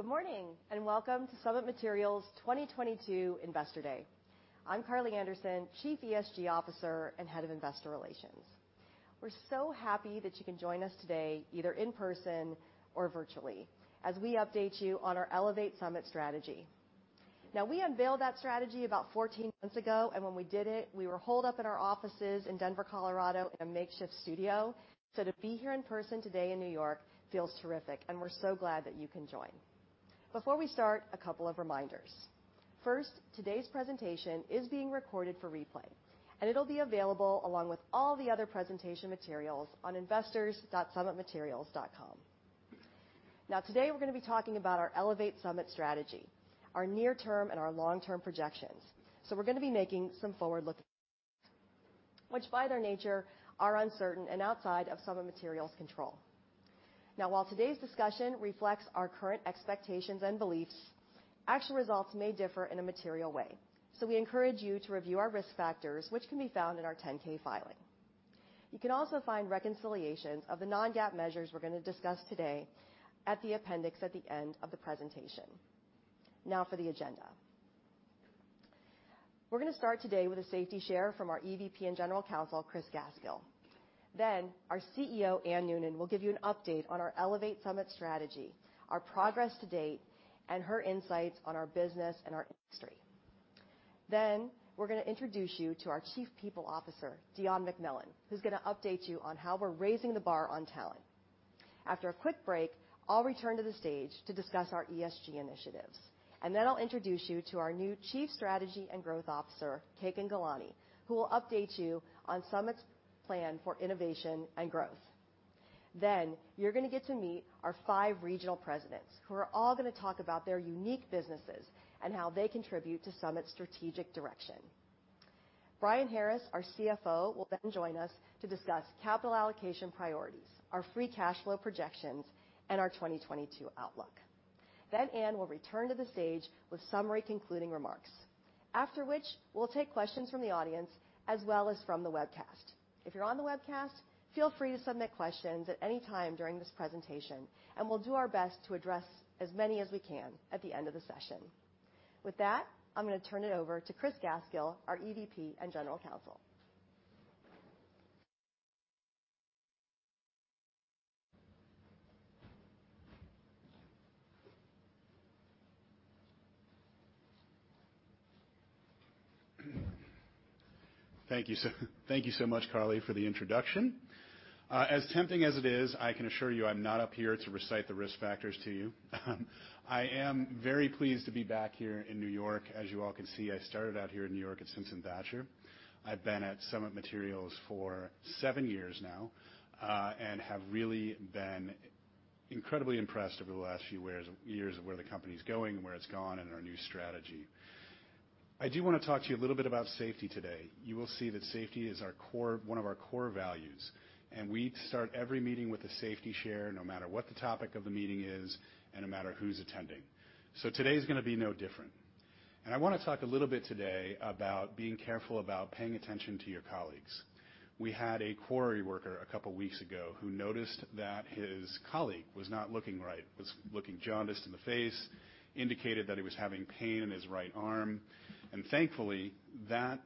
Good morning, and welcome to Summit Materials 2022 Investor Day. I'm Karli Anderson, Chief ESG Officer and Head of Investor Relations. We're so happy that you can join us today, either in person or virtually, as we update you on our Elevate Summit Strategy. Now we unveiled that strategy about 14 months ago, and when we did it, we were holed up in our offices in Denver, Colorado, in a makeshift studio. To be here in person today in New York feels terrific, and we're so glad that you can join. Before we start, a couple of reminders. First, today's presentation is being recorded for replay, and it'll be available along with all the other presentation materials on investors.summitmaterials.com. Now, today we're gonna be talking about our Elevate Summit Strategy, our near-term and our long-term projections. We're gonna be making some forward-looking, which by their nature are uncertain and outside of Summit Materials' control. Now, while today's discussion reflects our current expectations and beliefs, actual results may differ in a material way. We encourage you to review our risk factors, which can be found in our 10-K filing. You can also find reconciliations of the non-GAAP measures we're gonna discuss today at the appendix at the end of the presentation. Now for the agenda. We're gonna start today with a safety share from our EVP and General Counsel, Chris Gaskill. Our CEO, Anne Noonan, will give you an update on our Elevate Summit Strategy, our progress to date, and her insights on our business and our industry. We're gonna introduce you to our Chief People Officer, Deon MacMillan, who's gonna update you on how we're raising the bar on talent. After a quick break, I'll return to the stage to discuss our ESG initiatives, and then I'll introduce you to our new Chief Strategy and Growth Officer, Kekin Ghelani, who will update you on Summit's plan for innovation and growth. You're gonna get to meet our five regional presidents who are all gonna talk about their unique businesses and how they contribute to Summit's strategic direction. Brian Harris, our CFO, will then join us to discuss capital allocation priorities, our free cash flow projections, and our 2022 outlook. Anne will return to the stage with summary concluding remarks. After which, we'll take questions from the audience as well as from the webcast. If you're on the webcast, feel free to submit questions at any time during this presentation, and we'll do our best to address as many as we can at the end of the session. With that, I'm gonna turn it over to Chris Gaskill, our EVP and General Counsel. Thank you so much, Karli, for the introduction. As tempting as it is, I can assure you I'm not up here to recite the risk factors to you. I am very pleased to be back here in New York. As you all can see, I started out here in New York at Simpson Thacher. I've been at Summit Materials for seven years now, and have really been incredibly impressed over the last few years of where the company's going and where it's gone and our new strategy. I do wanna talk to you a little bit about safety today. You will see that safety is one of our core values, and we start every meeting with a safety share no matter what the topic of the meeting is, and no matter who's attending. Today's gonna be no different. I wanna talk a little bit today about being careful about paying attention to your colleagues. We had a quarry worker a couple weeks ago who noticed that his colleague was not looking right, was looking jaundiced in the face, indicated that he was having pain in his right arm. Thankfully, that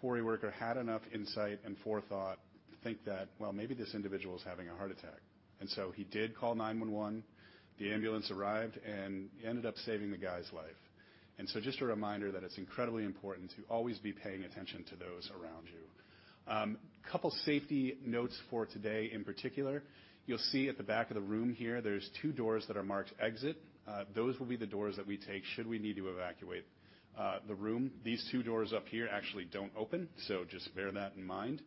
quarry worker had enough insight and forethought to think that, well, maybe this individual is having a heart attack. He did call 911, the ambulance arrived, and he ended up saving the guy's life. Just a reminder that it's incredibly important to always be paying attention to those around you. Couple safety notes for today in particular. You'll see at the back of the room here, there's two doors that are marked exit. Those will be the doors that we take should we need to evacuate the room. These two doors up here actually don't open, so just bear that in mind.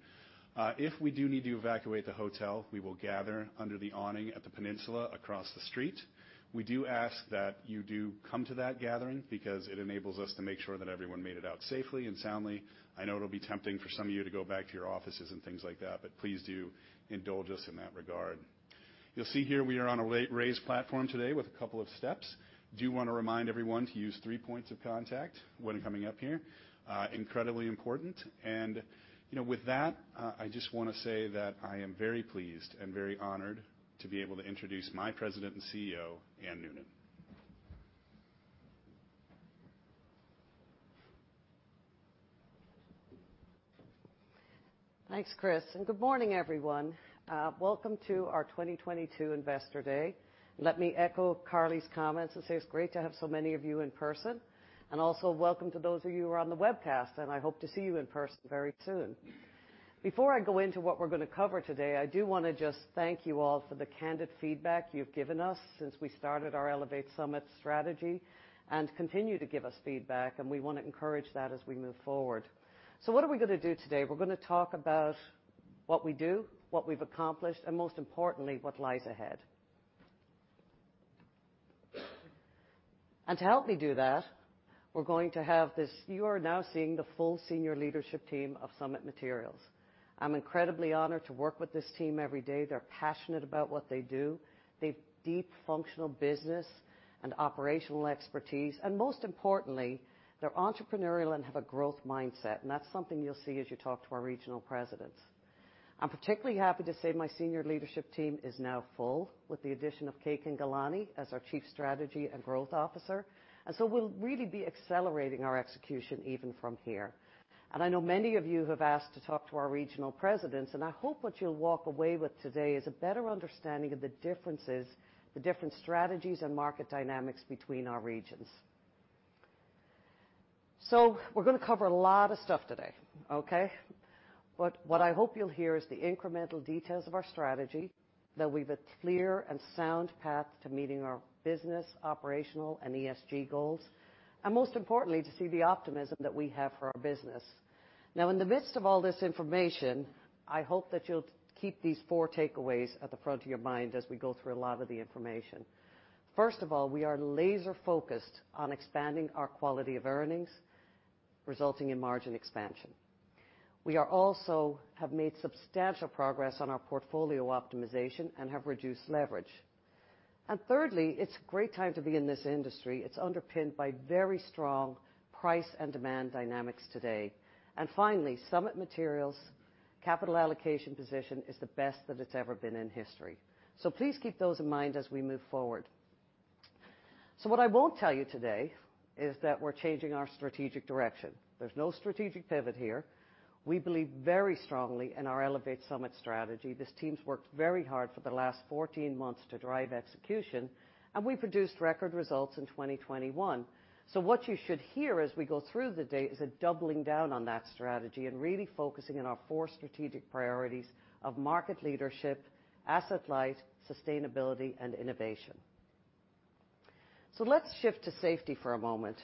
If we do need to evacuate the hotel, we will gather under the awning at the Peninsula across the street. We do ask that you do come to that gathering because it enables us to make sure that everyone made it out safely and soundly. I know it'll be tempting for some of you to go back to your offices and things like that, but please do indulge us in that regard. You'll see here we are on a raised platform today with a couple of steps. Do wanna remind everyone to use three points of contact when coming up here. Incredibly important. You know, with that, I just wanna say that I am very pleased and very honored to be able to introduce my President and CEO, Anne Noonan. Thanks, Chris, and good morning, everyone. Welcome to our 2022 Investor Day. Let me echo Karli's comments and say it's great to have so many of you in person. Also welcome to those of you who are on the webcast, and I hope to see you in person very soon. Before I go into what we're gonna cover today, I do wanna just thank you all for the candid feedback you've given us since we started our Elevate Summit Strategy, and continue to give us feedback, and we wanna encourage that as we move forward. What are we gonna do today? We're gonna talk about what we do, what we've accomplished, and most importantly, what lies ahead. To help me do that, you are now seeing the full senior leadership team of Summit Materials. I'm incredibly honored to work with this team every day. They're passionate about what they do. They've deep functional business and operational expertise. Most importantly, they're entrepreneurial and have a growth mindset, and that's something you'll see as you talk to our regional presidents. I'm particularly happy to say my senior leadership team is now full with the addition of Kekin Ghelani as our Chief Strategy and Growth Officer. We'll really be accelerating our execution even from here. I know many of you have asked to talk to our regional presidents, and I hope what you'll walk away with today is a better understanding of the differences, the different strategies and market dynamics between our regions. We're gonna cover a lot of stuff today, okay? What I hope you'll hear is the incremental details of our strategy, that we've a clear and sound path to meeting our business, operational, and ESG goals, and most importantly, to see the optimism that we have for our business. Now, in the midst of all this information, I hope that you'll keep these four takeaways at the front of your mind as we go through a lot of the information. First of all, we are laser-focused on expanding our quality of earnings, resulting in margin expansion. We have also made substantial progress on our portfolio optimization and have reduced leverage. Thirdly, it's a great time to be in this industry. It's underpinned by very strong price and demand dynamics today. Finally, Summit Materials' capital allocation position is the best that it's ever been in history. Please keep those in mind as we move forward. What I won't tell you today is that we're changing our strategic direction. There's no strategic pivot here. We believe very strongly in our Elevate Summit Strategy. This team's worked very hard for the last 14 months to drive execution, and we produced record results in 2021. What you should hear as we go through the data is a doubling down on that strategy and really focusing on our four strategic priorities of market leadership, asset light, sustainability, and innovation. Let's shift to safety for a moment.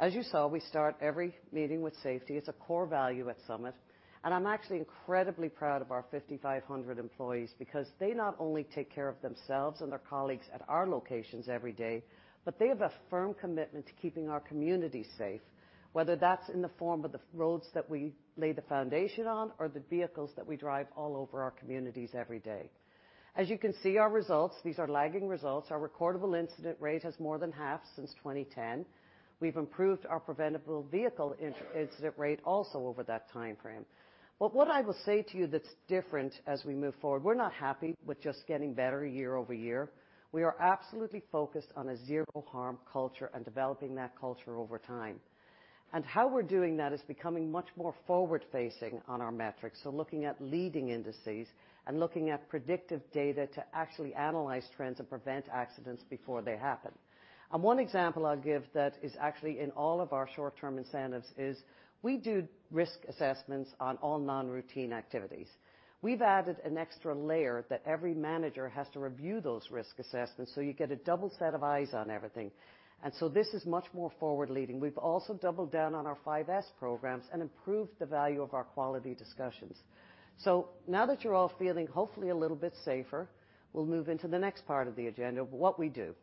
As you saw, we start every meeting with safety. It's a core value at Summit, and I'm actually incredibly proud of our 5,500 employees because they not only take care of themselves and their colleagues at our locations every day, but they have a firm commitment to keeping our community safe, whether that's in the form of the roads that we lay the foundation on or the vehicles that we drive all over our communities every day. As you can see, our results. These are lagging results. Our recordable incident rate has more than halved since 2010. We've improved our preventable vehicle incident rate also over that timeframe. What I will say to you that's different as we move forward, we're not happy with just getting better year-over-year. We are absolutely focused on a zero harm culture and developing that culture over time. How we're doing that is becoming much more forward-facing on our metrics, so looking at leading indices and looking at predictive data to actually analyze trends and prevent accidents before they happen. One example I'll give that is actually in all of our short-term incentives is we do risk assessments on all non-routine activities. We've added an extra layer that every manager has to review those risk assessments, so you get a double set of eyes on everything. This is much more forward leading. We've also doubled down on our 5S programs and improved the value of our quality discussions. Now that you're all feeling hopefully a little bit safer, we'll move into the next part of the agenda of what we do.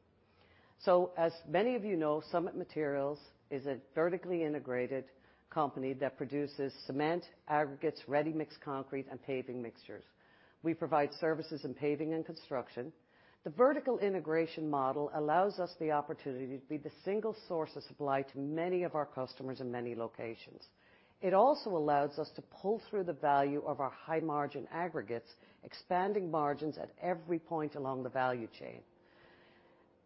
As many of you know, Summit Materials is a vertically integrated company that produces cement, aggregates, ready-mix concrete and paving mixtures. We provide services in paving and construction. The vertical integration model allows us the opportunity to be the single source of supply to many of our customers in many locations. It also allows us to pull through the value of our high-margin aggregates, expanding margins at every point along the value chain.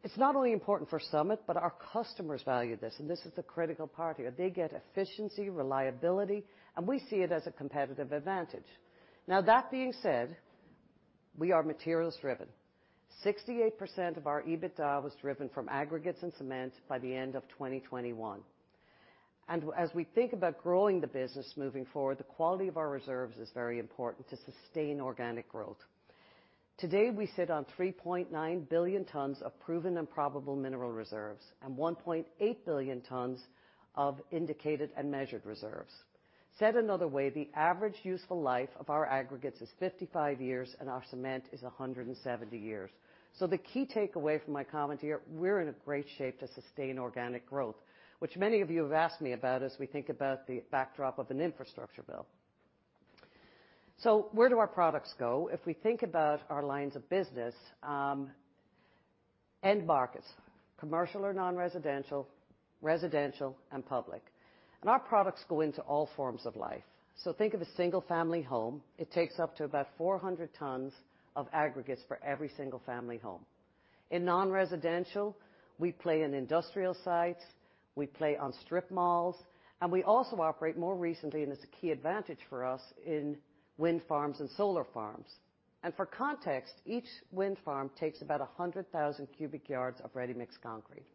It's not only important for Summit, but our customers value this, and this is the critical part here. They get efficiency, reliability, and we see it as a competitive advantage. Now that being said, we are materials driven. 68% of our EBITDA was driven from aggregates and cement by the end of 2021. As we think about growing the business moving forward, the quality of our reserves is very important to sustain organic growth. Today, we sit on 3.9 billion tons of proven and probable mineral reserves and 1.8 billion tons of indicated and measured reserves. Said another way, the average useful life of our aggregates is 55 years, and our cement is 170 years. The key takeaway from my comment here, we're in a great shape to sustain organic growth, which many of you have asked me about as we think about the backdrop of an infrastructure bill. Where do our products go? If we think about our lines of business, end markets, commercial or non-residential, residential, and public. Our products go into all forms of life. Think of a single-family home. It takes up to about 400 tons of aggregates for every single-family home. In non-residential, we play in industrial sites, we play on strip malls, and we also operate more recently, and it's a key advantage for us, in wind farms and solar farms. For context, each wind farm takes about 100,000 cubic yards of ready-mix concrete.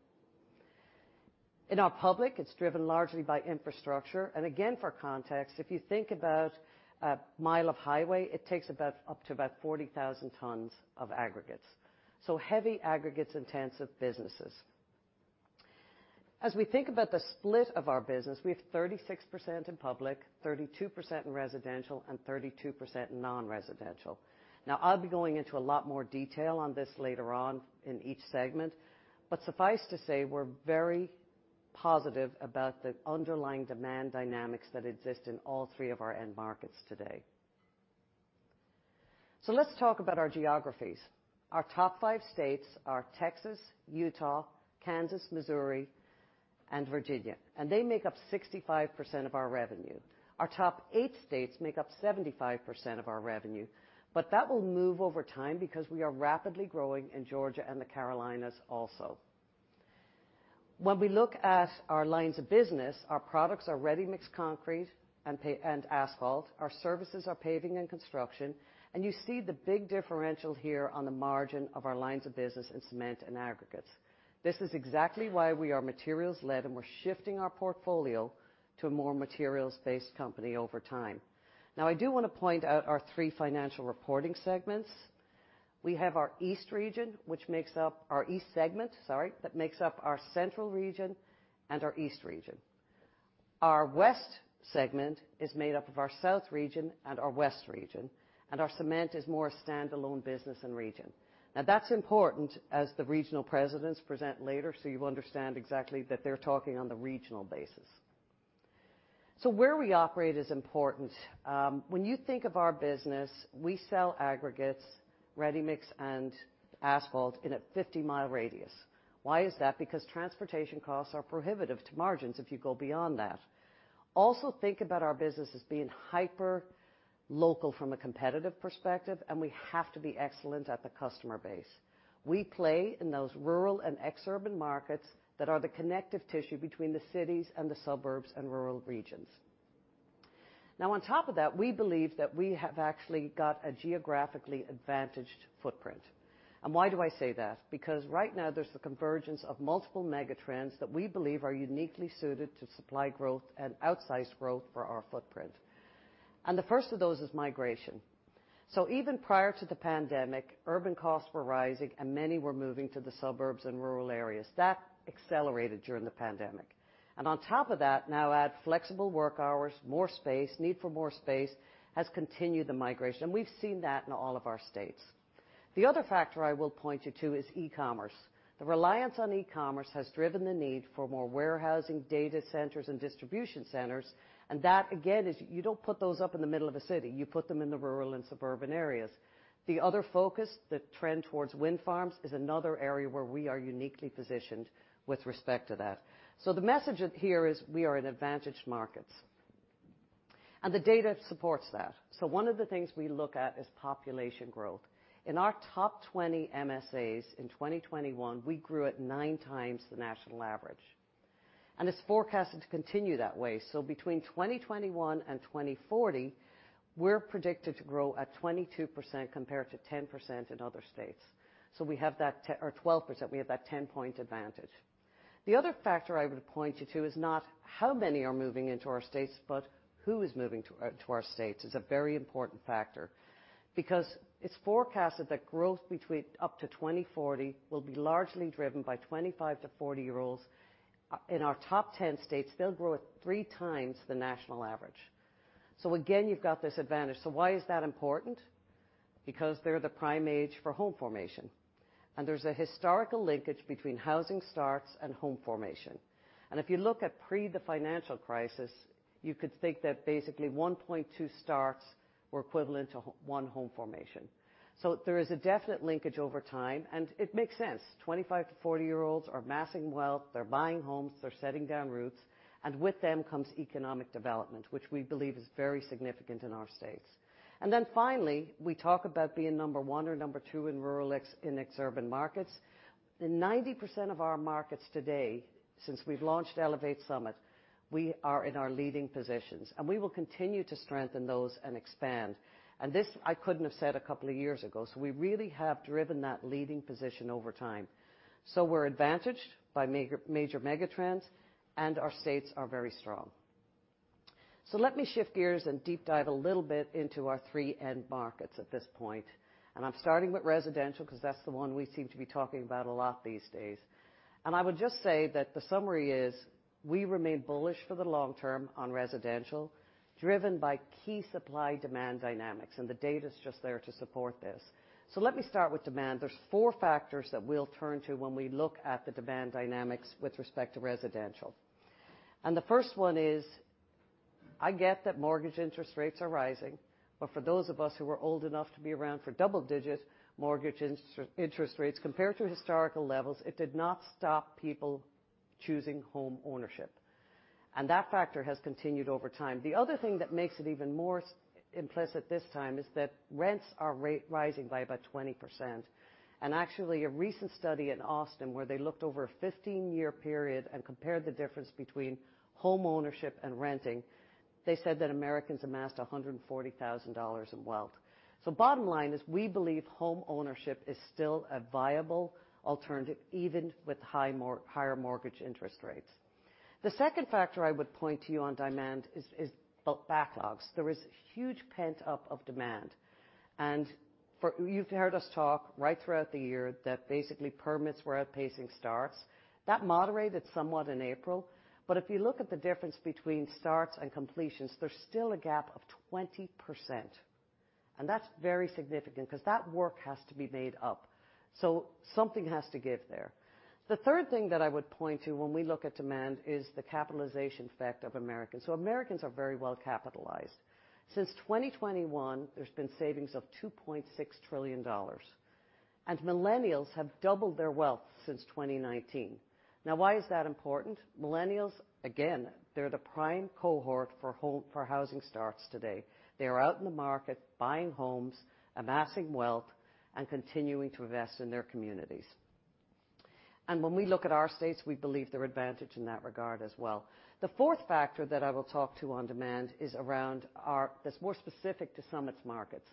In our public, it's driven largely by infrastructure. Again, for context, if you think about a mile of highway, it takes about up to about 40,000 tons of aggregates. Heavy aggregates intensive businesses. As we think about the split of our business, we have 36% in public, 32% in residential, and 32% in non-residential. Now I'll be going into a lot more detail on this later on in each segment, but suffice to say we're very positive about the underlying demand dynamics that exist in all three of our end markets today. Let's talk about our geographies. Our top five states are Texas, Utah, Kansas, Missouri, and Virginia, and they make up 65% of our revenue. Our top eight states make up 75% of our revenue, but that will move over time because we are rapidly growing in Georgia and the Carolinas also. When we look at our lines of business, our products are ready-mix concrete and asphalt. Our services are paving and construction. You see the big differential here on the margin of our lines of business in cement and aggregates. This is exactly why we are materials-led, and we're shifting our portfolio to a more materials-based company over time. Now I do wanna point out our three financial reporting segments. We have our east segment, sorry, that makes up our central region and our east region. Our west segment is made up of our south region and our west region, and our cement is more standalone business and region. Now that's important as the regional presidents present later, so you understand exactly that they're talking on the regional basis. Where we operate is important. When you think of our business, we sell aggregates, ready-mix, and asphalt in a 50 mi radius. Why is that? Because transportation costs are prohibitive to margins if you go beyond that. Also think about our business as being hyper-local from a competitive perspective, and we have to be excellent at the customer base. We play in those rural and ex-urban markets that are the connective tissue between the cities and the suburbs and rural regions. Now on top of that, we believe that we have actually got a geographically advantaged footprint. Why do I say that? Because right now there's the convergence of multiple megatrends that we believe are uniquely suited to supply growth and outsized growth for our footprint. The first of those is migration. Even prior to the pandemic, urban costs were rising, and many were moving to the suburbs and rural areas. That accelerated during the pandemic. On top of that, now add flexible work hours, more space, need for more space, has continued the migration. We've seen that in all of our states. The other factor I will point you to is e-commerce. The reliance on e-commerce has driven the need for more warehousing data centers and distribution centers, and that again is you don't put those up in the middle of a city, you put them in the rural and suburban areas. The other focus, the trend towards wind farms, is another area where we are uniquely positioned with respect to that. The message here is we are in advantaged markets, and the data supports that. One of the things we look at is population growth. In our top 20 MSAs in 2021, we grew at 9x the national average, and it's forecasted to continue that way. Between 2021 and 2040, we're predicted to grow at 22% compared to 10% in other states. We have that 12%, we have that 10-point advantage. The other factor I would point you to is not how many are moving into our states, but who is moving to our states is a very important factor. Because it's forecasted that growth between up to 2040 will be largely driven by 25- to 40-year-olds. In our top 10 states, they'll grow at 3x the national average. Again, you've got this advantage. Why is that important? Because they're the prime age for home formation, and there's a historical linkage between housing starts and home formation. If you look at before the financial crisis, you could think that basically 1.2 starts were equivalent to one home formation. There is a definite linkage over time, and it makes sense. 25- to 40-year-olds are amassing wealth, they're buying homes, they're setting down roots, and with them comes economic development, which we believe is very significant in our states. Finally, we talk about being number one or number two in rural ex-urban markets. In 90% of our markets today, since we've launched Elevate Summit, we are in our leading positions, and we will continue to strengthen those and expand. This I couldn't have said a couple of years ago, so we really have driven that leading position over time. We're advantaged by major megatrends, and our states are very strong. Let me shift gears and deep dive a little bit into our three end markets at this point. I'm starting with residential 'cause that's the one we seem to be talking about a lot these days. I would just say that the summary is we remain bullish for the long term on residential, driven by key supply-demand dynamics, and the data's just there to support this. Let me start with demand. There's four factors that we'll turn to when we look at the demand dynamics with respect to residential. The first one is I get that mortgage interest rates are rising, but for those of us who are old enough to be around for double-digit mortgage interest rates, compared to historical levels, it did not stop people choosing home ownership. That factor has continued over time. The other thing that makes it even more explicit this time is that rents are rising by about 20%. Actually, a recent study in Austin where they looked over a 15-year period and compared the difference between home ownership and renting. They said that Americans amassed $140,000 in wealth. Bottom line is we believe home ownership is still a viable alternative, even with higher mortgage interest rates. The second factor I would point to you on demand is backlogs. There is huge pent-up demand. You've heard us talk right throughout the year that basically permits were outpacing starts. That moderated somewhat in April. If you look at the difference between starts and completions, there's still a gap of 20%. That's very significant because that work has to be made up. Something has to give there. The third thing that I would point to when we look at demand is the capitalization effect of Americans. Americans are very well capitalized. Since 2021, there's been savings of $2.6 trillion, and millennials have doubled their wealth since 2019. Now why is that important? Millennials, again, they're the prime cohort for housing starts today. They are out in the market buying homes, amassing wealth, and continuing to invest in their communities. When we look at our states, we believe they're advantaged in that regard as well. The fourth factor that I will talk to on demand is around our that's more specific to Summit's markets,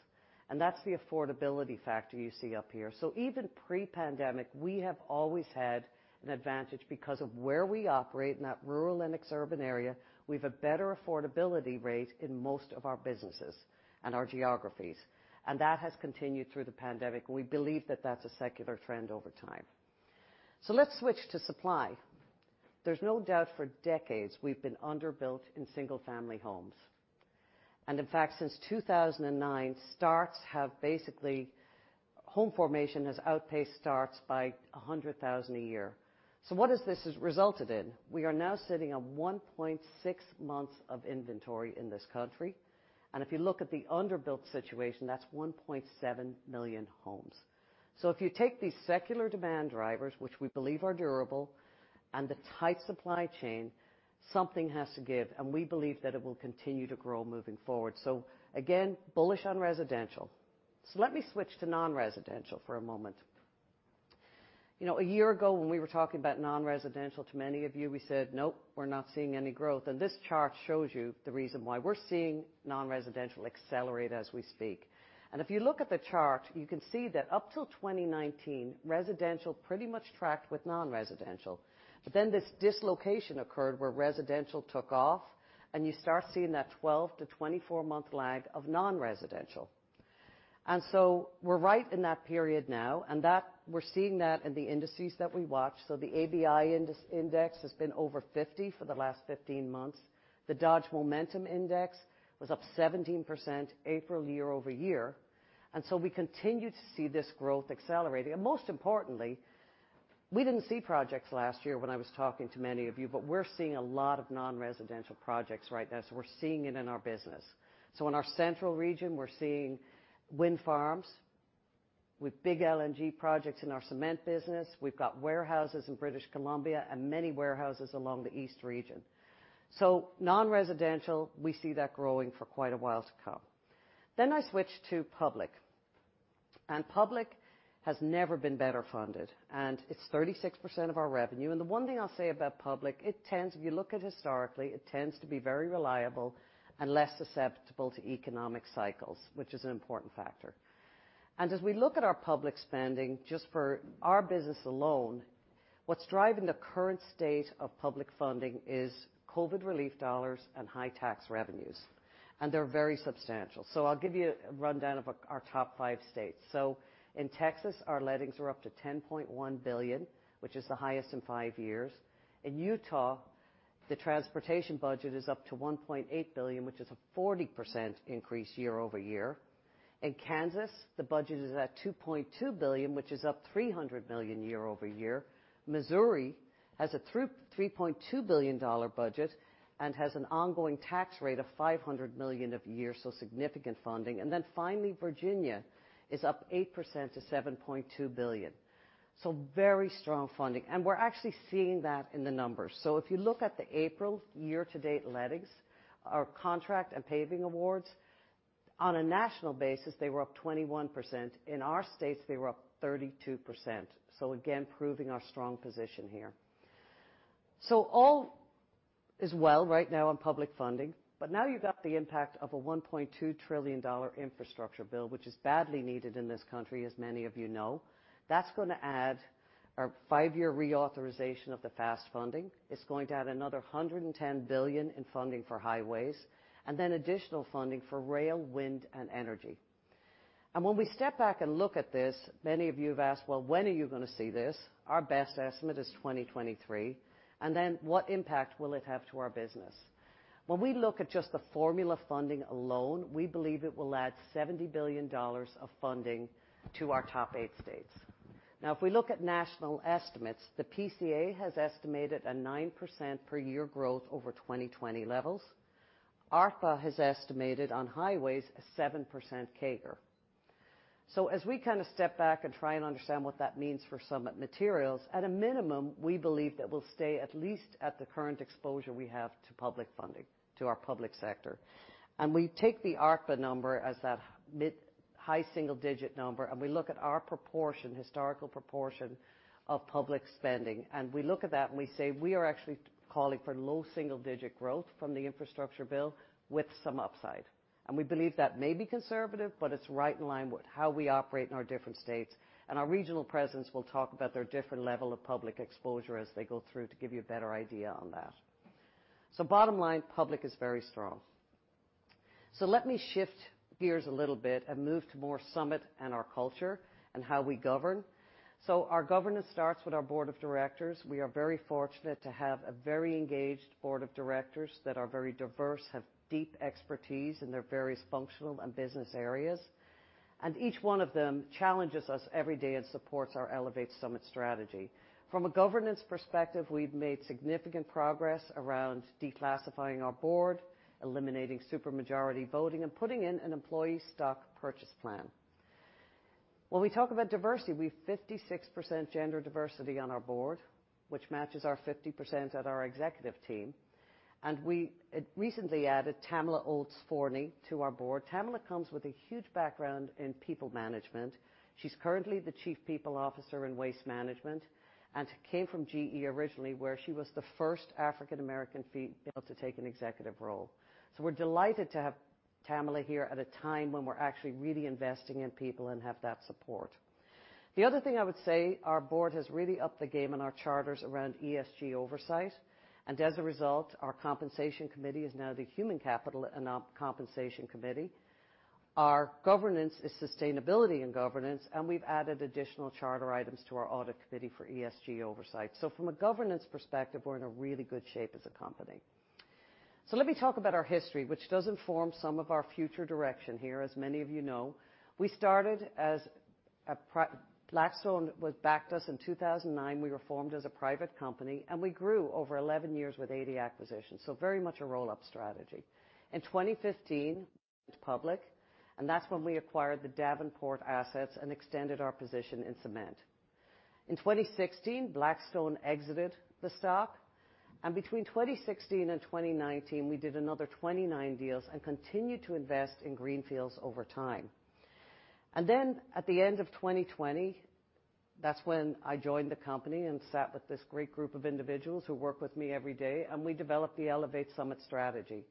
and that's the affordability factor you see up here. Even pre-pandemic, we have always had an advantage because of where we operate in that rural and exurban area. We've a better affordability rate in most of our businesses and our geographies, and that has continued through the pandemic. We believe that that's a secular trend over time. Let's switch to supply. There's no doubt for decades we've been underbuilt in single-family homes. In fact, since 2009, starts have basically household formation has outpaced starts by 100,000 a year. What has this resulted in? We are now sitting on 1.6 months of inventory in this country, and if you look at the underbuilt situation, that's 1.7 million homes. If you take these secular demand drivers, which we believe are durable, and the tight supply chain, something has to give, and we believe that it will continue to grow moving forward. Again, bullish on residential. Let me switch to non-residential for a moment. You know, a year ago, when we were talking about non-residential to many of you, we said, "Nope, we're not seeing any growth." This chart shows you the reason why we're seeing non-residential accelerate as we speak. If you look at the chart, you can see that up until 2019, residential pretty much tracked with non-residential. Then this dislocation occurred where residential took off, and you start seeing that 12-24 month lag of non-residential. We're right in that period now, and we're seeing that in the industries that we watch. The ABI industry index has been over 50 for the last 15 months. The Dodge Momentum Index was up 17% April year-over-year. We continue to see this growth accelerating. Most importantly, we didn't see projects last year when I was talking to many of you, but we're seeing a lot of non-residential projects right now, so we're seeing it in our business. In our central region, we're seeing wind farms with big LNG projects in our cement business. We've got warehouses in British Columbia and many warehouses along the east region. Non-residential, we see that growing for quite a while to come. I switch to public, and public has never been better funded, and it's 36% of our revenue. The one thing I'll say about public, it tends, if you look at historically, it tends to be very reliable and less susceptible to economic cycles, which is an important factor. As we look at our public spending, just for our business alone, what's driving the current state of public funding is COVID relief dollars and high tax revenues, and they're very substantial. I'll give you a rundown of our top five states. In Texas, our lettings are up to $10.1 billion, which is the highest in five years. In Utah, the transportation budget is up to $1.8 billion, which is a 40% increase year-over-year. In Kansas, the budget is at $2.2 billion, which is up $300 million year-over-year. Missouri has a $3.2 Billion budget and has an ongoing tax rate of $500 million a year, so significant funding. Then finally, Virginia is up 8% to $7.2 billion. Very strong funding, and we're actually seeing that in the numbers. If you look at the April year-to-date lettings, our contract and paving awards, on a national basis, they were up 21%. In our states, they were up 32%. Again, proving our strong position here. All is well right now in public funding. Now you've got the impact of a $1.2 trillion infrastructure bill, which is badly needed in this country, as many of you know. That's gonna add to our five-year reauthorization of the FAST funding. It's going to add another $110 billion in funding for highways and then additional funding for rail, wind, and energy. When we step back and look at this, many of you have asked, "Well, when are you gonna see this?" Our best estimate is 2023. What impact will it have to our business? When we look at just the formula funding alone, we believe it will add $70 billion of funding to our top eight states. Now, if we look at national estimates, the PCA has estimated a 9% per year growth over 2020 levels. ARTBA has estimated on highways a 7% CAGR. As we kind of step back and try and understand what that means for Summit Materials, at a minimum, we believe it will stay at least at the current exposure we have to public funding, to our public sector. We take the ARTBA number as that high-single-digit number, and we look at our proportion, historical proportion of public spending. We look at that and we say we are actually calling for low single digit growth from the infrastructure bill with some upside. We believe that may be conservative, but it's right in line with how we operate in our different states. Our regional presidents will talk about their different level of public exposure as they go through to give you a better idea on that. Bottom line, public is very strong. Let me shift gears a little bit and move to more Summit and our culture and how we govern. Our governance starts with our board of directors. We are very fortunate to have a very engaged board of directors that are very diverse, have deep expertise in their various functional and business areas. Each one of them challenges us every day and supports our Elevate Summit Strategy. From a governance perspective, we've made significant progress around declassifying our board, eliminating super majority voting, and putting in an employee stock purchase plan. When we talk about diversity, we've 56% gender diversity on our board, which matches our 50% at our executive team. We recently added Tamla Oates-Forney to our Board. Tamla comes with a huge background in people management. She's currently the Chief People Officer in Waste Management, and came from GE originally, where she was the first African-American female to take an executive role. We're delighted to have Tamla here at a time when we're actually really investing in people and have that support. The other thing I would say, our board has really upped the game on our charters around ESG oversight, and as a result, our Compensation Committee is now the Human Capital and Compensation Committee. Our governance is sustainability and governance, and we've added additional charter items to our Audit Committee for ESG oversight. From a governance perspective, we're in a really good shape as a company. Let me talk about our history, which does inform some of our future direction here, as many of you know. Blackstone backed us in 2009. We were formed as a private company, and we grew over 11 years with 80 acquisitions. Very much a roll-up strategy. In 2015, we went public, and that's when we acquired the Davenport assets and extended our position in cement. In 2016, Blackstone exited the stock, and between 2016 and 2019, we did another 29 deals and continued to invest in greenfields over time. Then at the end of 2020, that's when I joined the company and sat with this great group of individuals who work with me every day, and we developed the Elevate Summit Strategy.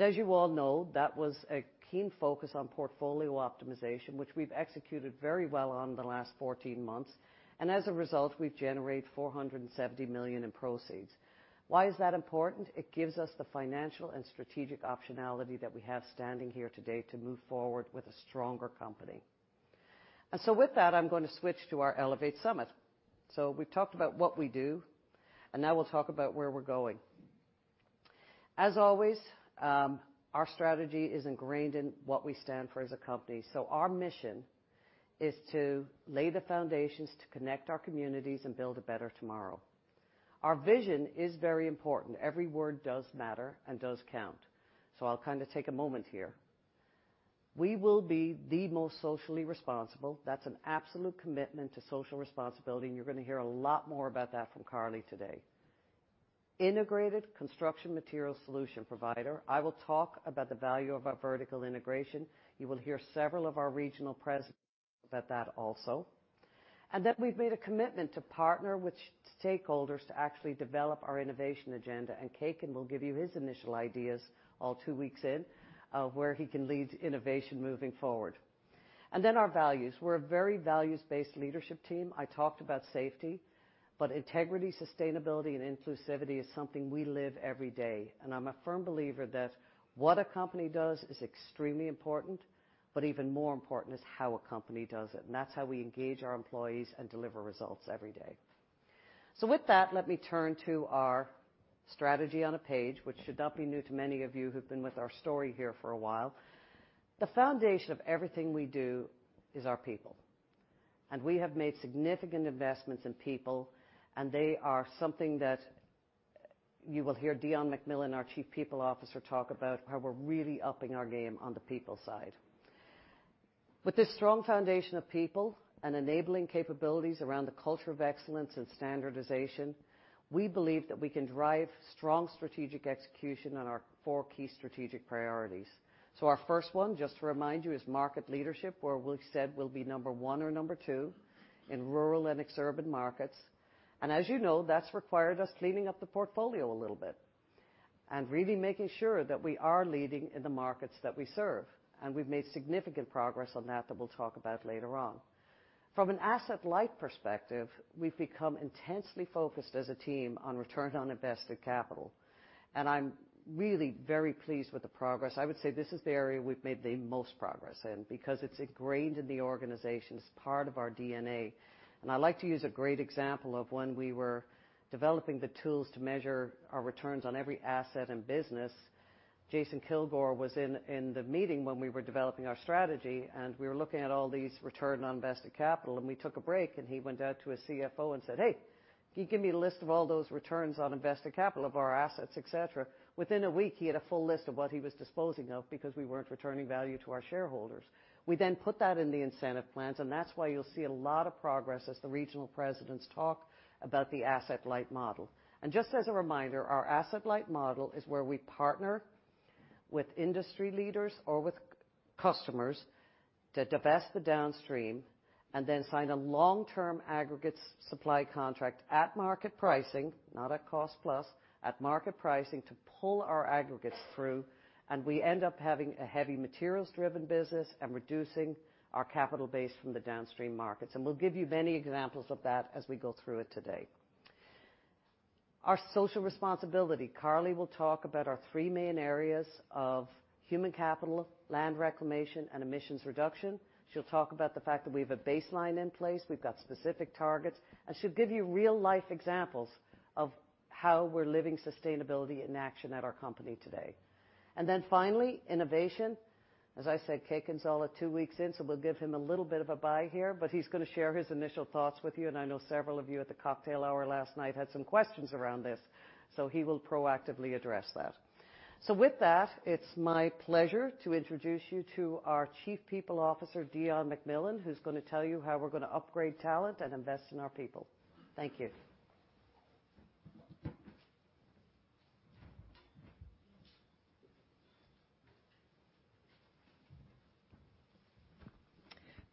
As you all know, that was a keen focus on portfolio optimization, which we've executed very well on in the last 14 months. As a result, we've generated $470 million in proceeds. Why is that important? It gives us the financial and strategic optionality that we have standing here today to move forward with a stronger company. With that, I'm going to switch to our Elevate Summit. We've talked about what we do, and now we'll talk about where we're going. As always, our strategy is ingrained in what we stand for as a company. Our mission is to lay the foundations to connect our communities and build a better tomorrow. Our vision is very important. Every word does matter and does count. I'll kind of take a moment here. We will be the most socially responsible. That's an absolute commitment to social responsibility, and you're going to hear a lot more about that from Karli today. Integrated construction material solution provider. I will talk about the value of our vertical integration. You will hear several of our regional presidents talk about that also. That we've made a commitment to partner with stakeholders to actually develop our innovation agenda. Kekin will give you his initial ideas all two weeks in, of where he can lead innovation moving forward. Then our values. We're a very values-based leadership team. I talked about safety, but integrity, sustainability, and inclusivity is something we live every day. I'm a firm believer that what a company does is extremely important, but even more important is how a company does it. That's how we engage our employees and deliver results every day. With that, let me turn to our strategy on a page, which should not be new to many of you who've been with our story here for a while. The foundation of everything we do is our people. We have made significant investments in people, and they are something that you will hear Deon MacMillan, our Chief People Officer, talk about how we're really upping our game on the people side. With this strong foundation of people and enabling capabilities around the culture of excellence and standardization, we believe that we can drive strong strategic execution on our four key strategic priorities. Our first one, just to remind you, is market leadership, where we've said we'll be number one or number two in rural and ex-urban markets. As you know, that's required us cleaning up the portfolio a little bit and really making sure that we are leading in the markets that we serve. We've made significant progress on that we'll talk about later on. From an asset-light perspective, we've become intensely focused as a team on Return on Invested Capital. I'm really very pleased with the progress. I would say this is the area we've made the most progress in because it's ingrained in the organization. It's part of our DNA. I like to use a great example of when we were developing the tools to measure our returns on every asset and business. Jason Kilgore was in the meeting when we were developing our strategy, and we were looking at all these return on invested capital, and we took a break, and he went out to his CFO and said, "Hey, can you give me a list of all those returns on invested capital of our assets, et cetera?" Within a week, he had a full list of what he was disposing of because we weren't returning value to our shareholders. We then put that in the incentive plans, and that's why you'll see a lot of progress as the regional presidents talk about the asset-light model. Just as a reminder, our asset-light model is where we partner with industry leaders or with customers to divest the downstream and then sign a long-term aggregates supply contract at market pricing, not at cost plus, at market pricing to pull our aggregates through. We end up having a heavy materials-driven business and reducing our capital base from the downstream markets. We'll give you many examples of that as we go through it today. Our social responsibility. Karli will talk about our three main areas of human capital, land reclamation, and emissions reduction. She'll talk about the fact that we have a baseline in place, we've got specific targets, and she'll give you real-life examples of how we're living sustainability in action at our company today. Finally, innovation. As I said, Kekin is only two weeks in, so we'll give him a little bit of a bye here, but he's gonna share his initial thoughts with you, and I know several of you at the cocktail hour last night had some questions around this, so he will proactively address that. With that, it's my pleasure to introduce you to our Chief People Officer, Deon MacMillan, who's gonna tell you how we're gonna upgrade talent and invest in our people. Thank you.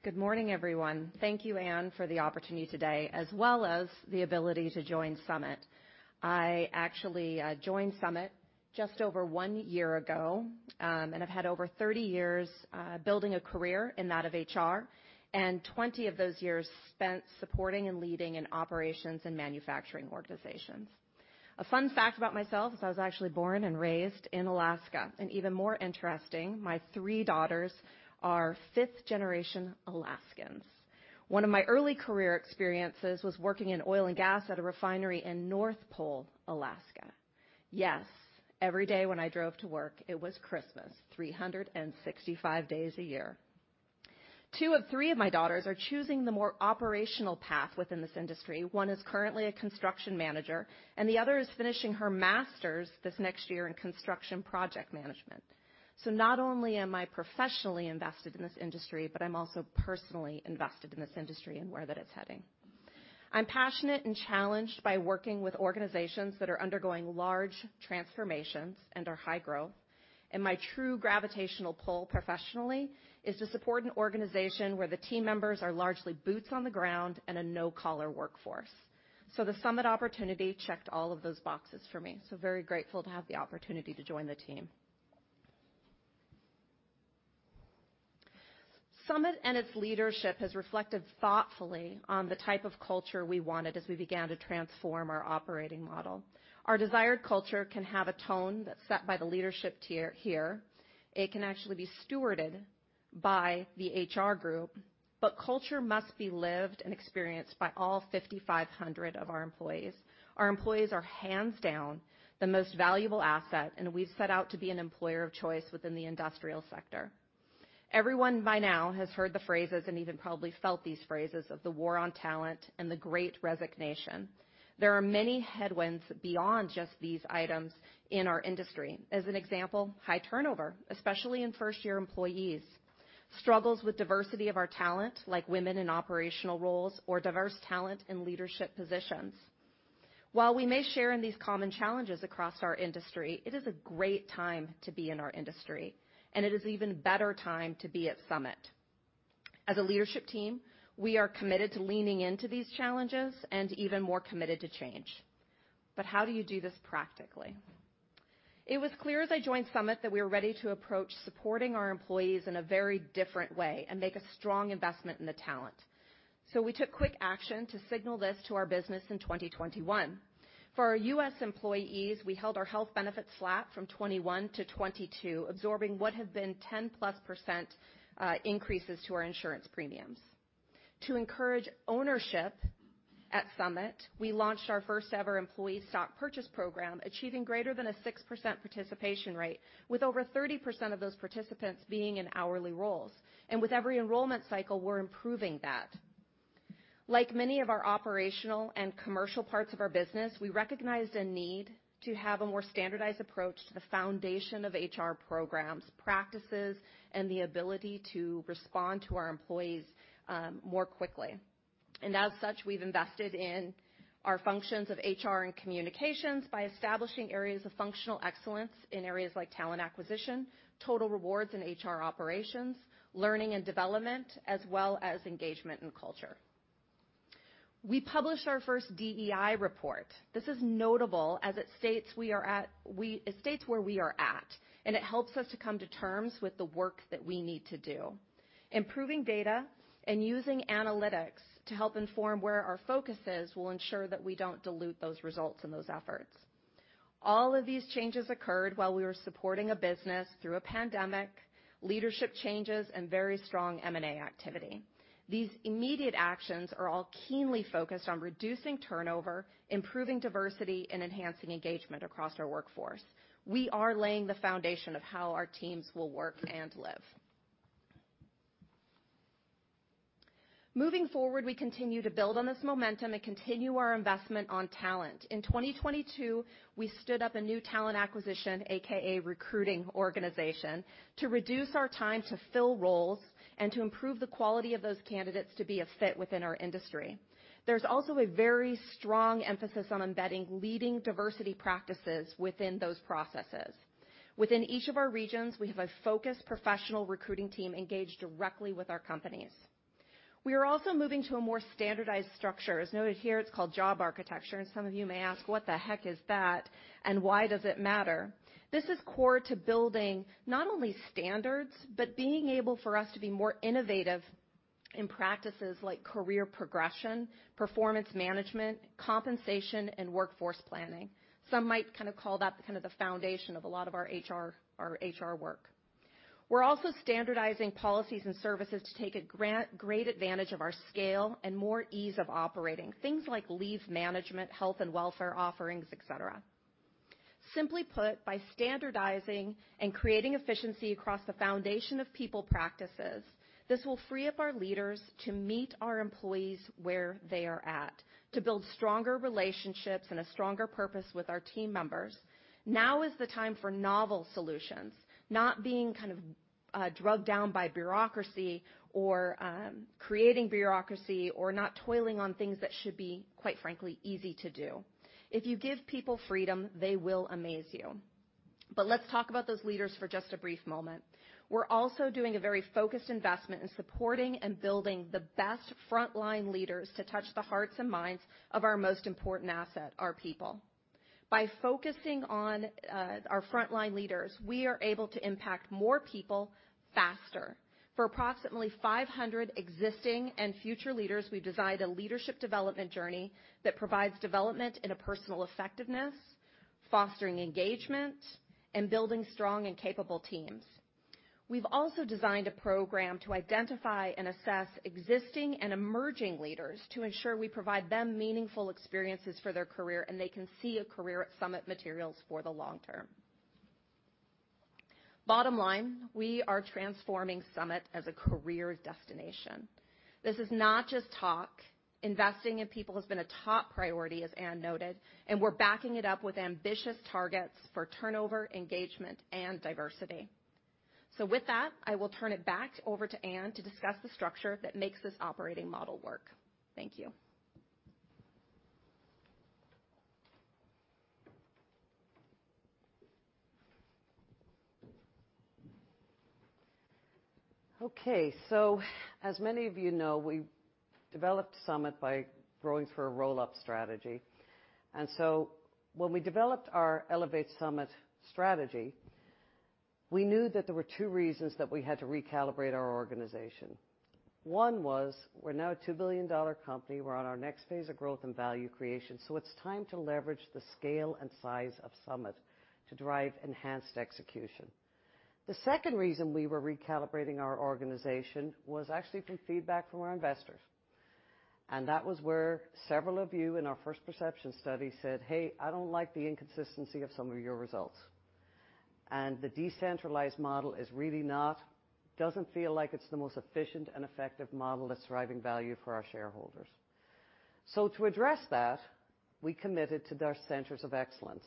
Good morning, everyone. Thank you, Anne, for the opportunity today, as well as the ability to join Summit. I actually joined Summit just over one year ago, and I've had over 30 years building a career in that of HR, and 20 of those years spent supporting and leading in operations and manufacturing organizations. A fun fact about myself is I was actually born and raised in Alaska. Even more interesting, my three daughters are fifth generation Alaskans. One of my early career experiences was working in oil and gas at a refinery in North Pole, Alaska. Yes, every day when I drove to work, it was Christmas, 365 days a year. Two of three of my daughters are choosing the more operational path within this industry. One is currently a construction manager, and the other is finishing her master's this next year in construction project management. Not only am I professionally invested in this industry, but I'm also personally invested in this industry and where that it's heading. I'm passionate and challenged by working with organizations that are undergoing large transformations and are high-growth. My true gravitational pull professionally is to support an organization where the team members are largely boots on the ground and a no-collar workforce. The Summit opportunity checked all of those boxes for me, so very grateful to have the opportunity to join the team. Summit and its leadership has reflected thoughtfully on the type of culture we wanted as we began to transform our operating model. Our desired culture can have a tone that's set by the leadership tier here. It can actually be stewarded by the HR group, but culture must be lived and experienced by all 5,500 of our employees. Our employees are hands down the most valuable asset, and we've set out to be an employer of choice within the industrial sector. Everyone by now has heard the phrases, and even probably felt these phrases, of the war on talent and the Great Resignation. There are many headwinds beyond just these items in our industry. As an example, high turnover, especially in first-year employees, struggles with diversity of our talent, like women in operational roles or diverse talent in leadership positions. While we may share in these common challenges across our industry, it is a great time to be in our industry, and it is even better time to be at Summit. As a leadership team, we are committed to leaning into these challenges and even more committed to change. How do you do this practically? It was clear as I joined Summit that we were ready to approach supporting our employees in a very different way and make a strong investment in the talent. We took quick action to signal this to our business in 2021. For our U.S. employees, we held our health benefits flat from 2021 to 2022, absorbing what had been 10%+ increases to our insurance premiums. To encourage ownership at Summit, we launched our first-ever employee stock purchase program, achieving greater than a 6% participation rate, with over 30% of those participants being in hourly roles. With every enrollment cycle, we're improving that. Like many of our operational and commercial parts of our business, we recognized a need to have a more standardized approach to the foundation of HR programs, practices, and the ability to respond to our employees more quickly. As such, we've invested in our functions of HR and communications by establishing areas of functional excellence in areas like talent acquisition, total rewards in HR operations, learning and development, as well as engagement and culture. We published our first DEI report. This is notable as it states where we are at, and it helps us to come to terms with the work that we need to do. Improving data and using analytics to help inform where our focus is, will ensure that we don't dilute those results and those efforts. All of these changes occurred while we were supporting a business through a pandemic, leadership changes, and very strong M&A activity. These immediate actions are all keenly focused on reducing turnover, improving diversity, and enhancing engagement across our workforce. We are laying the foundation of how our teams will work and live. Moving forward, we continue to build on this momentum and continue our investment on talent. In 2022, we stood up a new talent acquisition, AKA recruiting organization, to reduce our time to fill roles and to improve the quality of those candidates to be a fit within our industry. There's also a very strong emphasis on embedding leading diversity practices within those processes. Within each of our regions, we have a focused professional recruiting team engaged directly with our companies. We are also moving to a more standardized structure. As noted here, it's called job architecture, and some of you may ask, "What the heck is that and why does it matter?" This is core to building not only standards, but being able for us to be more innovative in practices like career progression, performance management, compensation, and workforce planning. Some might kinda call that kind of the foundation of a lot of our HR work. We're also standardizing policies and services to take a great advantage of our scale and more ease of operating. Things like leave management, health and welfare offerings, et cetera. Simply put, by standardizing and creating efficiency across the foundation of people practices, this will free up our leaders to meet our employees where they are at. To build stronger relationships and a stronger purpose with our team members. Now is the time for novel solutions, not being kind of dragged down by bureaucracy or creating bureaucracy, or not toiling on things that should be, quite frankly, easy to do. If you give people freedom, they will amaze you. Let's talk about those leaders for just a brief moment. We're also doing a very focused investment in supporting and building the best frontline leaders to touch the hearts and minds of our most important asset, our people. By focusing on our frontline leaders, we are able to impact more people faster. For approximately 500 existing and future leaders, we've designed a leadership development journey that provides development in personal effectiveness, fostering engagement, and building strong and capable teams. We've also designed a program to identify and assess existing and emerging leaders to ensure we provide them meaningful experiences for their career, and they can see a career at Summit Materials for the long term. Bottom line, we are transforming Summit as a career destination. This is not just talk. Investing in people has been a top priority, as Anne noted, and we're backing it up with ambitious targets for turnover, engagement, and diversity. With that, I will turn it back over to Anne to discuss the structure that makes this operating model work. Thank you. Okay. As many of you know, we developed Summit by growing through a roll-up strategy. When we developed our Elevate Summit Strategy, we knew that there were two reasons that we had to recalibrate our organization. One was we're now a $2 billion company. We're on our next phase of growth and value creation, so it's time to leverage the scale and size of Summit to drive enhanced execution. The second reason we were recalibrating our organization was actually from feedback from our investors. That was where several of you in our first perception study said, "Hey, I don't like the inconsistency of some of your results. The decentralized model really doesn't feel like it's the most efficient and effective model that's driving value for our shareholders. To address that, we committed to their centers of excellence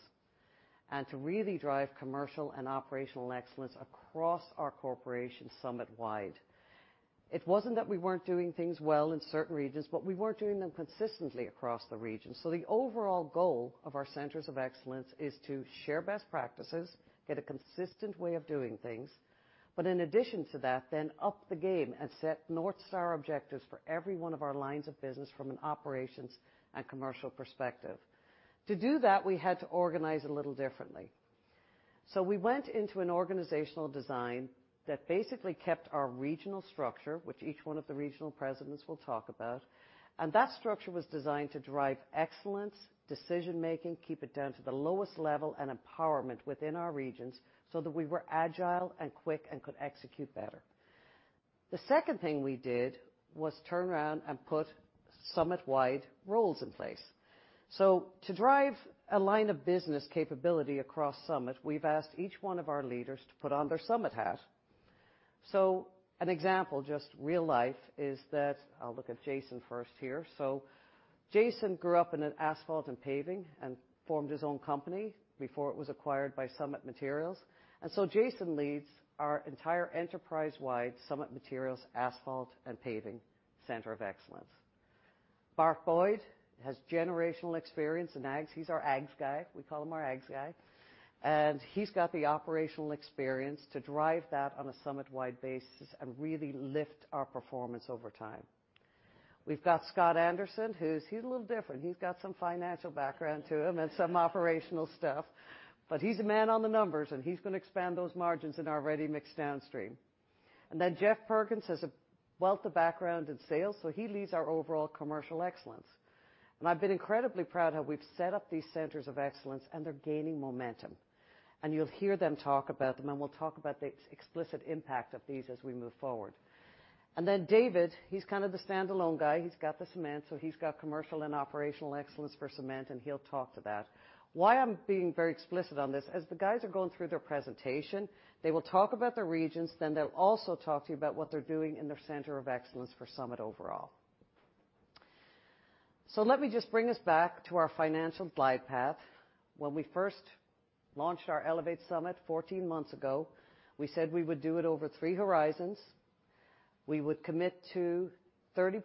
and to really drive commercial and operational excellence across our corporation Summit-wide. It wasn't that we weren't doing things well in certain regions, but we weren't doing them consistently across the region. The overall goal of our centers of excellence is to share best practices, get a consistent way of doing things, but in addition to that, then up the game and set North Star objectives for every one of our lines of business from an operations and commercial perspective. To do that, we had to organize a little differently. We went into an organizational design that basically kept our regional structure, which each one of the regional presidents will talk about. That structure was designed to drive excellence, decision-making, keep it down to the lowest level, and empowerment within our regions so that we were agile and quick and could execute better. The second thing we did was turn around and put Summit-wide roles in place. To drive a line of business capability across Summit, we've asked each one of our leaders to put on their Summit hat. An example, just real life, is that I'll look at Jason first here. Jason grew up in an asphalt and paving and formed his own company before it was acquired by Summit Materials. Jason leads our entire enterprise-wide Summit Materials Asphalt and Paving Center of Excellence. Bart Boyd has generational experience in aggs. He's our aggs guy. We call him our aggs guy. He's got the operational experience to drive that on a Summit-wide basis and really lift our performance over time. We've got Scott Anderson, who's, he's a little different. He's got some financial background to him and some operational stuff, but he's a man on the numbers, and he's gonna expand those margins in our ready-mix downstream. Then Jeff Perkins has a wealth of background in sales, so he leads our overall commercial excellence. I've been incredibly proud how we've set up these centers of excellence, and they're gaining momentum. You'll hear them talk about them, and we'll talk about the explicit impact of these as we move forward. Then David, he's kind of the stand-alone guy. He's got the cement, so he's got commercial and operational excellence for cement, and he'll talk to that. Why I'm being very explicit on this, as the guys are going through their presentation, they will talk about the regions, then they'll also talk to you about what they're doing in their center of excellence for Summit overall. Let me just bring us back to our financial glide path. When we first launched our Elevate Summit 14 months ago, we said we would do it over three horizons. We would commit to 30%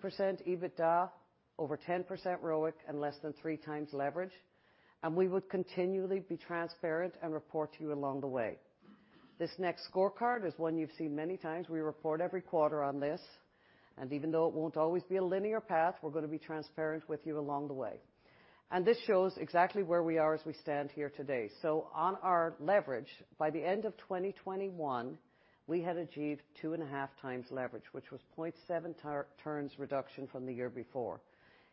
EBITDA, over 10% ROIC, and less than 3x leverage, and we would continually be transparent and report to you along the way. This next scorecard is one you've seen many times. We report every quarter on this, and even though it won't always be a linear path, we're gonna be transparent with you along the way. This shows exactly where we are as we stand here today. On our leverage, by the end of 2021, we had achieved 2.5x leverage, which was 0.7x turns reduction from the year before.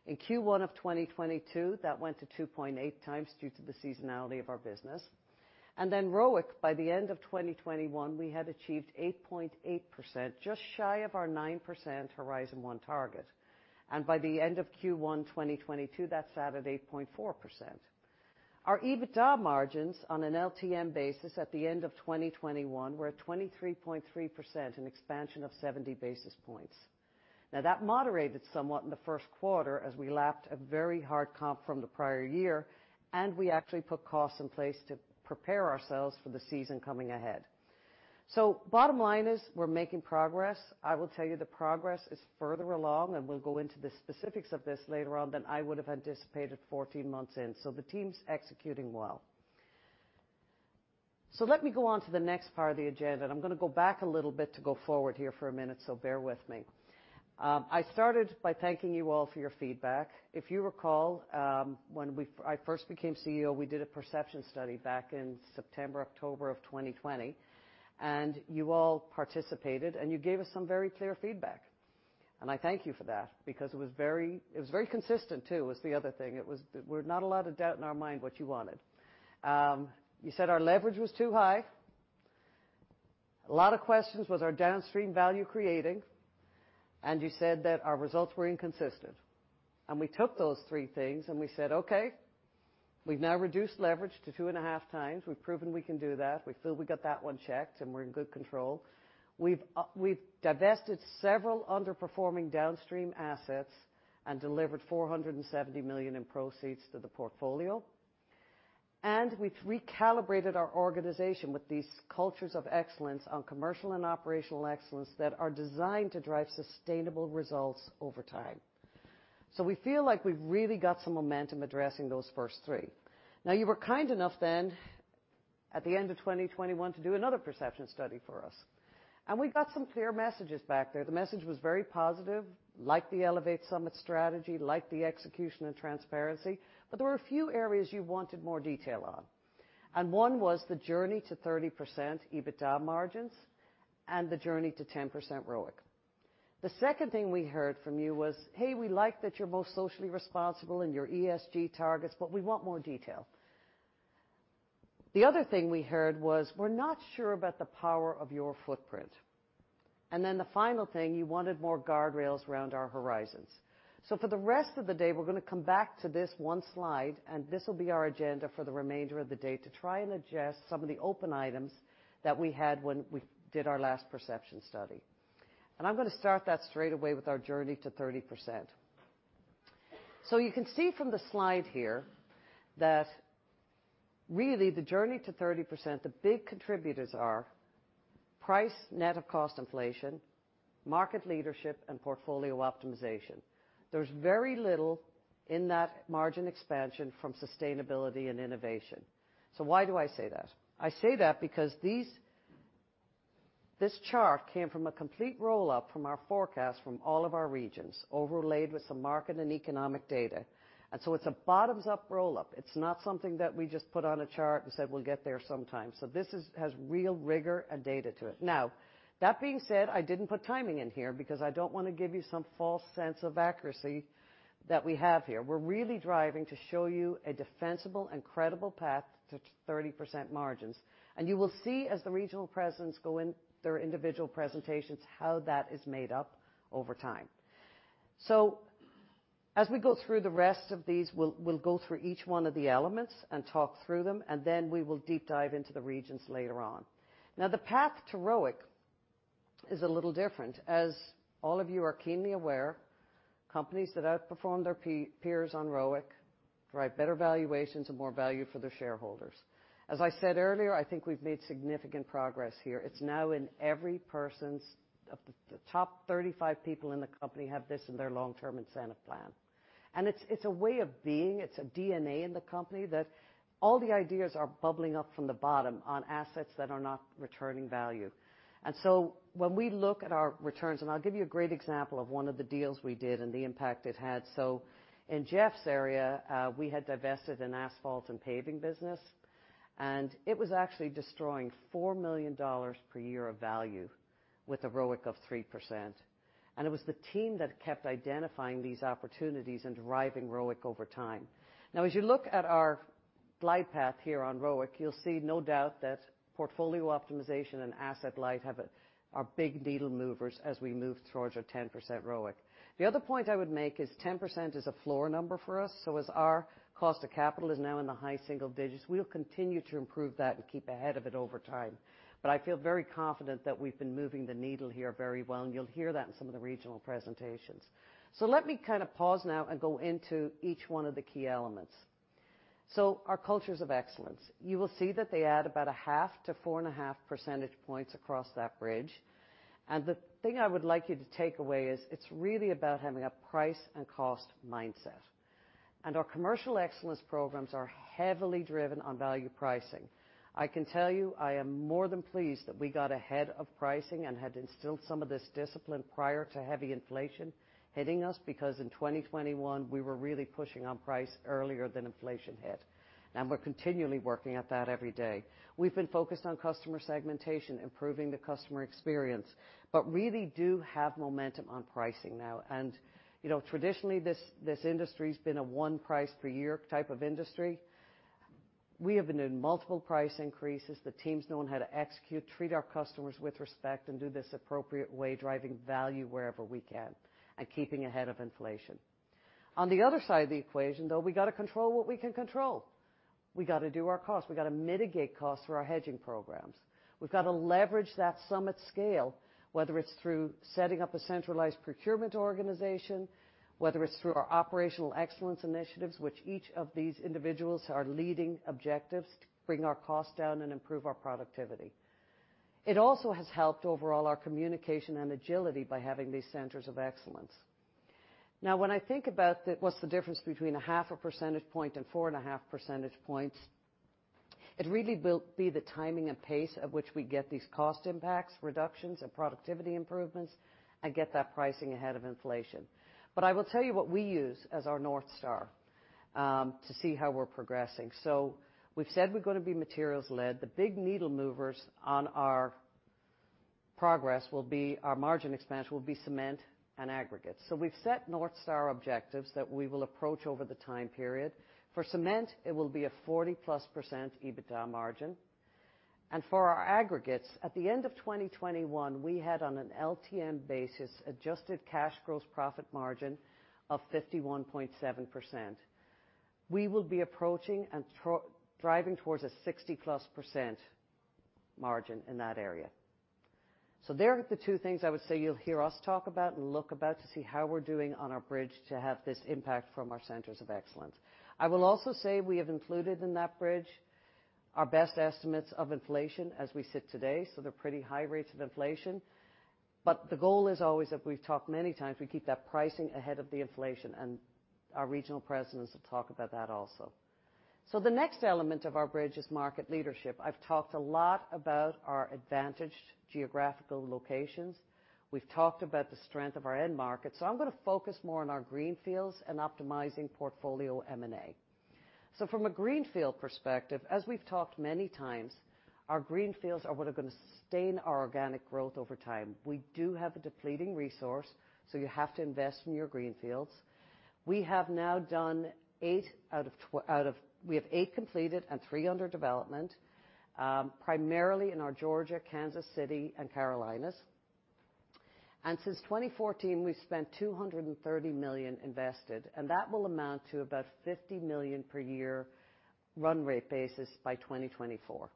In Q1 of 2022, that went to 2.8x due to the seasonality of our business. Then ROIC, by the end of 2021, we had achieved 8.8%, just shy of our 9% Horizon 1 target. By the end of Q1, 2022, that sat at 8.4%. Our EBITDA margins on an LTM basis at the end of 2021 were at 23.3%, an expansion of 70 basis points. Now that moderated somewhat in the first quarter as we lapped a very hard comp from the prior year, and we actually put costs in place to prepare ourselves for the season coming ahead. Bottom line is we're making progress. I will tell you the progress is further along, and we'll go into the specifics of this later on than I would have anticipated 14 months in, so the team's executing well. Let me go on to the next part of the agenda, and I'm going to go back a little bit to go forward here for a minute, so bear with me. I started by thanking you all for your feedback. If you recall, when I first became CEO, we did a perception study back in September-October of 2020. You all participated, and you gave us some very clear feedback. I thank you for that because it was very consistent too, was the other thing. There were not a lot of doubt in our mind what you wanted. You said our leverage was too high. A lot of questions was our downstream value creating, and you said that our results were inconsistent. We took those three things, and we said, "Okay, we've now reduced leverage to 2.5x. We've proven we can do that. We feel we got that one checked, and we're in good control." We've we've divested several underperforming downstream assets and delivered $470 million in proceeds to the portfolio. We've recalibrated our organization with these cultures of excellence on commercial and operational excellence that are designed to drive sustainable results over time. We feel like we've really got some momentum addressing those first three. Now, you were kind enough then at the end of 2021 to do another perception study for us. We got some clear messages back there. The message was very positive, like the Elevate Summit Strategy, like the execution and transparency, but there were a few areas you wanted more detail on. One was the Journey to 30% EBITDA margins and the Journey to 10% ROIC. The second thing we heard from you was, "Hey, we like that you're most socially responsible in your ESG targets, but we want more detail." The other thing we heard was, "We're not sure about the power of your footprint." The final thing, you wanted more guardrails around our horizons. For the rest of the day, we're going to come back to this one slide, and this will be our agenda for the remainder of the day to try and address some of the open items that we had when we did our last perception study. I'm going to start that straight away with our Journey to 30%. You can see from the slide here that really the Journey to 30%, the big contributors are price net of cost inflation, market leadership, and portfolio optimization. There's very little in that margin expansion from sustainability and innovation. Why do I say that? I say that because this chart came from a complete roll-up from our forecast from all of our regions overlaid with some market and economic data. It's a bottoms-up roll-up. It's not something that we just put on a chart and said, "We'll get there sometime." This has real rigor and data to it. Now that being said, I didn't put timing in here because I don't want to give you some false sense of accuracy that we have here. We're really driving to show you a defensible and credible path to 30% margins. You will see as the regional presidents go in their individual presentations how that is made up over time. As we go through the rest of these, we'll go through each one of the elements and talk through them, and then we will deep dive into the regions later on. Now, the path to ROIC is a little different. As all of you are keenly aware, companies that outperform their peers on ROIC drive better valuations and more value for their shareholders. As I said earlier, I think we've made significant progress here. It's now in every person's of the top 35 people in the company have this in their long-term incentive plan. It's a way of being, it's a DNA in the company that all the ideas are bubbling up from the bottom on assets that are not returning value. When we look at our returns, I'll give you a great example of one of the deals we did and the impact it had. In Jeff's area, we had divested an asphalt and paving business, and it was actually destroying $4 million per year of value with a ROIC of 3%. It was the team that kept identifying these opportunities and driving ROIC over time. Now, as you look at our glide path here on ROIC, you'll see no doubt that portfolio optimization and asset light are big needle movers as we move towards our 10% ROIC. The other point I would make is 10% is a floor number for us, so as our cost of capital is now in the high-single digits, we'll continue to improve that and keep ahead of it over time. I feel very confident that we've been moving the needle here very well, and you'll hear that in some of the regional presentations. Let me kind of pause now and go into each one of the key elements. Our cultures of excellence, you will see that they add about 0.5-4.5 percentage points across that bridge. The thing I would like you to take away is it's really about having a price and cost mindset. Our commercial excellence programs are heavily driven on value pricing. I can tell you, I am more than pleased that we got ahead of pricing and had instilled some of this discipline prior to heavy inflation hitting us because in 2021 we were really pushing on price earlier than inflation hit. We're continually working at that every day. We've been focused on customer segmentation, improving the customer experience, but really do have momentum on pricing now. You know, traditionally this industry's been a one price per year type of industry. We have been in multiple price increases. The teams knowing how to execute, treat our customers with respect, and do this appropriate way, driving value wherever we can and keeping ahead of inflation. On the other side of the equation, though, we gotta control what we can control. We gotta do our costs. We gotta mitigate costs through our hedging programs. We've got to leverage that Summit scale, whether it's through setting up a centralized procurement organization, whether it's through our operational excellence initiatives, which each of these individuals are leading objectives to bring our costs down and improve our productivity. It also has helped overall our communication and agility by having these centers of excellence. Now, when I think about what's the difference between a 0.5 percentage point and 4.5 percentage points, it really will be the timing and pace at which we get these cost impacts, reductions and productivity improvements, and get that pricing ahead of inflation. I will tell you what we use as our North Star to see how we're progressing. We've said we're gonna be materials-led. The big needle movers on our progress will be our margin expansion will be cement and aggregate. We've set North Star objectives that we will approach over the time period. For cement, it will be a 40%+ EBITDA margin. For our aggregates, at the end of 2021, we had on an LTM basis adjusted cash gross profit margin of 51.7%. We will be approaching and driving towards a 60%+ margin in that area. There are the two things I would say you'll hear us talk about and look about to see how we're doing on our bridge to have this impact from our centers of excellence. I will also say we have included in that bridge our best estimates of inflation as we sit today, so they're pretty high rates of inflation. The goal is always, as we've talked many times, we keep that pricing ahead of the inflation, and our regional presidents will talk about that also. The next element of our bridge is market leadership. I've talked a lot about our advantaged geographical locations. We've talked about the strength of our end market. I'm gonna focus more on our greenfields and optimizing portfolio M&A. From a greenfield perspective, as we've talked many times, our greenfields are what are gonna sustain our organic growth over time. We do have a depleting resource, so you have to invest in your greenfields. We have now done eight completed and three under development, primarily in our Georgia, Kansas City, and Carolinas. Since 2014, we've spent $230 million invested, and that will amount to about $50 million per year run rate basis by 2024.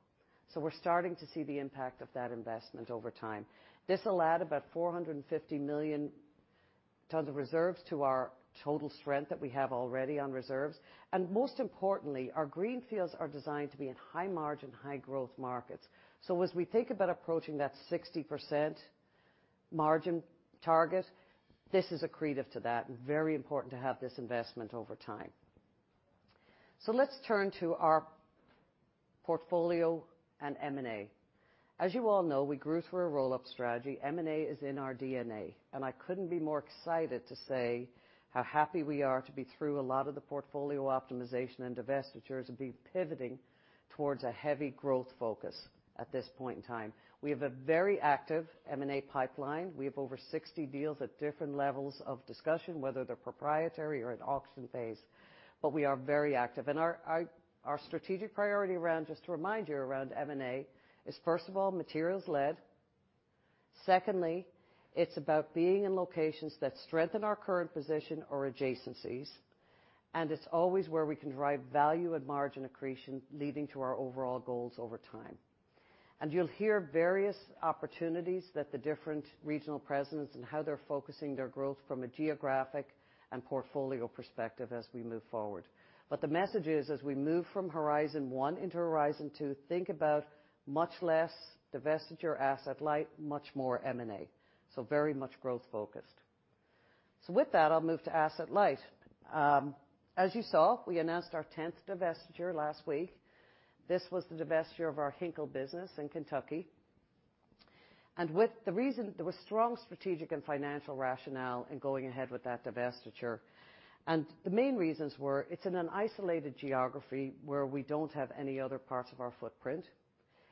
We're starting to see the impact of that investment over time. This'll add about 450 million tons of reserves to our total strength that we have already on reserves. Most importantly, our greenfields are designed to be in high margin, high growth markets. As we think about approaching that 60% margin target, this is accretive to that. Very important to have this investment over time. Let's turn to our portfolio and M&A. As you all know, we grew through a roll-up strategy. M&A is in our DNA, and I couldn't be more excited to say how happy we are to be through a lot of the portfolio optimization and divestitures and be pivoting towards a heavy growth focus at this point in time. We have a very active M&A pipeline. We have over 60 deals at different levels of discussion, whether they're proprietary or at auction phase, but we are very active. Our strategic priority around, just to remind you, around M&A is, first of all, materials-led. Secondly, it's about being in locations that strengthen our current position or adjacencies, and it's always where we can drive value and margin accretion leading to our overall goals over time. You'll hear various opportunities that the different regional presidents and how they're focusing their growth from a geographic and portfolio perspective as we move forward. The message is, as we move from Horizon 1 into Horizon 2, think about much less divestiture asset light, much more M&A, so very much growth focused. With that, I'll move to asset light. As you saw, we announced our 10th divestiture last week. This was the divestiture of our Hinkle business in Kentucky. The reason there was strong strategic and financial rationale in going ahead with that divestiture. The main reasons were it's in an isolated geography where we don't have any other parts of our footprint.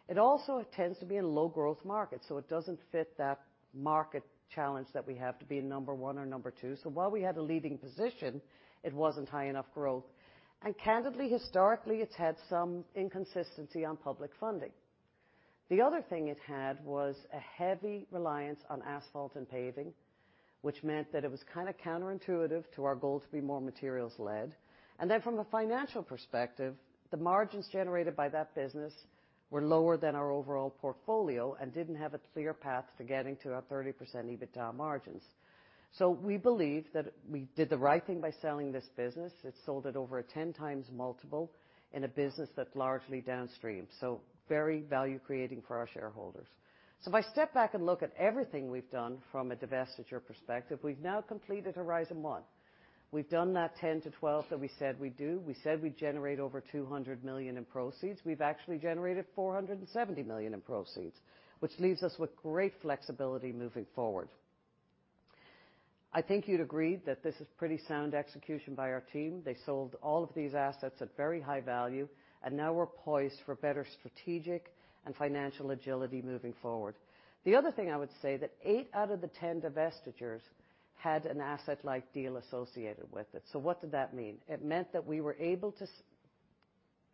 It also tends to be in low growth markets, so it doesn't fit that market challenge that we have to be number one or number two. While we had a leading position, it wasn't high enough growth. Candidly, historically, it's had some inconsistency on public funding. The other thing it had was a heavy reliance on asphalt and paving, which meant that it was kinda counterintuitive to our goal to be more materials-led. Then from a financial perspective, the margins generated by that business were lower than our overall portfolio and didn't have a clear path to getting to our 30% EBITDA margins. We believe that we did the right thing by selling this business. It sold at over a 10x multiple in a business that's largely downstream, so very value creating for our shareholders. If I step back and look at everything we've done from a divestiture perspective, we've now completed Horizon 1. We've done that 10-12 that we said we'd do. We said we'd generate over $200 million in proceeds. We've actually generated $470 million in proceeds, which leaves us with great flexibility moving forward. I think you'd agree that this is pretty sound execution by our team. They sold all of these assets at very high value, and now we're poised for better strategic and financial agility moving forward. The other thing I would say that eight out of the 10 divestitures had an asset-light deal associated with it. What did that mean? It meant that we were able to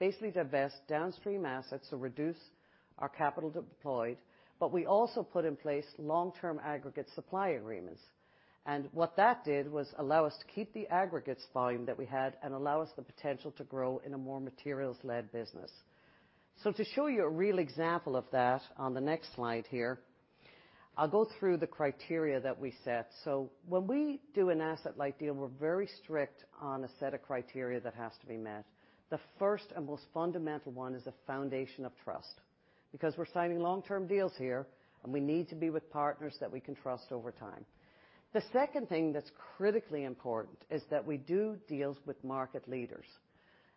basically divest downstream assets to reduce our capital deployed, but we also put in place long-term aggregate supply agreements. What that did was allow us to keep the aggregates volume that we had and allow us the potential to grow in a more materials-led business. To show you a real example of that on the next slide here, I'll go through the criteria that we set. When we do an asset-light deal, we're very strict on a set of criteria that has to be met. The first and most fundamental one is a foundation of trust, because we're signing long-term deals here, and we need to be with partners that we can trust over time. The second thing that's critically important is that we do deals with market leaders.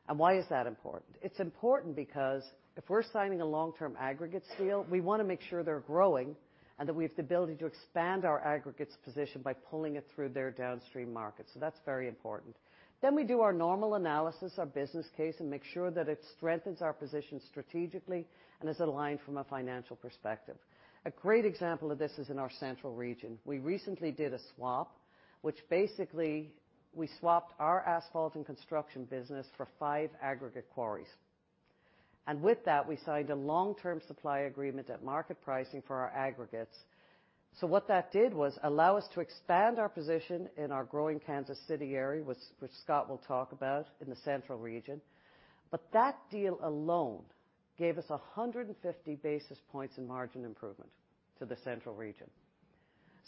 Why is that important? It's important because if we're signing a long-term aggregate deal, we wanna make sure they're growing and that we have the ability to expand our aggregates position by pulling it through their downstream markets. That's very important. We do our normal analysis, our business case, and make sure that it strengthens our position strategically and is aligned from a financial perspective. A great example of this is in our central region. We recently did a swap, which basically we swapped our asphalt and construction business for five aggregate quarries. With that, we signed a long-term supply agreement at market pricing for our aggregates. What that did was allow us to expand our position in our growing Kansas City area, which Scott will talk about in the central region. That deal alone gave us 150 basis points in margin improvement to the central region.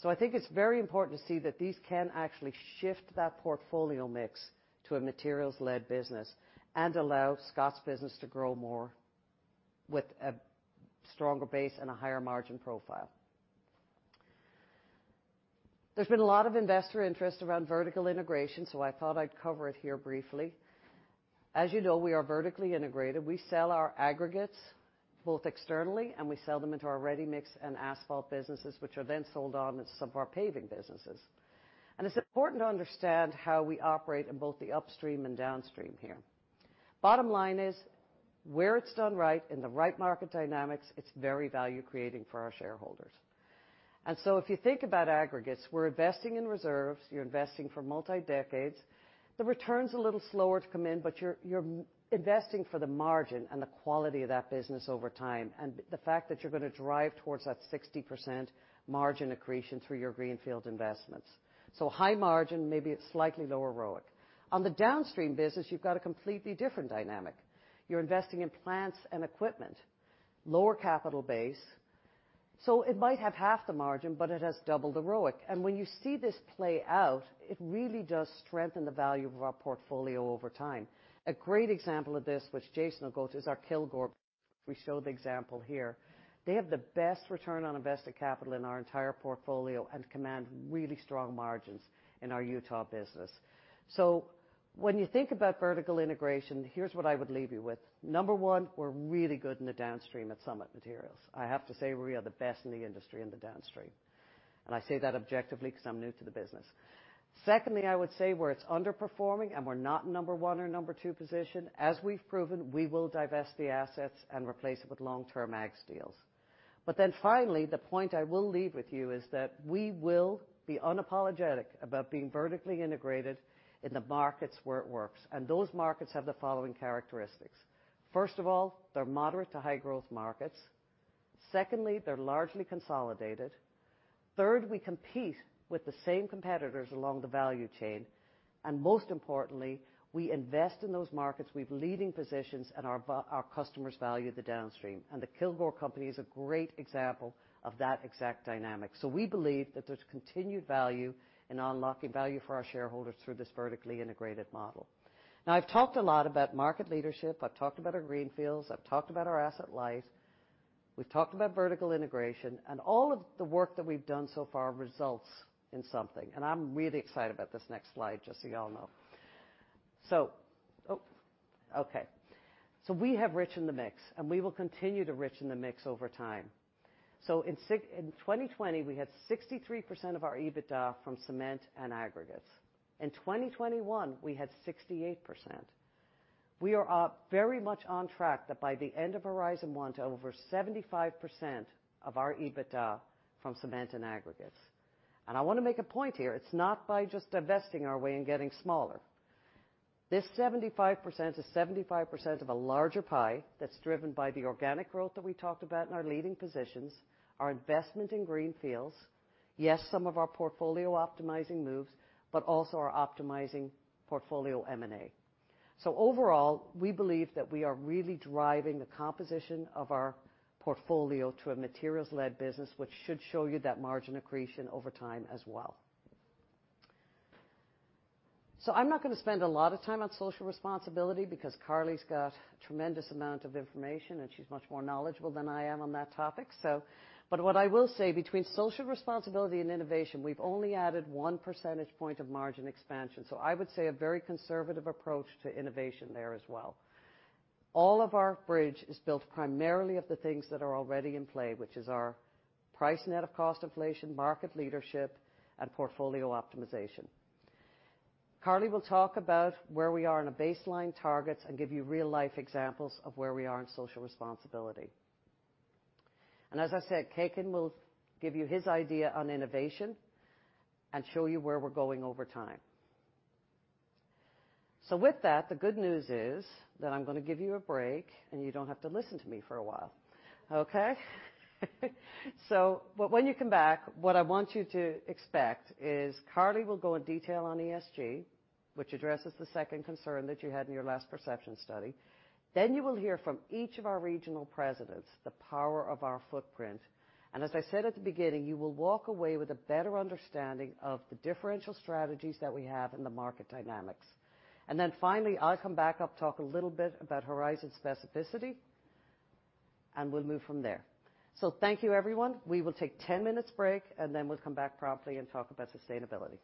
I think it's very important to see that these can actually shift that portfolio mix to a materials-led business and allow Scott's business to grow more with a stronger base and a higher margin profile. There's been a lot of investor interest around vertical integration, so I thought I'd cover it here briefly. As you know, we are vertically integrated. We sell our aggregates both externally, and we sell them into our ready-mix and asphalt businesses, which are then sold on as some of our paving businesses. It's important to understand how we operate in both the upstream and downstream here. Bottom line is, where it's done right in the right market dynamics, it's very value-creating for our shareholders. If you think about aggregates, we're investing in reserves, you're investing for multi-decades. The return's a little slower to come in, but you're investing for the margin and the quality of that business over time, and the fact that you're gonna drive towards that 60% margin accretion through your greenfield investments. High margin, maybe a slightly lower ROIC. On the downstream business, you've got a completely different dynamic. You're investing in plants and equipment, lower capital base. It might have half the margin, but it has double the ROIC. When you see this play out, it really does strengthen the value of our portfolio over time. A great example of this, which Jason will go to, is our Kilgore. We show the example here. They have the best return on invested capital in our entire portfolio and command really strong margins in our Utah business. When you think about vertical integration, here's what I would leave you with. Number one, we're really good in the downstream at Summit Materials. I have to say we are the best in the industry in the downstream. I say that objectively because I'm new to the business. Secondly, I would say where it's underperforming and we're not number one or number two position, as we've proven, we will divest the assets and replace it with long-term aggs deals. Finally, the point I will leave with you is that we will be unapologetic about being vertically integrated in the markets where it works. Those markets have the following characteristics. First of all, they're moderate to high growth markets. Secondly, they're largely consolidated. Third, we compete with the same competitors along the value chain. Most importantly, we invest in those markets, we have leading positions, and our customers value the downstream. The Kilgore Companies is a great example of that exact dynamic. We believe that there's continued value in unlocking value for our shareholders through this vertically integrated model. Now I've talked a lot about market leadership, I've talked about our greenfields, I've talked about our asset light, we've talked about vertical integration, and all of the work that we've done so far results in something. I'm really excited about this next slide, just so y'all know. We have enriched the mix, and we will continue to enrich the mix over time. In 2020, we had 63% of our EBITDA from cement and aggregates. In 2021, we had 68%. We are very much on track that by the end of Horizon 1 to over 75% of our EBITDA from cement and aggregates. I wanna make a point here, it's not by just divesting our way and getting smaller. This 75% is 75% of a larger pie that's driven by the organic growth that we talked about in our leading positions, our investment in greenfields, yes, some of our portfolio optimizing moves, but also our optimizing portfolio M&A. Overall, we believe that we are really driving the composition of our portfolio to a materials-led business, which should show you that margin accretion over time as well. I'm not gonna spend a lot of time on social responsibility because Karli's got a tremendous amount of information, and she's much more knowledgeable than I am on that topic. What I will say, between social responsibility and innovation, we've only added 1 percentage point of margin expansion. I would say a very conservative approach to innovation there as well. All of our bridge is built primarily of the things that are already in play, which is our price net of cost inflation, market leadership, and portfolio optimization. Karli will talk about where we are in the baseline targets and give you real-life examples of where we are in social responsibility. As I said, Kekin will give you his idea on innovation and show you where we're going over time. With that, the good news is that I'm gonna give you a break, and you don't have to listen to me for a while. Okay? When you come back, what I want you to expect is Karli will go in detail on ESG, which addresses the second concern that you had in your last perception study. You will hear from each of our regional presidents, the power of our footprint. As I said at the beginning, you will walk away with a better understanding of the differential strategies that we have in the market dynamics. Finally, I'll come back. I'll talk a little bit about horizon specificity, and we'll move from there. Thank you, everyone. We will take 10 minutes break, and then we'll come back promptly and talk about sustainability.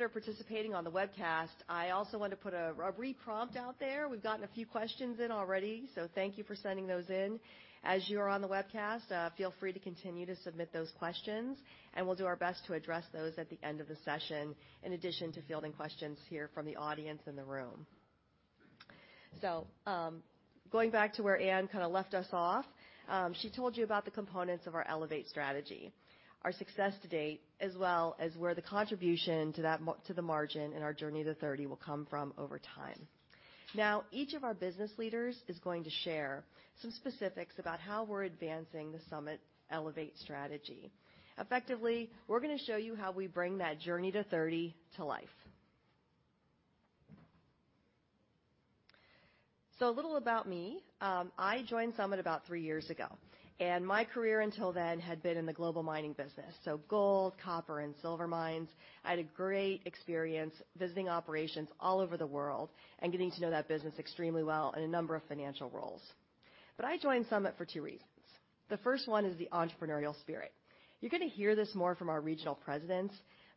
Those of you that are participating on the webcast, I also want to put a re-prompt out there. We've gotten a few questions in already, so thank you for sending those in. As you're on the webcast, feel free to continue to submit those questions, and we'll do our best to address those at the end of the session, in addition to fielding questions here from the audience in the room. Going back to where Anne kinda left us off, she told you about the components of our Elevate strategy, our success to date, as well as where the contribution to the margin and our Journey to 30% will come from over time. Now, each of our business leaders is going to share some specifics about how we're advancing the Summit Elevate strategy. Effectively, we're gonna show you how we bring that Journey to 30% to life. A little about me. I joined Summit about three years ago, and my career until then had been in the global mining business, so gold, copper, and silver mines. I had a great experience visiting operations all over the world and getting to know that business extremely well in a number of financial roles. I joined Summit for two reasons. The first one is the entrepreneurial spirit. You're gonna hear this more from our regional presidents,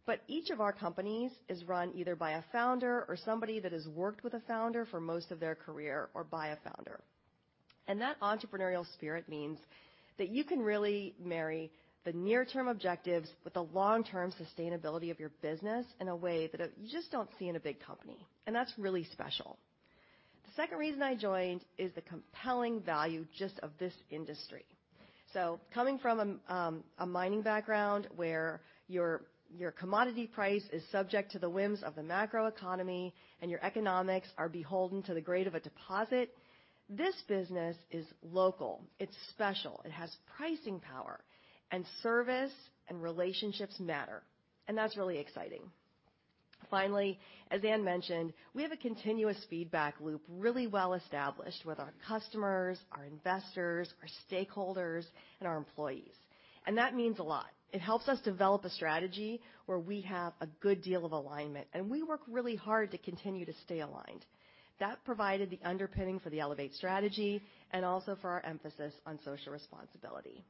but each of our companies is run either by a founder or somebody that has worked with a founder for most of their career or by a founder. That entrepreneurial spirit means that you can really marry the near-term objectives with the long-term sustainability of your business in a way that you just don't see in a big company, and that's really special. The second reason I joined is the compelling value just of this industry. Coming from a mining background where your commodity price is subject to the whims of the macroeconomy and your economics are beholden to the grade of a deposit, this business is local, it's special, it has pricing power, and service and relationships matter, and that's really exciting. Finally, as Anne mentioned, we have a continuous feedback loop, really well established with our customers, our investors, our stakeholders, and our employees. That means a lot. It helps us develop a strategy where we have a good deal of alignment, and we work really hard to continue to stay aligned. That provided the underpinning for the Elevate strategy and also for our emphasis on social responsibility.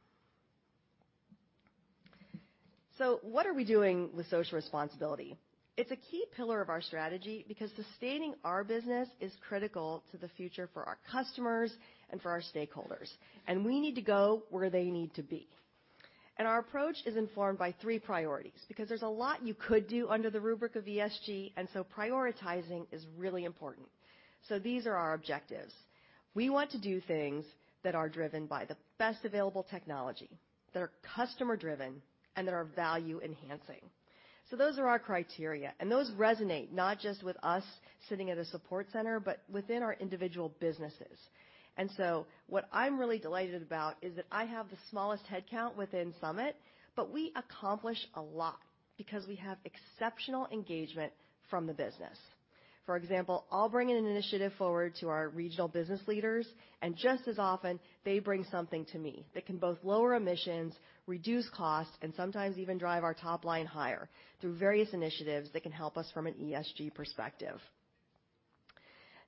What are we doing with social responsibility? It's a key pillar of our strategy because sustaining our business is critical to the future for our customers and for our stakeholders, and we need to go where they need to be. Our approach is informed by three priorities because there's a lot you could do under the rubric of ESG, and so prioritizing is really important. These are our objectives. We want to do things that are driven by the best available technology, that are customer-driven, and that are value-enhancing. Those are our criteria, and those resonate, not just with us sitting at a support center, but within our individual businesses. What I'm really delighted about is that I have the smallest headcount within Summit, but we accomplish a lot because we have exceptional engagement from the business. For example, I'll bring in an initiative forward to our regional business leaders, and just as often, they bring something to me that can both lower emissions, reduce costs, and sometimes even drive our top line higher through various initiatives that can help us from an ESG perspective.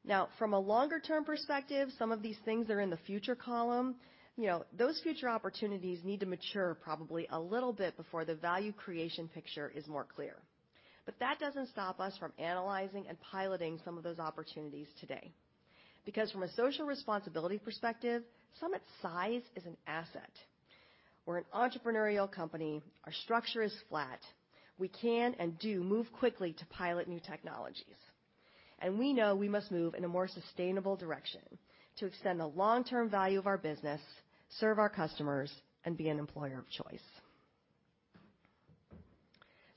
Now, from a longer-term perspective, some of these things are in the future column. You know, those future opportunities need to mature probably a little bit before the value creation picture is more clear. That doesn't stop us from analyzing and piloting some of those opportunities today. Because from a social responsibility perspective, Summit's size is an asset. We're an entrepreneurial company. Our structure is flat. We can and do move quickly to pilot new technologies. We know we must move in a more sustainable direction to extend the long-term value of our business, serve our customers, and be an employer of choice.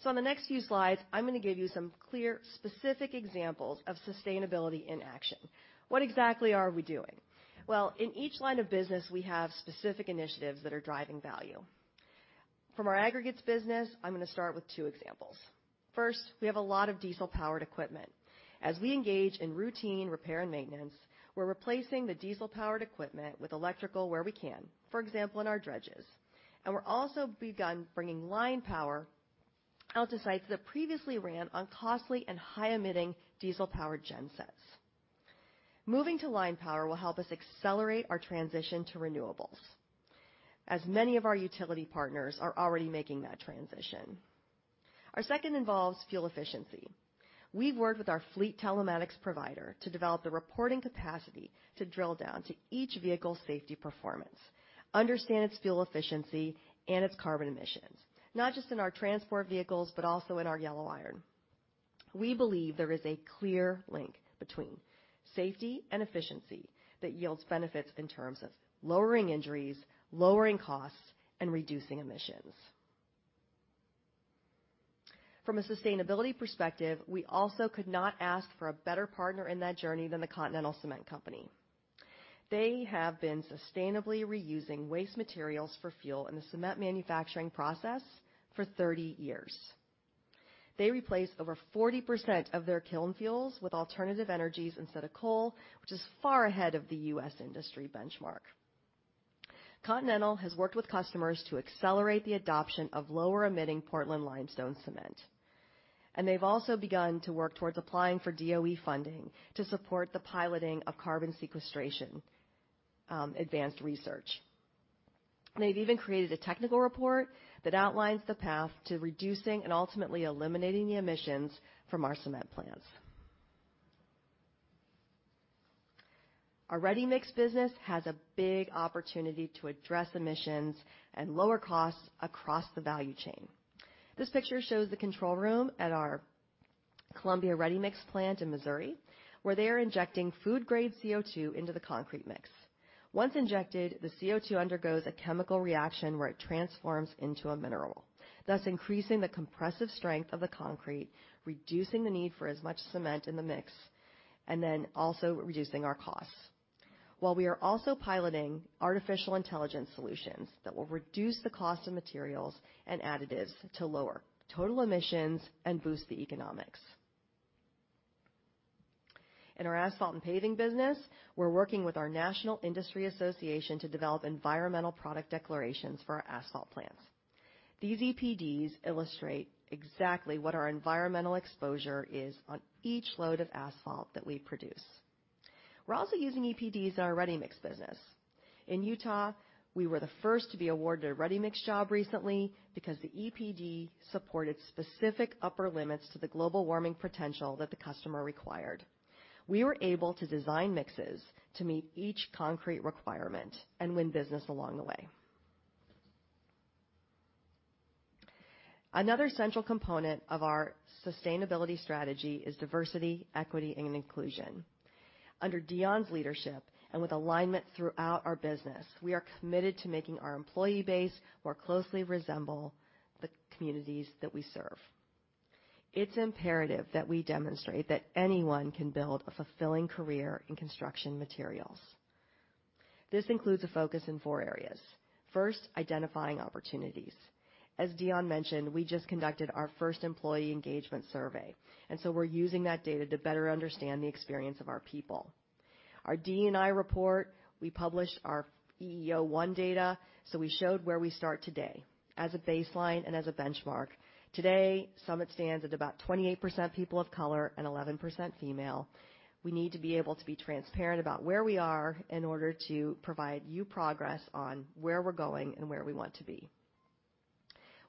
On the next few slides, I'm gonna give you some clear, specific examples of sustainability in action. What exactly are we doing? Well, in each line of business, we have specific initiatives that are driving value. From our aggregates business, I'm gonna start with two examples. First, we have a lot of diesel-powered equipment. As we engage in routine repair and maintenance, we're replacing the diesel-powered equipment with electrical where we can, for example, in our dredges. We're also begun bringing line power out to sites that previously ran on costly and high-emitting diesel-powered gensets. Moving to line power will help us accelerate our transition to renewables, as many of our utility partners are already making that transition. Our second involves fuel efficiency. We've worked with our fleet telematics provider to develop the reporting capacity to drill down to each vehicle's safety performance, understand its fuel efficiency and its carbon emissions, not just in our transport vehicles, but also in our yellow iron. We believe there is a clear link between safety and efficiency that yields benefits in terms of lowering injuries, lowering costs, and reducing emissions. From a sustainability perspective, we also could not ask for a better partner in that journey than the Continental Cement Company. They have been sustainably reusing waste materials for fuel in the cement manufacturing process for 30 years. They replace over 40% of their kiln fuels with alternative energies instead of coal, which is far ahead of the U.S. industry benchmark. Continental has worked with customers to accelerate the adoption of lower-emitting Portland limestone cement, and they've also begun to work towards applying for DOE funding to support the piloting of carbon sequestration, advanced research. They've even created a technical report that outlines the path to reducing and ultimately eliminating the emissions from our cement plants. Our ready-mix business has a big opportunity to address emissions and lower costs across the value chain. This picture shows the control room at our Columbia Ready Mix plant in Missouri, where they are injecting food-grade CO2 into the concrete mix. Once injected, the CO2 undergoes a chemical reaction where it transforms into a mineral, thus increasing the compressive strength of the concrete, reducing the need for as much cement in the mix, and then also reducing our costs. While we are also piloting artificial intelligence solutions that will reduce the cost of materials and additives to lower total emissions and boost the economics. In our asphalt and paving business, we're working with our national industry association to develop environmental product declarations for our asphalt plants. These EPDs illustrate exactly what our environmental exposure is on each load of asphalt that we produce. We're also using EPDs in our ready-mix business. In Utah, we were the first to be awarded a ready-mix job recently because the EPD supported specific upper limits to the global warming potential that the customer required. We were able to design mixes to meet each concrete requirement and win business along the way. Another central component of our sustainability strategy is diversity, equity, and inclusion. Under Deon's leadership, and with alignment throughout our business, we are committed to making our employee base more closely resemble the communities that we serve. It's imperative that we demonstrate that anyone can build a fulfilling career in construction materials. This includes a focus in four areas. First, identifying opportunities. As Deon mentioned, we just conducted our first employee engagement survey, and so we're using that data to better understand the experience of our people. Our DE&I report, we published our EEO-1 data, so we showed where we start today as a baseline and as a benchmark. Today, Summit stands at about 28% people of color and 11% female. We need to be able to be transparent about where we are in order to provide you progress on where we're going and where we want to be.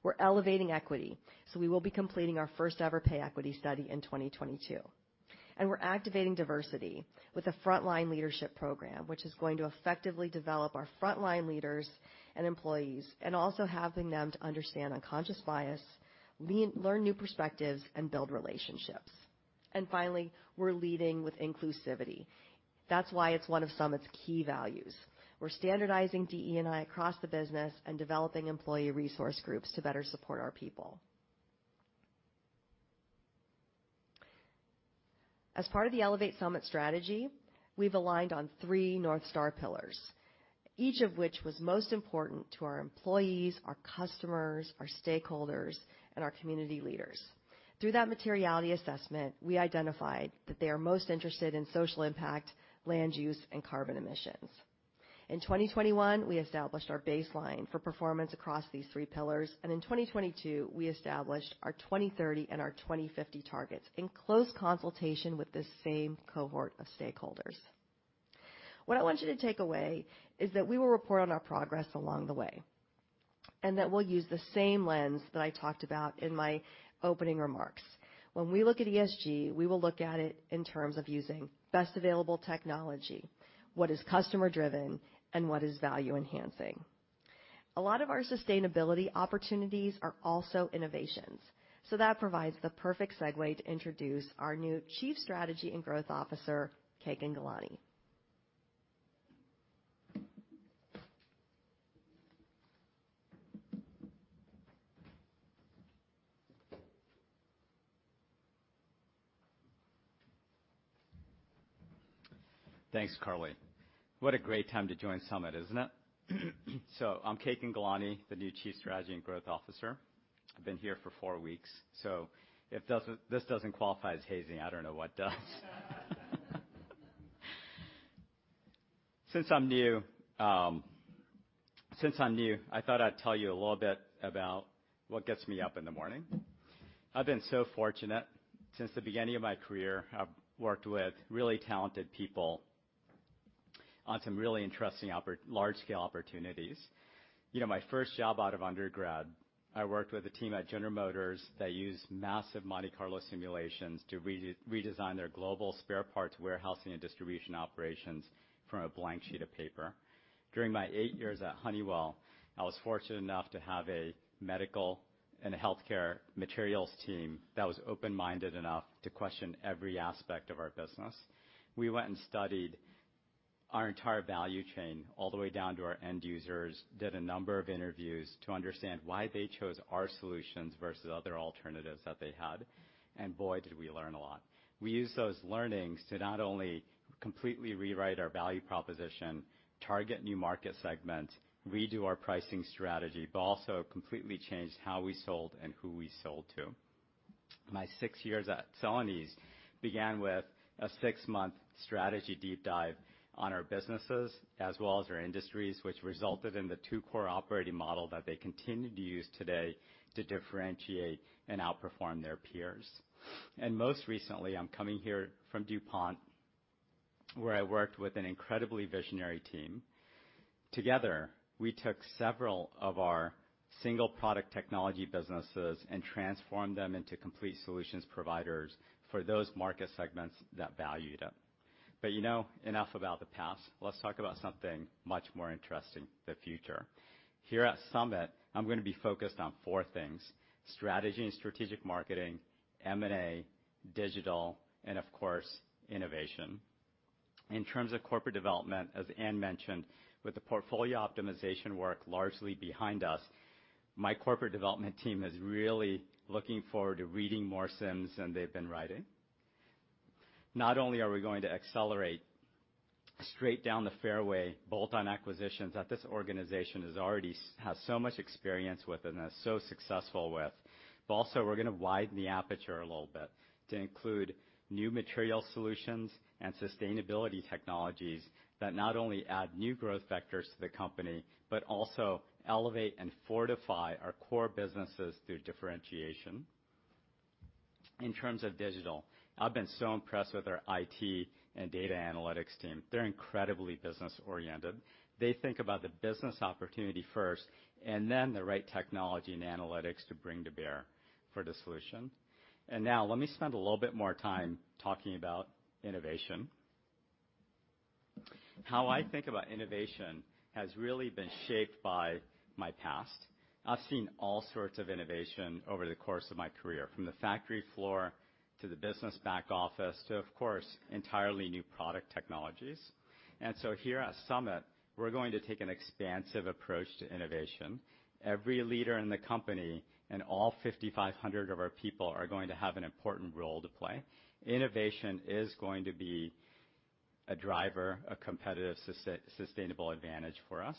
We're elevating equity, so we will be completing our first ever pay equity study in 2022. We're activating diversity with a frontline leadership program, which is going to effectively develop our frontline leaders and employees, and also helping them to understand unconscious bias, learn new perspectives, and build relationships. Finally, we're leading with inclusivity. That's why it's one of Summit's key values. We're standardizing DE&I across the business and developing employee resource groups to better support our people. As part of the Elevate Summit Strategy, we've aligned on three North Star pillars, each of which was most important to our employees, our customers, our stakeholders, and our community leaders. Through that materiality assessment, we identified that they are most interested in social impact, land use, and carbon emissions. In 2021, we established our baseline for performance across these three pillars, and in 2022, we established our 2030 and our 2050 targets in close consultation with the same cohort of stakeholders. What I want you to take away is that we will report on our progress along the way, and that we'll use the same lens that I talked about in my opening remarks. When we look at ESG, we will look at it in terms of using best available technology, what is customer driven, and what is value enhancing. A lot of our sustainability opportunities are also innovations, so that provides the perfect segue to introduce our new Chief Strategy and Growth Officer, Kekin Ghelani. Thanks, Karli. What a great time to join Summit, isn't it? I'm Kekin Ghelani, the new Chief Strategy and Growth Officer. I've been here for four weeks, if this doesn't qualify as hazing, I don't know what does. Since I'm new, I thought I'd tell you a little bit about what gets me up in the morning. I've been so fortunate. Since the beginning of my career, I've worked with really talented people on some really interesting large scale opportunities. You know, my first job out of undergrad, I worked with a team at General Motors that used massive Monte Carlo simulations to redesign their global spare parts warehousing and distribution operations from a blank sheet of paper. During my eight years at Honeywell, I was fortunate enough to have a medical and a healthcare materials team that was open-minded enough to question every aspect of our business. We went and studied our entire value chain all the way down to our end users, did a number of interviews to understand why they chose our solutions versus other alternatives that they had. Boy, did we learn a lot. We used those learnings to not only completely rewrite our value proposition, target new market segments, redo our pricing strategy, but also completely changed how we sold and who we sold to. My six years at Celanese began with a six-month strategy deep dive on our businesses as well as our industries, which resulted in the two core operating model that they continue to use today to differentiate and outperform their peers. Most recently, I'm coming here from DuPont, where I worked with an incredibly visionary team. Together, we took several of our single product technology businesses and transformed them into complete solutions providers for those market segments that valued them. You know, enough about the past. Let's talk about something much more interesting, the future. Here at Summit, I'm gonna be focused on four things, strategy and strategic marketing, M&A, digital, and of course, innovation. In terms of corporate development, as Anne mentioned, with the portfolio optimization work largely behind us, my corporate development team is really looking forward to reading more CIMs than they've been writing. Not only are we going to accelerate straight down the fairway bolt-on acquisitions that this organization has already has so much experience with and is so successful with, but also we're gonna widen the aperture a little bit to include new material solutions and sustainability technologies that not only add new growth vectors to the company, but also elevate and fortify our core businesses through differentiation. In terms of digital, I've been so impressed with our IT and data analytics team. They're incredibly business-oriented. They think about the business opportunity first, and then the right technology and analytics to bring to bear for the solution. Now let me spend a little bit more time talking about innovation. How I think about innovation has really been shaped by my past. I've seen all sorts of innovation over the course of my career, from the factory floor to the business back office to, of course, entirely new product technologies. Here at Summit, we're going to take an expansive approach to innovation. Every leader in the company and all 5,500 of our people are going to have an important role to play. Innovation is going to be a driver, a competitive sustainable advantage for us.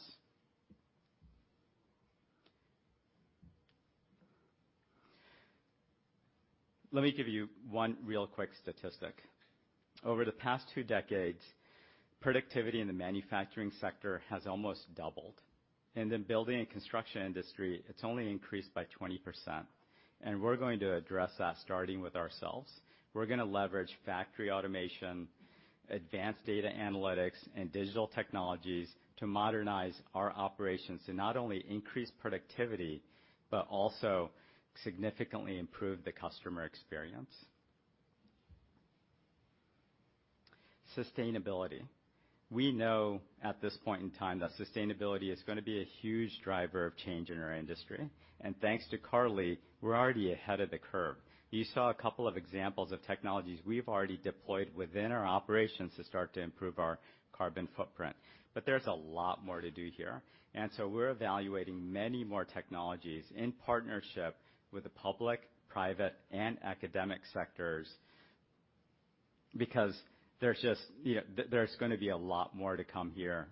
Let me give you one real quick statistic. Over the past two decades, productivity in the manufacturing sector has almost doubled. In the building and construction industry, it's only increased by 20%, and we're going to address that starting with ourselves. We're gonna leverage factory automation, advanced data analytics, and digital technologies to modernize our operations to not only increase productivity, but also significantly improve the customer experience. Sustainability. We know at this point in time that sustainability is gonna be a huge driver of change in our industry. Thanks to Karli, we're already ahead of the curve. You saw a couple of examples of technologies we've already deployed within our operations to start to improve our carbon footprint. There's a lot more to do here. We're evaluating many more technologies in partnership with the public, private, and academic sectors, because there's just you know there's gonna be a lot more to come here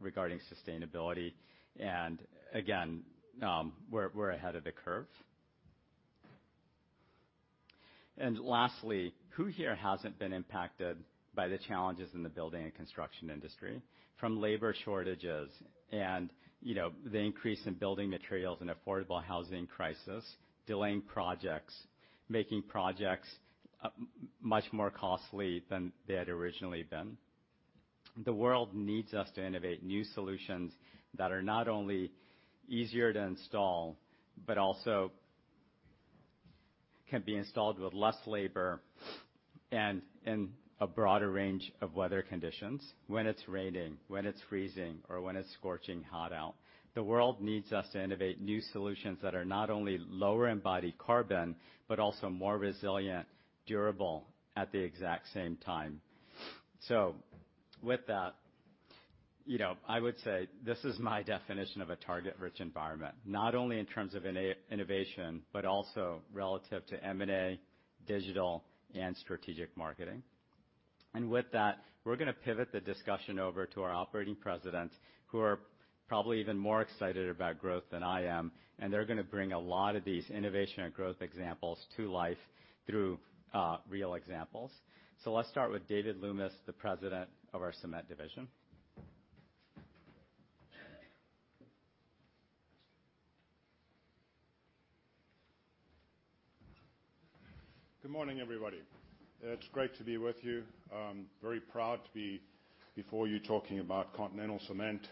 regarding sustainability. Again, we're ahead of the curve. Lastly, who here hasn't been impacted by the challenges in the building and construction industry from labor shortages and you know the increase in building materials and affordable housing crisis, delaying projects, making projects much more costly than they had originally been? The world needs us to innovate new solutions that are not only easier to install, but also can be installed with less labor and in a broader range of weather conditions. When it's raining, when it's freezing, or when it's scorching hot out, the world needs us to innovate new solutions that are not only lower in embodied carbon, but also more resilient, durable at the exact same time. With that, you know, I would say this is my definition of a target-rich environment, not only in terms of innovation, but also relative to M&A, digital, and strategic marketing. With that, we're gonna pivot the discussion over to our operating presidents, who are probably even more excited about growth than I am, and they're gonna bring a lot of these innovation and growth examples to life through real examples. Let's start with David Loomes, the President of our Cement division. Good morning, everybody. It's great to be with you. I'm very proud to be before you talking about Continental Cement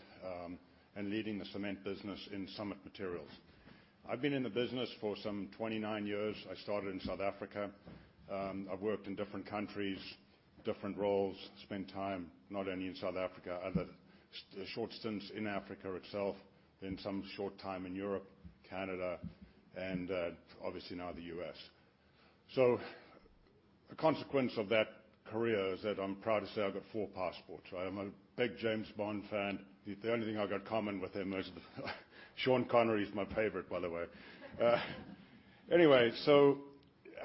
and leading the cement business in Summit Materials. I've been in the business for some 29 years. I started in South Africa. I've worked in different countries, different roles. Spent time not only in South Africa, a short stints in Africa itself, then some short time in Europe, Canada, and obviously now the U.S. A consequence of that career is that I'm proud to say I've got four passports, right? I'm a big James Bond fan. The only thing I got common with him is the Sean Connery is my favorite, by the way. Anyway, so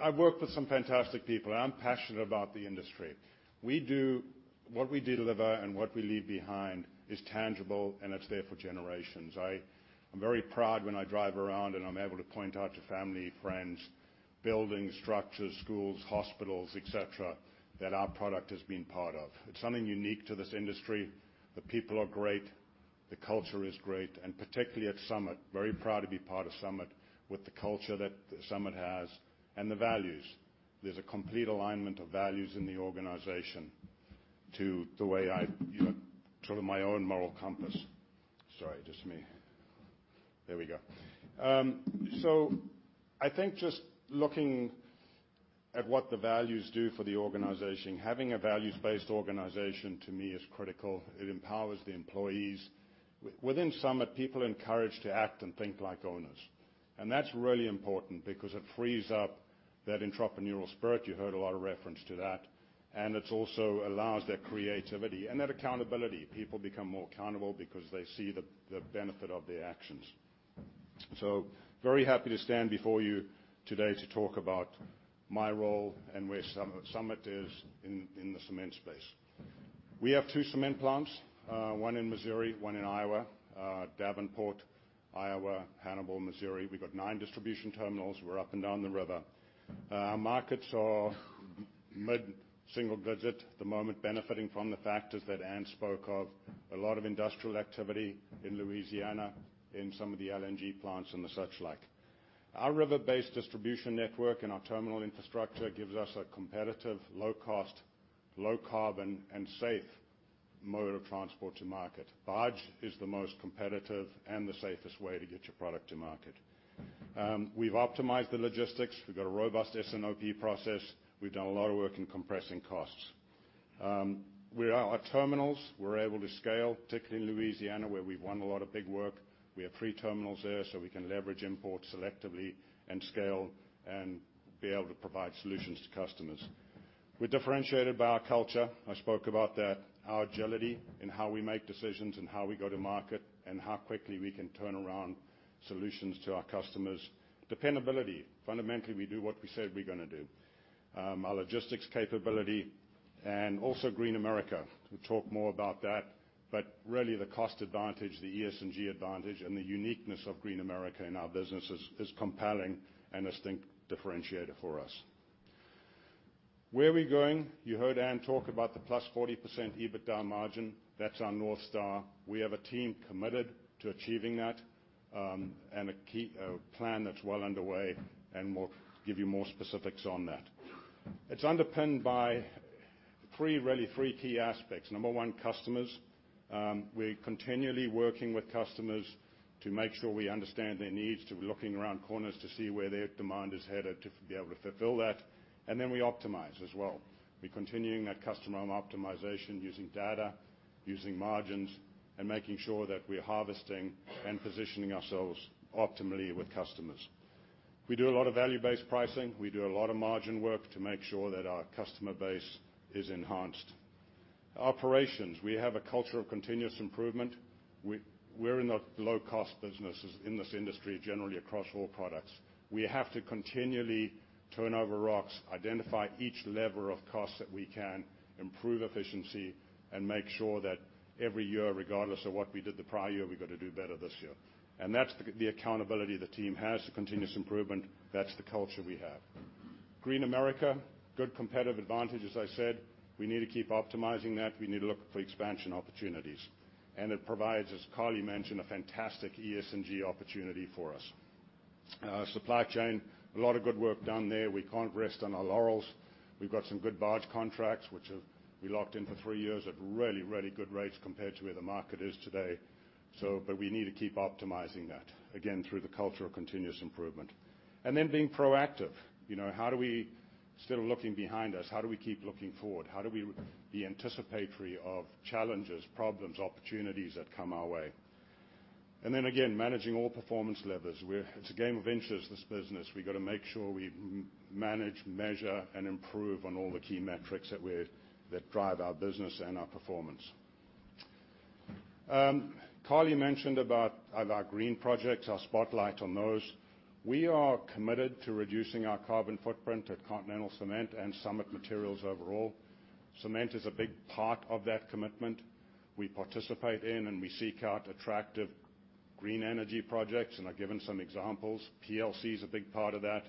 I've worked with some fantastic people, and I'm passionate about the industry. What we deliver and what we leave behind is tangible, and it's there for generations. I'm very proud when I drive around and I'm able to point out to family, friends, buildings, structures, schools, hospitals, et cetera, that our product has been part of. It's something unique to this industry. The people are great, the culture is great, and particularly at Summit. Very proud to be part of Summit with the culture that Summit has and the values. There's a complete alignment of values in the organization to the way I you know to my own moral compass. I think just looking at what the values do for the organization, having a values-based organization, to me is critical. It empowers the employees. Within Summit, people are encouraged to act and think like owners. That's really important because it frees up that entrepreneurial spirit. You heard a lot of reference to that. It also allows their creativity and that accountability. People become more accountable because they see the benefit of their actions. Very happy to stand before you today to talk about my role and where Summit is in the cement space. We have two cement plants, one in Missouri, one in Iowa, Davenport, Iowa, Hannibal, Missouri. We've got nine distribution terminals. We're up and down the river. Our markets are mid-single-digit at the moment, benefiting from the factors that Anne spoke of. A lot of industrial activity in Louisiana, in some of the LNG plants, and the like. Our river-based distribution network and our terminal infrastructure gives us a competitive, low-cost, low-carbon, and safe mode of transport to market. Barge is the most competitive and the safest way to get your product to market. We've optimized the logistics. We've got a robust S&OP process. We've done a lot of work in compressing costs. We are at terminals. We're able to scale, particularly in Louisiana, where we've won a lot of big work. We have three terminals there, so we can leverage imports selectively and scale and be able to provide solutions to customers. We're differentiated by our culture. I spoke about that. Our agility in how we make decisions and how we go to market, and how quickly we can turn around solutions to our customers. Dependability. Fundamentally, we do what we say we're gonna do. Our logistics capability and also Green America. We'll talk more about that, but really the cost advantage, the ESG advantage, and the uniqueness of Green America in our business is compelling and a distinct differentiator for us. Where are we going? You heard Anne talk about the +40% EBITDA margin. That's our North Star. We have a team committed to achieving that, and a key plan that's well underway, and we'll give you more specifics on that. It's underpinned by three, really three key aspects. Number one, customers. We're continually working with customers to make sure we understand their needs, to looking around corners to see where their demand is headed, to be able to fulfill that, and then we optimize as well. We're continuing that customer optimization using data, using margins, and making sure that we're harvesting and positioning ourselves optimally with customers. We do a lot of value-based pricing. We do a lot of margin work to make sure that our customer base is enhanced. Operations, we have a culture of continuous improvement. We're in the low-cost businesses in this industry, generally across all products. We have to continually turn over rocks, identify each level of costs that we can, improve efficiency, and make sure that every year, regardless of what we did the prior year, we got to do better this year. That's the accountability the team has, the continuous improvement. That's the culture we have. Green America, good competitive advantage, as I said. We need to keep optimizing that. We need to look for expansion opportunities. It provides, as Karli mentioned, a fantastic ESG opportunity for us. Supply chain, a lot of good work done there. We can't rest on our laurels. We've got some good barge contracts which we have locked in for three years at really, really good rates compared to where the market is today. We need to keep optimizing that, again through the culture of continuous improvement. Being proactive. You know, how do we, instead of looking behind us, how do we keep looking forward? How do we be anticipatory of challenges, problems, opportunities that come our way? Managing all performance levers. It's a game of inches, this business. We gotta make sure we manage, measure, and improve on all the key metrics that drive our business and our performance. Karli mentioned about our green projects, our spotlight on those. We are committed to reducing our carbon footprint at Continental Cement and Summit Materials overall. Cement is a big part of that commitment. We participate in and we seek out attractive green energy projects, and I've given some examples. PLC is a big part of that.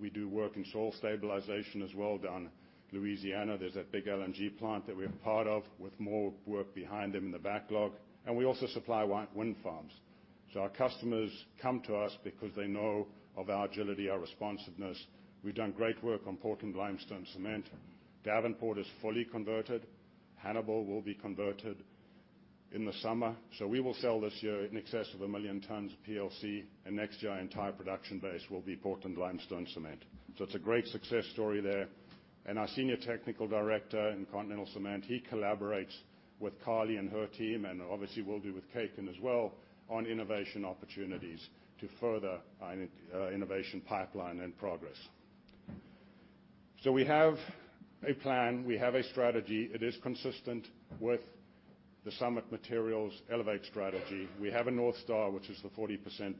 We do work in soil stabilization as well down in Louisiana. There's that big LNG plant that we're a part of, with more work behind them in the backlog, and we also supply wind farms. Our customers come to us because they know of our agility, our responsiveness. We've done great work on Portland limestone cement. Davenport is fully converted. Hannibal will be converted in the summer. We will sell this year in excess of 1 million tons of PLC, and next year, our entire production base will be Portland limestone cement. It's a great success story there. Our senior technical director in Continental Cement, he collaborates with Karli and her team, and obviously will do with Kekin as well, on innovation opportunities to further our innovation pipeline and progress. We have a plan, we have a strategy. It is consistent with the Elevate Summit Strategy. We have a North Star, which is the 40%.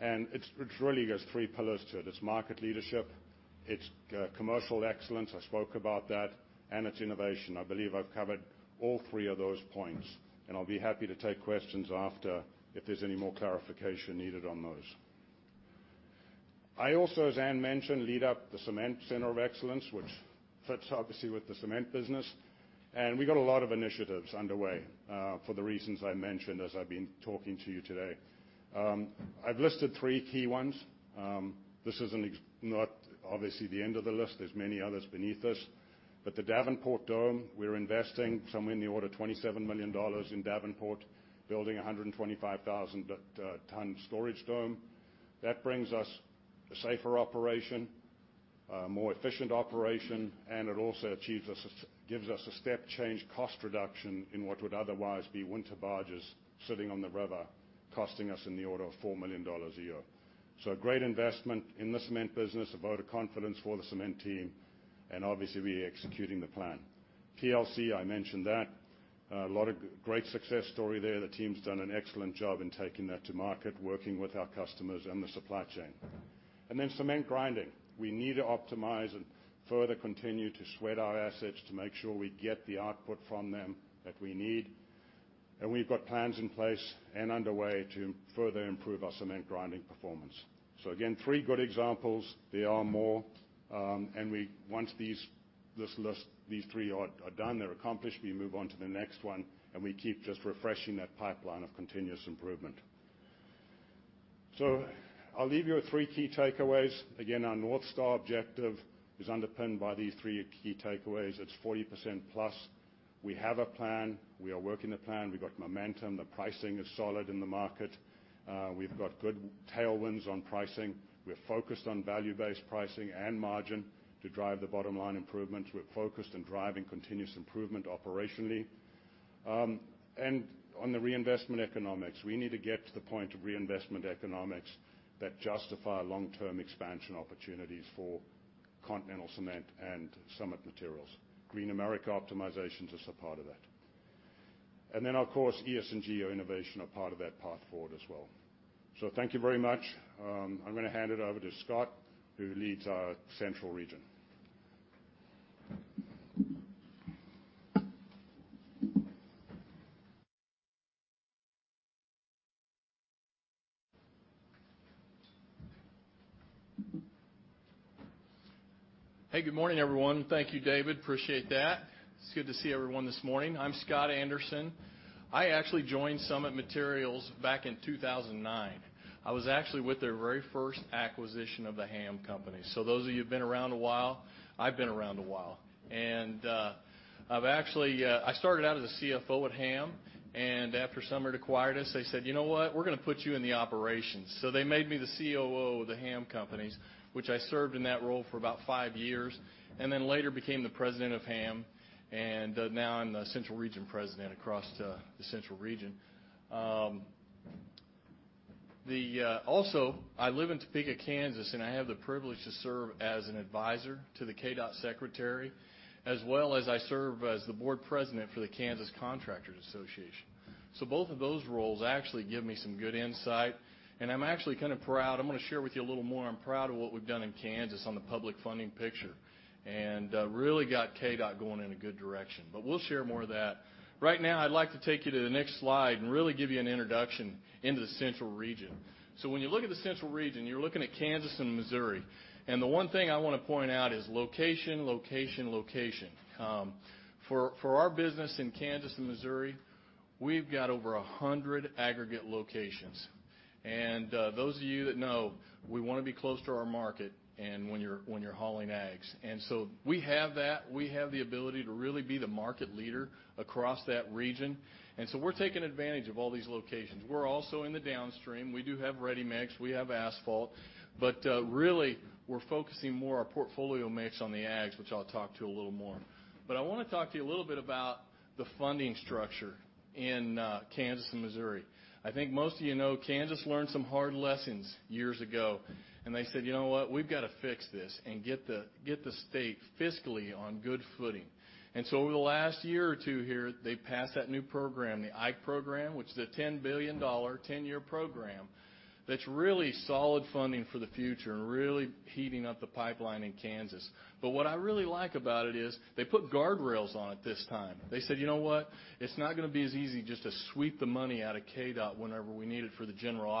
It's really got three pillars to it. It's market leadership, it's commercial excellence, I spoke about that, and it's innovation. I believe I've covered all three of those points, and I'll be happy to take questions after if there's any more clarification needed on those. I also, as Anne mentioned, lead up the Cement Center of Excellence, which fits obviously with the cement business. We've got a lot of initiatives underway, for the reasons I mentioned as I've been talking to you today. I've listed three key ones. This is not obviously the end of the list. There's many others beneath this. The Davenport dome, we're investing somewhere in the order of $27 million in Davenport, building a 125,000-ton storage dome. That brings us a safer operation, a more efficient operation, and it also gives us a step change cost reduction in what would otherwise be winter barges sitting on the river, costing us in the order of $4 million a year. A great investment in the cement business, a vote of confidence for the cement team, and obviously we are executing the plan. PLC, I mentioned that. A lot of great success story there. The team's done an excellent job in taking that to market, working with our customers and the supply chain. Cement grinding. We need to optimize and further continue to sweat our assets to make sure we get the output from them that we need. We've got plans in place and underway to further improve our cement grinding performance. Again, three good examples. There are more, once these, this list, these three are done, they're accomplished, we move on to the next one, and we keep just refreshing that pipeline of continuous improvement. I'll leave you with three key takeaways. Again, our North Star objective is underpinned by these three key takeaways. It's 40%+. We have a plan. We are working the plan. We've got momentum. The pricing is solid in the market. We've got good tailwinds on pricing. We're focused on value-based pricing and margin to drive the bottom line improvements. We're focused on driving continuous improvement operationally. On the reinvestment economics, we need to get to the point of reinvestment economics that justify long-term expansion opportunities for Continental Cement and Summit Materials. Green America optimizations are a part of that. Of course, ESG and geo innovation are part of that path forward as well. Thank you very much. I'm gonna hand it over to Scott, who leads our central region. Hey, good morning, everyone. Thank you, David. Appreciate that. It's good to see everyone this morning. I'm Scott Anderson. I actually joined Summit Materials back in 2009. I was actually with their very first acquisition of the Hamm Companies. Those of you who've been around a while, I've been around a while. I've actually, I started out as a CFO at Hamm, and after Summit acquired us, they said, "You know what? We're gonna put you in the operations." They made me the COO of the Hamm Companies, which I served in that role for about five years, and then later became the President of Hamm, and now I'm the Central Region President across the central region. I live in Topeka, Kansas, and I have the privilege to serve as an advisor to the KDOT secretary, as well as I serve as the board president for the Kansas Contractors Association. Both of those roles actually give me some good insight. I'm actually kinda proud. I'm gonna share with you a little more. I'm proud of what we've done in Kansas on the public funding picture and really got KDOT going in a good direction. We'll share more of that. Right now, I'd like to take you to the next slide and really give you an introduction into the central region. When you look at the central region, you're looking at Kansas and Missouri. The one thing I wanna point out is location, location. For our business in Kansas and Missouri, we've got over 100 aggregate locations. Those of you that know, we wanna be close to our market and when you're hauling aggs. We have that. We have the ability to really be the market leader across that region. We're taking advantage of all these locations. We're also in the downstream. We do have ready mix. We have asphalt. But really, we're focusing more on our portfolio mix on the aggs, which I'll talk about a little more. I wanna talk to you a little bit about the funding structure in Kansas and Missouri. I think most of you know Kansas learned some hard lessons years ago, and they said, "You know what? We've got to fix this and get the state fiscally on good footing." Over the last year or two here, they passed that new program, the IKE Program, which is a $10 billion, 10-year program that's really solid funding for the future and really heating up the pipeline in Kansas. What I really like about it is they put guardrails on it this time. They said, "You know what? It's not gonna be as easy just to sweep the money out of KDOT whenever we need it for the general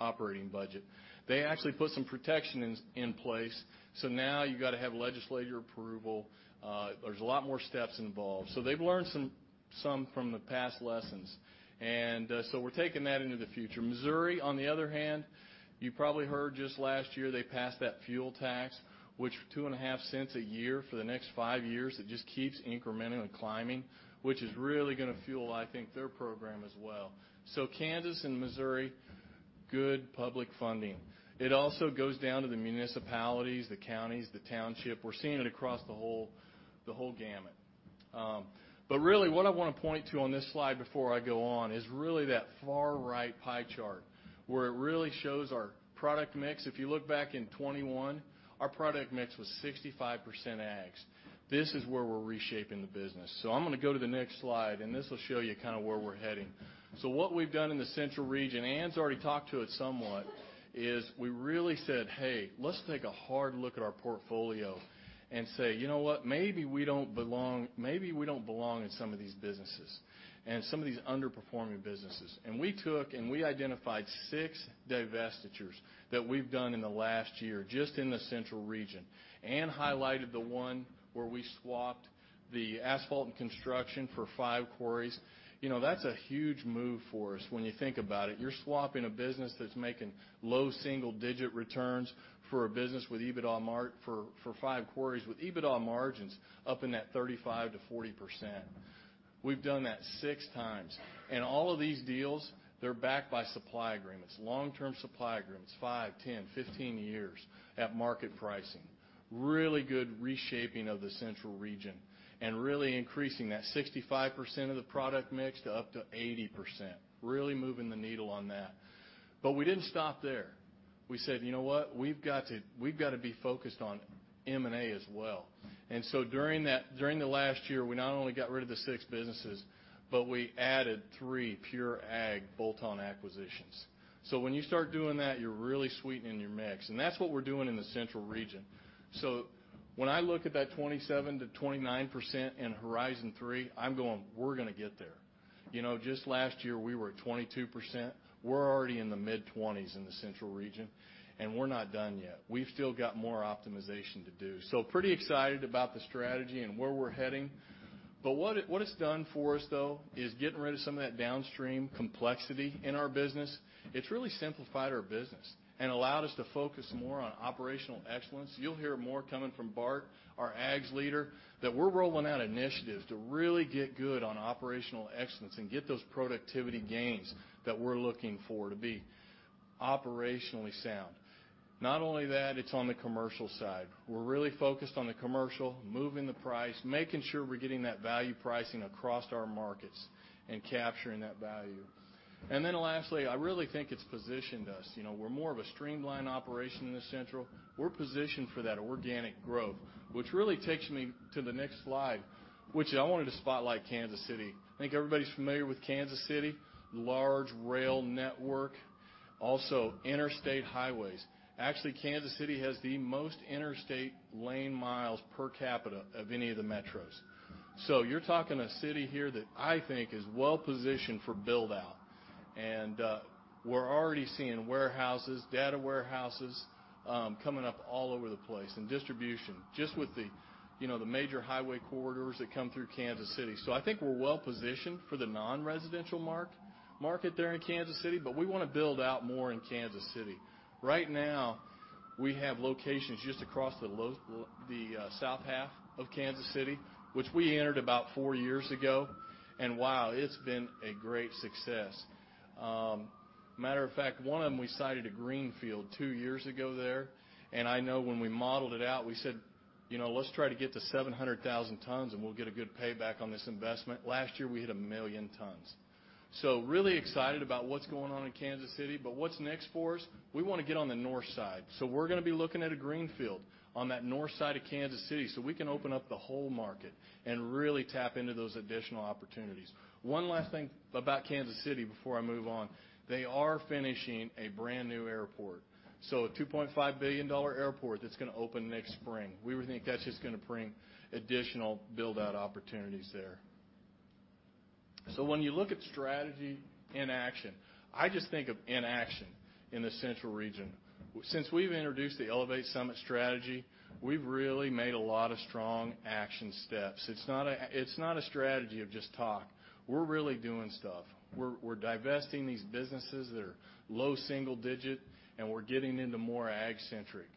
operating budget." They actually put some protection in place. Now you gotta have legislative approval. There's a lot more steps involved. They've learned some from the past lessons. We're taking that into the future. Missouri, on the other hand, you probably heard just last year, they passed that fuel tax, which $0.025 a year for the next five years, it just keeps incrementing and climbing, which is really gonna fuel, I think, their program as well. Kansas and Missouri, good public funding. It also goes down to the municipalities, the counties, the township. We're seeing it across the whole gamut. But really what I wanna point to on this slide before I go on is really that far right pie chart, where it really shows our product mix. If you look back in 2021, our product mix was 65% aggs. This is where we're reshaping the business. I'm gonna go to the next slide, and this will show you kinda where we're heading. What we've done in the Central Region, Anne's already talked to it somewhat, is we really said, "Hey, let's take a hard look at our portfolio," and say, "You know what? Maybe we don't belong in some of these businesses and some of these underperforming businesses." We identified six divestitures that we've done in the last year just in the central region. Anne highlighted the one where we swapped the asphalt and construction for five quarries. You know, that's a huge move for us when you think about it. You're swapping a business that's making low single digit returns for five quarries with EBITDA margins up in that 35%-40%. We've done that 6x. All of these deals, they're backed by supply agreements, long-term supply agreements, five, 10, 15 years at market pricing. Really good reshaping of the central region and really increasing that 65% of the product mix to up to 80%. Really moving the needle on that. We didn't stop there. We said, "You know what? We've got to be focused on M&A as well." During that, during the last year, we not only got rid of the six businesses, but we added three pure agg bolt-on acquisitions. When you start doing that, you're really sweetening your mix. That's what we're doing in the central region. When I look at that 27%-29% in Horizon 3, I'm going, we're gonna get there. You know, just last year, we were at 22%. We're already in the mid-20S% in the Central region, and we're not done yet. We've still got more optimization to do. Pretty excited about the strategy and where we're heading. What it's done for us, though, is getting rid of some of that downstream complexity in our business. It's really simplified our business and allowed us to focus more on operational excellence. You'll hear more coming from Bart, our aggs leader, that we're rolling out initiatives to really get good on operational excellence and get those productivity gains that we're looking for to be operationally sound. Not only that, it's on the commercial side. We're really focused on the commercial, moving the price, making sure we're getting that value pricing across our markets and capturing that value. Then lastly, I really think it's positioned us. You know, we're more of a streamlined operation in the Central. We're positioned for that organic growth, which really takes me to the next slide, which I wanted to spotlight Kansas City. I think everybody's familiar with Kansas City, large rail network, also interstate highways. Actually, Kansas City has the most interstate lane miles per capita of any of the metros. You're talking a city here that I think is well-positioned for build-out. We're already seeing warehouses, data centers, coming up all over the place and distribution just with the, you know, the major highway corridors that come through Kansas City. I think we're well-positioned for the non-residential market there in Kansas City, but we wanna build out more in Kansas City. Right now, we have locations just across the south half of Kansas City, which we entered about four years ago. Wow, it's been a great success. Matter of fact, one of them we cited a greenfield two years ago there, and I know when we modeled it out, we said, you know, "Let's try to get to 700,000 tons, and we'll get a good payback on this investment." Last year, we hit 1 million tons. Really excited about what's going on in Kansas City. What's next for us? We wanna get on the north side. We're gonna be looking at a greenfield on that north side of Kansas City, so we can open up the whole market and really tap into those additional opportunities. One last thing about Kansas City before I move on. They are finishing a brand-new airport, so a $2.5 billion airport that's gonna open next spring. We think that's just gonna bring additional build-out opportunities there. When you look at strategy in action, I just think of action in the Central region. Since we've introduced the Elevate Summit Strategy, we've really made a lot of strong action steps. It's not a strategy of just talk. We're really doing stuff. We're divesting these businesses that are low single-digit, and we're getting into more agg-centric.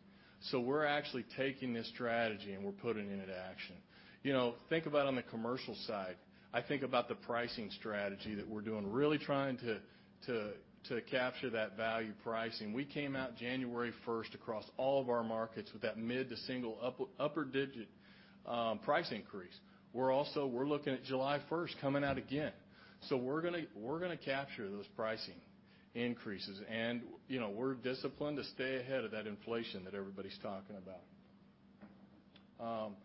We're actually taking this strategy, and we're putting it into action. You know, think about on the commercial side. I think about the pricing strategy that we're doing, really trying to capture that value pricing. We came out January first across all of our markets with that mid- to upper-single-digit price increase. We're also looking at July 1st coming out again. We're gonna capture those pricing increases, and, you know, we're disciplined to stay ahead of that inflation that everybody's talking about.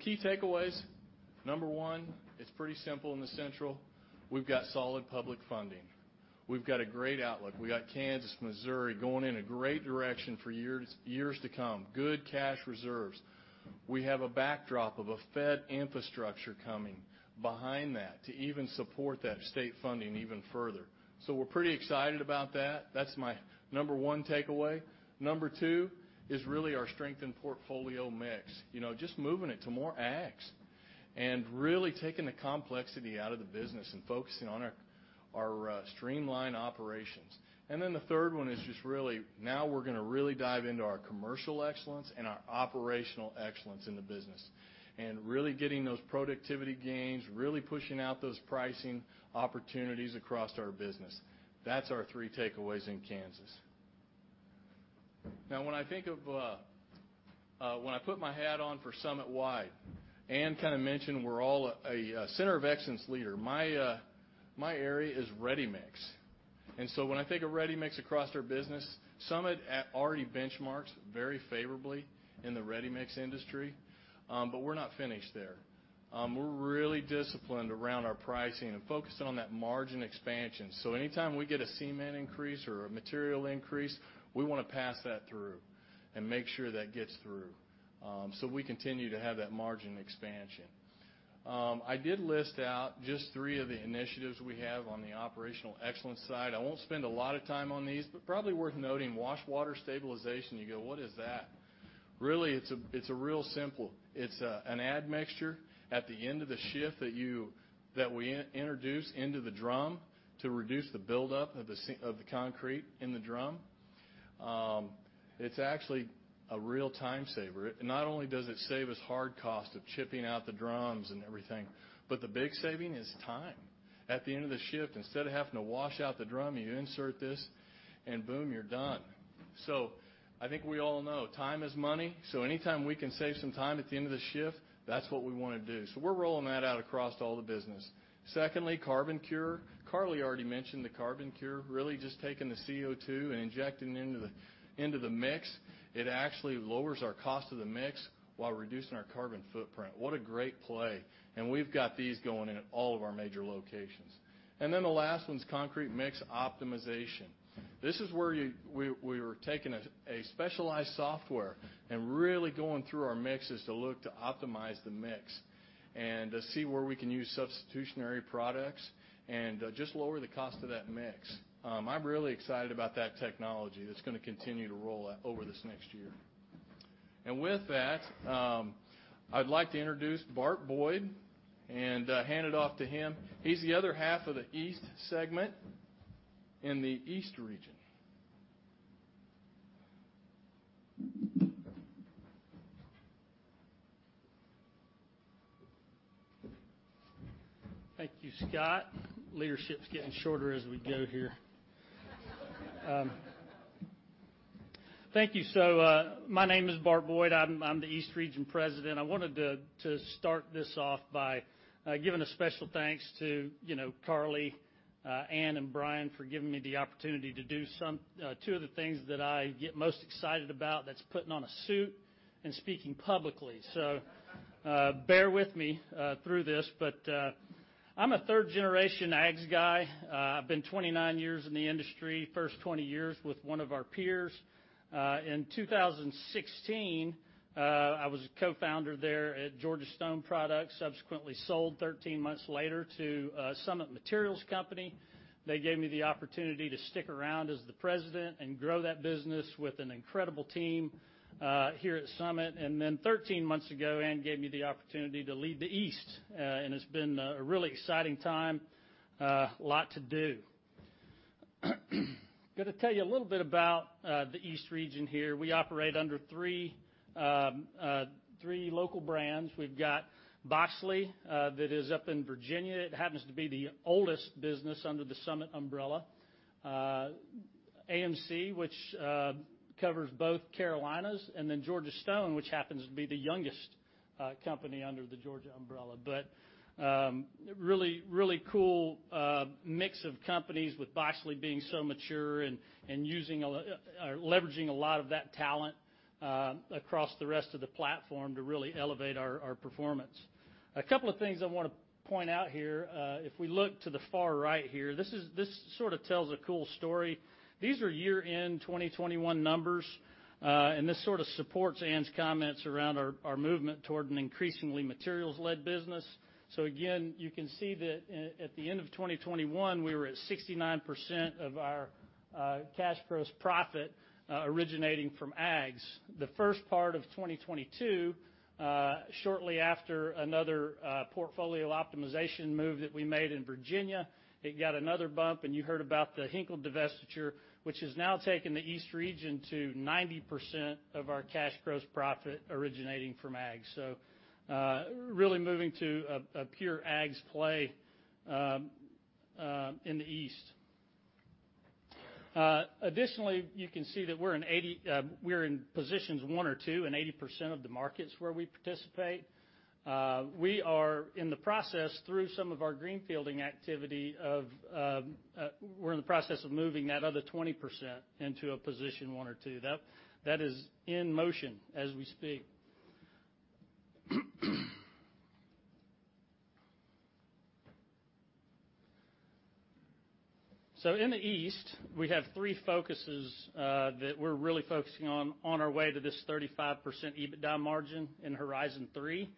Key takeaways. Number one, it's pretty simple in the Central. We've got solid public funding. We've got a great outlook. We got Kansas, Missouri, going in a great direction for years to come, good cash reserves. We have a backdrop of a federal infrastructure coming behind that to even support that state funding even further. We're pretty excited about that. That's my number one takeaway. Number two is really our strength in portfolio mix. You know, just moving it to more ags and really taking the complexity out of the business and focusing on our streamlined operations. The third one is just really, now we're gonna really dive into our commercial excellence and our operational excellence in the business and really getting those productivity gains, really pushing out those pricing opportunities across our business. That's our three takeaways in Kansas. Now when I think of, when I put my hat on for Summit-wide, Anne kinda mentioned we're all a center of excellence leader. My area is ready-mix. When I think of ready-mix across their business, Summit already benchmarks very favorably in the ready-mix industry, but we're not finished there. We're really disciplined around our pricing and focusing on that margin expansion. Anytime we get a cement increase or a material increase, we wanna pass that through and make sure that gets through, so we continue to have that margin expansion. I did list out just three of the initiatives we have on the operational excellence side. I won't spend a lot of time on these, but probably worth noting wash water stabilization. You go, "What is that?" Really, it's a real simple. It's an admixture at the end of the shift that we introduce into the drum to reduce the buildup of the concrete in the drum. It's actually a real time saver. Not only does it save us hard cost of chipping out the drums and everything, but the big saving is time. At the end of the shift, instead of having to wash out the drum, you insert this, and boom, you're done. I think we all know time is money, so anytime we can save some time at the end of the shift, that's what we wanna do. We're rolling that out across all the business. Secondly, CarbonCure. Karli already mentioned the CarbonCure, really just taking the CO2 and injecting it into the mix. It actually lowers our cost of the mix while reducing our carbon footprint. What a great play. We've got these going in at all of our major locations. Then the last one is concrete mix optimization. This is where we were taking a specialized software and really going through our mixes to look to optimize the mix and to see where we can use substitutionary products and just lower the cost of that mix. I'm really excited about that technology. That's gonna continue to roll over this next year. With that, I'd like to introduce Bart Boyd and hand it off to him. He's the other half of the East segment in the East Region. Thank you, Scott. Leadership's getting shorter as we go here. Thank you. My name is Bart Boyd. I'm the East Region President. I wanted to start this off by giving a special thanks to, you know, Karli, Anne, and Brian for giving me the opportunity to do two of the things that I get most excited about. That's putting on a suit and speaking publicly. Bear with me through this, but I'm a third-generation aggs guy. I've been 29 years in the industry. First 20 years with one of our peers. In 2016, I was a co-founder there at Georgia Stone Products, subsequently sold 13 months later to Summit Materials Company. They gave me the opportunity to stick around as the president and grow that business with an incredible team here at Summit. Then 13 months ago, Anne gave me the opportunity to lead the East, and it's been a really exciting time. A lot to do. Gonna tell you a little bit about the East region here. We operate under three local brands. We've got Boxley that is up in Virginia. It happens to be the oldest business under the Summit umbrella. AMC, which covers both Carolinas, and then Georgia Stone, which happens to be the youngest company under the Georgia umbrella. Really cool mix of companies with Boxley being so mature and using or leveraging a lot of that talent across the rest of the platform to really elevate our performance. A couple of things I wanna point out here. If we look to the far right here, this sorta tells a cool story. These are year-end 2021 numbers, and this sorta supports Anne's comments around our movement toward an increasingly materials-led business. Again, you can see that at the end of 2021, we were at 69% of our cash gross profit originating from aggs. The first part of 2022, shortly after another portfolio optimization move that we made in Virginia, it got another bump, and you heard about the Hinkle divestiture, which has now taken the East Region to 90% of our cash gross profit originating from ag. Really moving to a pure ags play in the East. Additionally, you can see that we're in positions one or two in 80% of the markets where we participate. We are in the process through some of our greenfielding activity of moving that other 20% into a position one or two. That is in motion as we speak. In the east, we have three focuses that we're really focusing on our way to this 35% EBITDA margin in Horizon 3.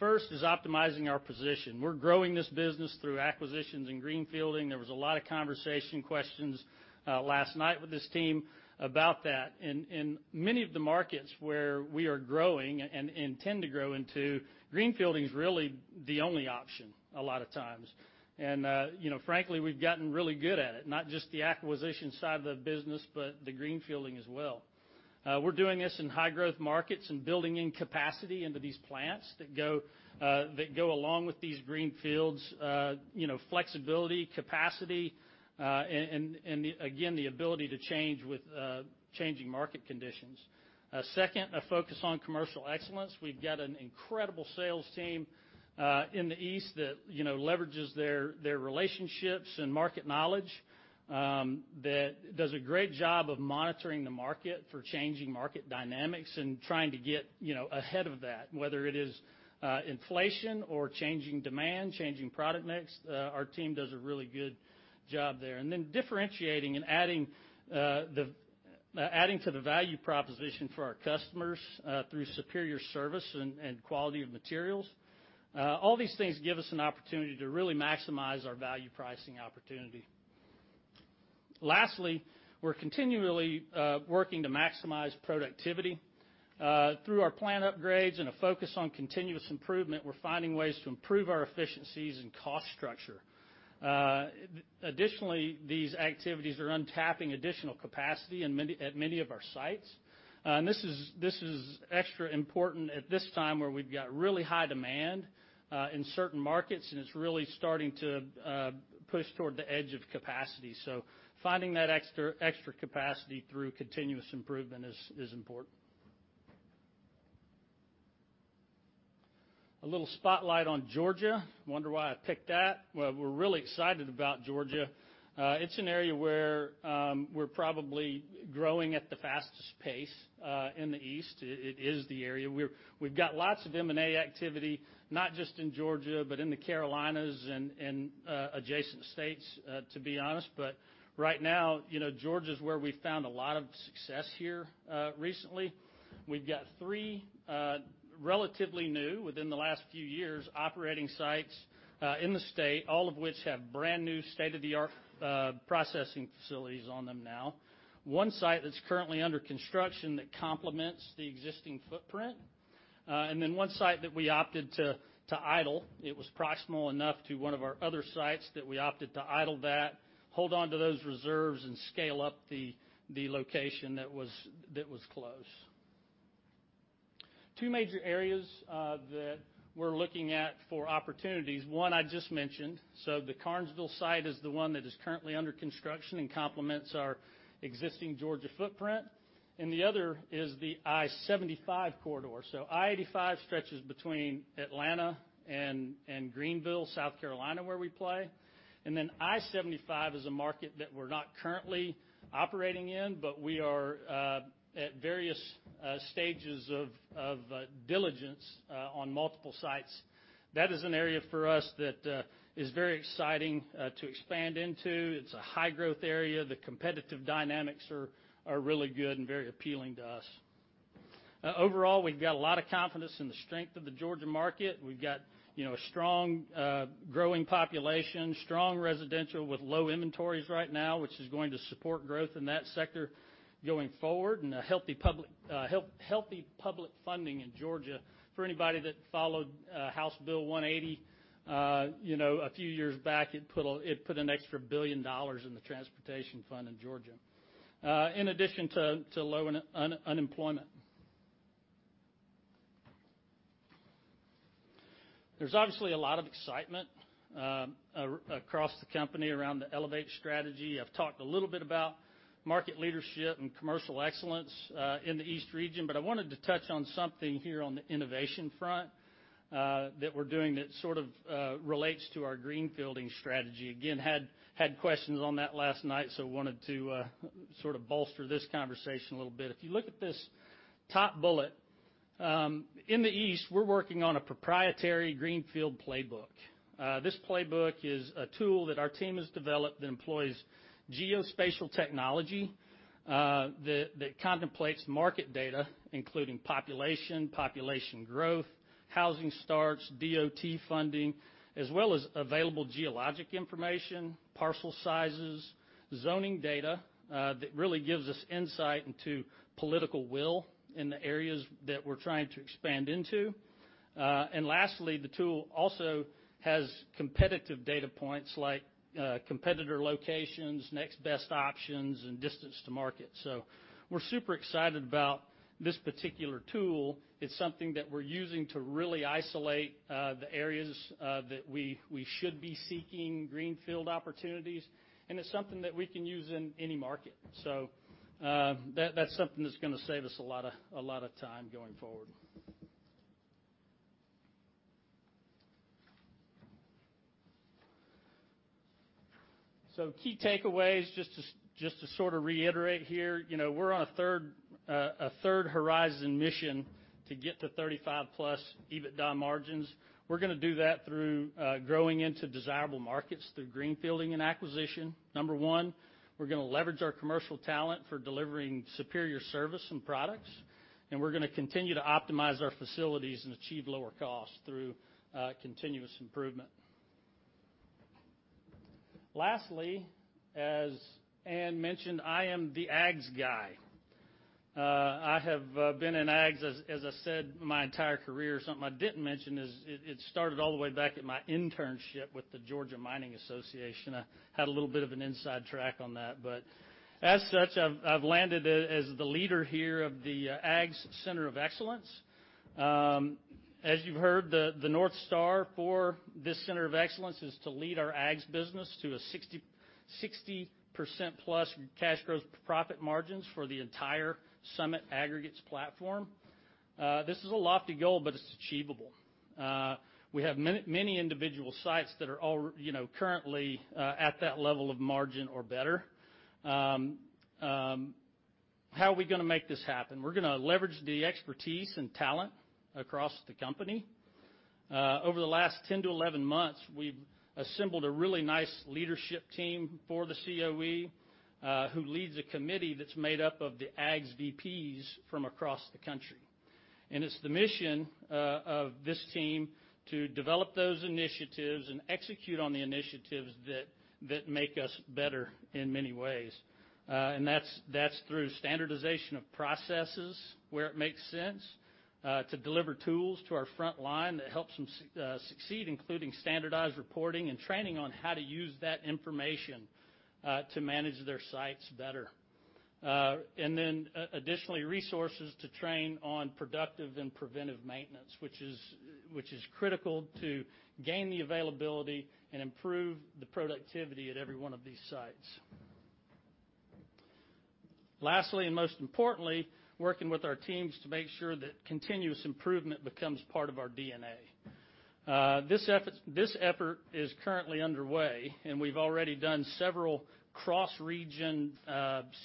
First is optimizing our position. We're growing this business through acquisitions and greenfielding. There was a lot of conversation, questions last night with this team about that. In many of the markets where we are growing and intend to grow into, greenfielding is really the only option a lot of times. You know, frankly, we've gotten really good at it, not just the acquisition side of the business, but the greenfielding as well. We're doing this in high growth markets and building in capacity into these plants that go along with these greenfields, you know, flexibility, capacity, and the ability again to change with changing market conditions. Second, a focus on commercial excellence. We've got an incredible sales team in the east that, you know, leverages their relationships and market knowledge that does a great job of monitoring the market for changing market dynamics and trying to get, you know, ahead of that, whether it is inflation or changing demand, changing product mix, our team does a really good job there. Differentiating and adding to the value proposition for our customers through superior service and quality of materials. All these things give us an opportunity to really maximize our value pricing opportunity. Lastly, we're continually working to maximize productivity. Through our plant upgrades and a focus on continuous improvement, we're finding ways to improve our efficiencies and cost structure. Additionally, these activities are untapping additional capacity at many of our sites. This is extra important at this time where we've got really high demand in certain markets, and it's really starting to push toward the edge of capacity. Finding that extra capacity through continuous improvement is important. A little spotlight on Georgia. Wonder why I picked that? Well, we're really excited about Georgia. It's an area where we're probably growing at the fastest pace in the East. It is the area where we've got lots of M&A activity, not just in Georgia, but in the Carolinas and adjacent states, to be honest. Right now, you know, Georgia is where we found a lot of success here recently. We've got three relatively new, within the last few years, operating sites in the state, all of which have brand new state-of-the-art processing facilities on them now. One site that's currently under construction that complements the existing footprint, and then one site that we opted to idle. It was proximal enough to one of our other sites that we opted to idle that, hold onto those reserves, and scale up the location that was close. Two major areas that we're looking at for opportunities, one I just mentioned, the Carnesville site is the one that is currently under construction and complements our existing Georgia footprint, and the other is the I-75 corridor. I-85 stretches between Atlanta and Greenville, South Carolina, where we play. I-75 is a market that we're not currently operating in, but we are at various stages of diligence on multiple sites. That is an area for us that is very exciting to expand into. It's a high-growth area. The competitive dynamics are really good and very appealing to us. Overall, we've got a lot of confidence in the strength of the Georgia market. We've got, you know, a strong growing population, strong residential with low inventories right now, which is going to support growth in that sector going forward, and a healthy public funding in Georgia. For anybody that followed House Bill 180, you know, a few years back, it put an extra $1 billion in the transportation fund in Georgia, in addition to low unemployment. There's obviously a lot of excitement across the company around the Elevate strategy. I've talked a little bit about market leadership and commercial excellence in the East Region, but I wanted to touch on something here on the innovation front that we're doing that sort of relates to our greenfielding strategy. Again, had questions on that last night, so wanted to sort of bolster this conversation a little bit. If you look at this top bullet in the East, we're working on a proprietary greenfield playbook. This playbook is a tool that our team has developed that employs geospatial technology that contemplates market data, including population growth, housing starts, DOT funding, as well as available geologic information, parcel sizes, zoning data that really gives us insight into political will in the areas that we're trying to expand into. Lastly, the tool also has competitive data points like, competitor locations, next best options, and distance to market. We're super excited about this particular tool. It's something that we're using to really isolate the areas that we should be seeking greenfield opportunities, and it's something that we can use in any market. That's something that's gonna save us a lotta time going forward. Key takeaways, just to sort of reiterate here. You know, we're on a third horizon mission to get to 35%+ EBITDA margins. We're gonna do that through growing into desirable markets through greenfielding and acquisition, number one. We're gonna leverage our commercial talent for delivering superior service and products, and we're gonna continue to optimize our facilities and achieve lower costs through continuous improvement. Lastly, as Anne mentioned, I am the aggs guy. I have been in aggs, as I said, my entire career. Something I didn't mention is it started all the way back at my internship with the Georgia Mining Association. I had a little bit of an inside track on that, but as such, I've landed as the leader here of the aggs center of excellence. As you've heard, the North Star for this center of excellence is to lead our aggs business to 60%+ cash gross profit margins for the entire Summit Aggregates platform. This is a lofty goal, but it's achievable. We have many individual sites that are, you know, currently at that level of margin or better. How are we gonna make this happen? We're gonna leverage the expertise and talent across the company. Over the last 10-11 months, we've assembled a really nice leadership team for the COE, who leads a committee that's made up of the aggs VPs from across the country. It's the mission of this team to develop those initiatives and execute on the initiatives that make us better in many ways. That's through standardization of processes where it makes sense to deliver tools to our front line that helps them succeed, including standardized reporting and training on how to use that information to manage their sites better. Additionally, resources to train on productive and preventive maintenance, which is critical to gain the availability and improve the productivity at every one of these sites. Lastly, and most importantly, working with our teams to make sure that continuous improvement becomes part of our DNA. This effort is currently underway, and we've already done several cross-region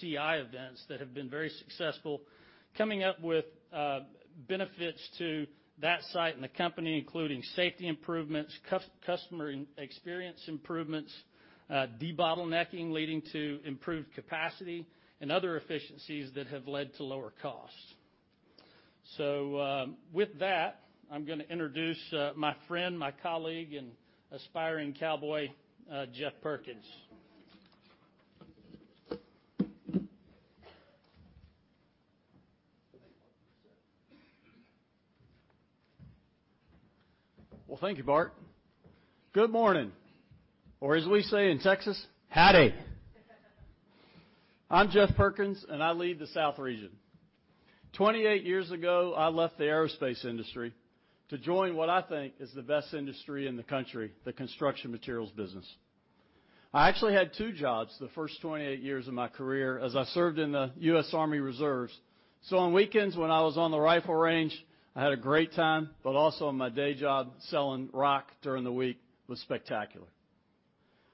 CI events that have been very successful, coming up with benefits to that site and the company, including safety improvements, customer experience improvements, debottlenecking, leading to improved capacity and other efficiencies that have led to lower costs. With that, I'm gonna introduce my friend, my colleague, and aspiring cowboy, Jeff Perkins. Well, thank you, Bart. Good morning. Or as we say in Texas, howdy. I'm Jeff Perkins, and I lead the South region. 28 years ago, I left the aerospace industry to join what I think is the best industry in the country, the construction materials business. I actually had two jobs the first 28 years of my career, as I served in the U.S. Army Reserve. On weekends when I was on the rifle range, I had a great time, but also in my day job selling rock during the week was spectacular.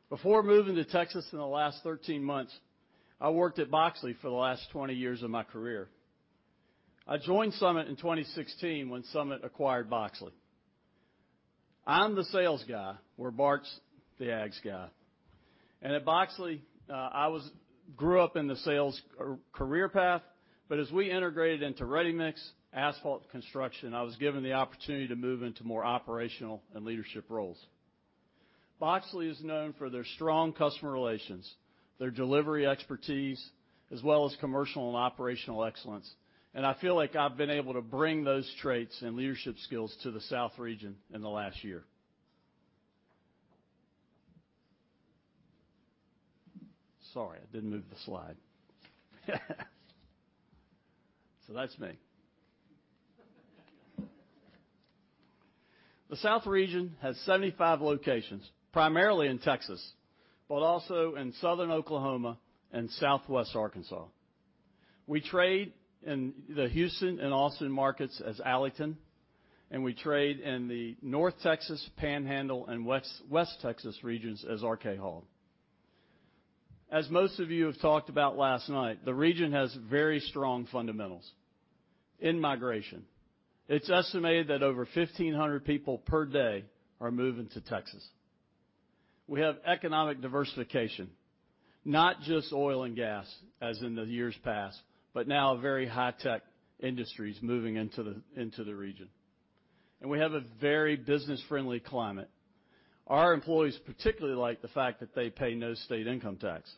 Before moving to Texas in the last 13 months, I worked at Boxley for the last 20 years of my career. I joined Summit in 2016 when Summit acquired Boxley. I'm the sales guy, where Bart's the aggs guy. At Boxley, I grew up in the sales or career path, but as we integrated into ready-mix asphalt construction, I was given the opportunity to move into more operational and leadership roles. Boxley is known for their strong customer relations, their delivery expertise, as well as commercial and operational excellence, and I feel like I've been able to bring those traits and leadership skills to the South Region in the last year. Sorry, I didn't move the slide. That's me. The South Region has 75 locations, primarily in Texas, but also in Southern Oklahoma and Southwest Arkansas. We trade in the Houston and Austin markets as Alleyton, and we trade in the North Texas, Panhandle, and West Texas regions as RK Hall. As most of you have talked about last night, the region has very strong fundamentals. In-migration, it's estimated that over 1,500 people per day are moving to Texas. We have economic diversification, not just oil and gas, as in the years past, but now very high-tech industries moving into the region. We have a very business-friendly climate. Our employees particularly like the fact that they pay no state income tax.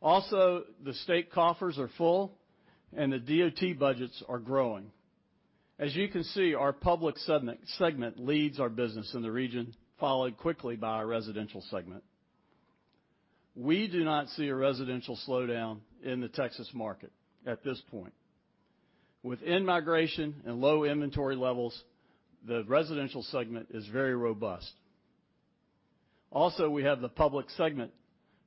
Also, the state coffers are full, and the DOT budgets are growing. As you can see, our public segment leads our business in the region, followed quickly by our residential segment. We do not see a residential slowdown in the Texas market at this point. With in-migration and low inventory levels, the residential segment is very robust. Also, we have the public segment,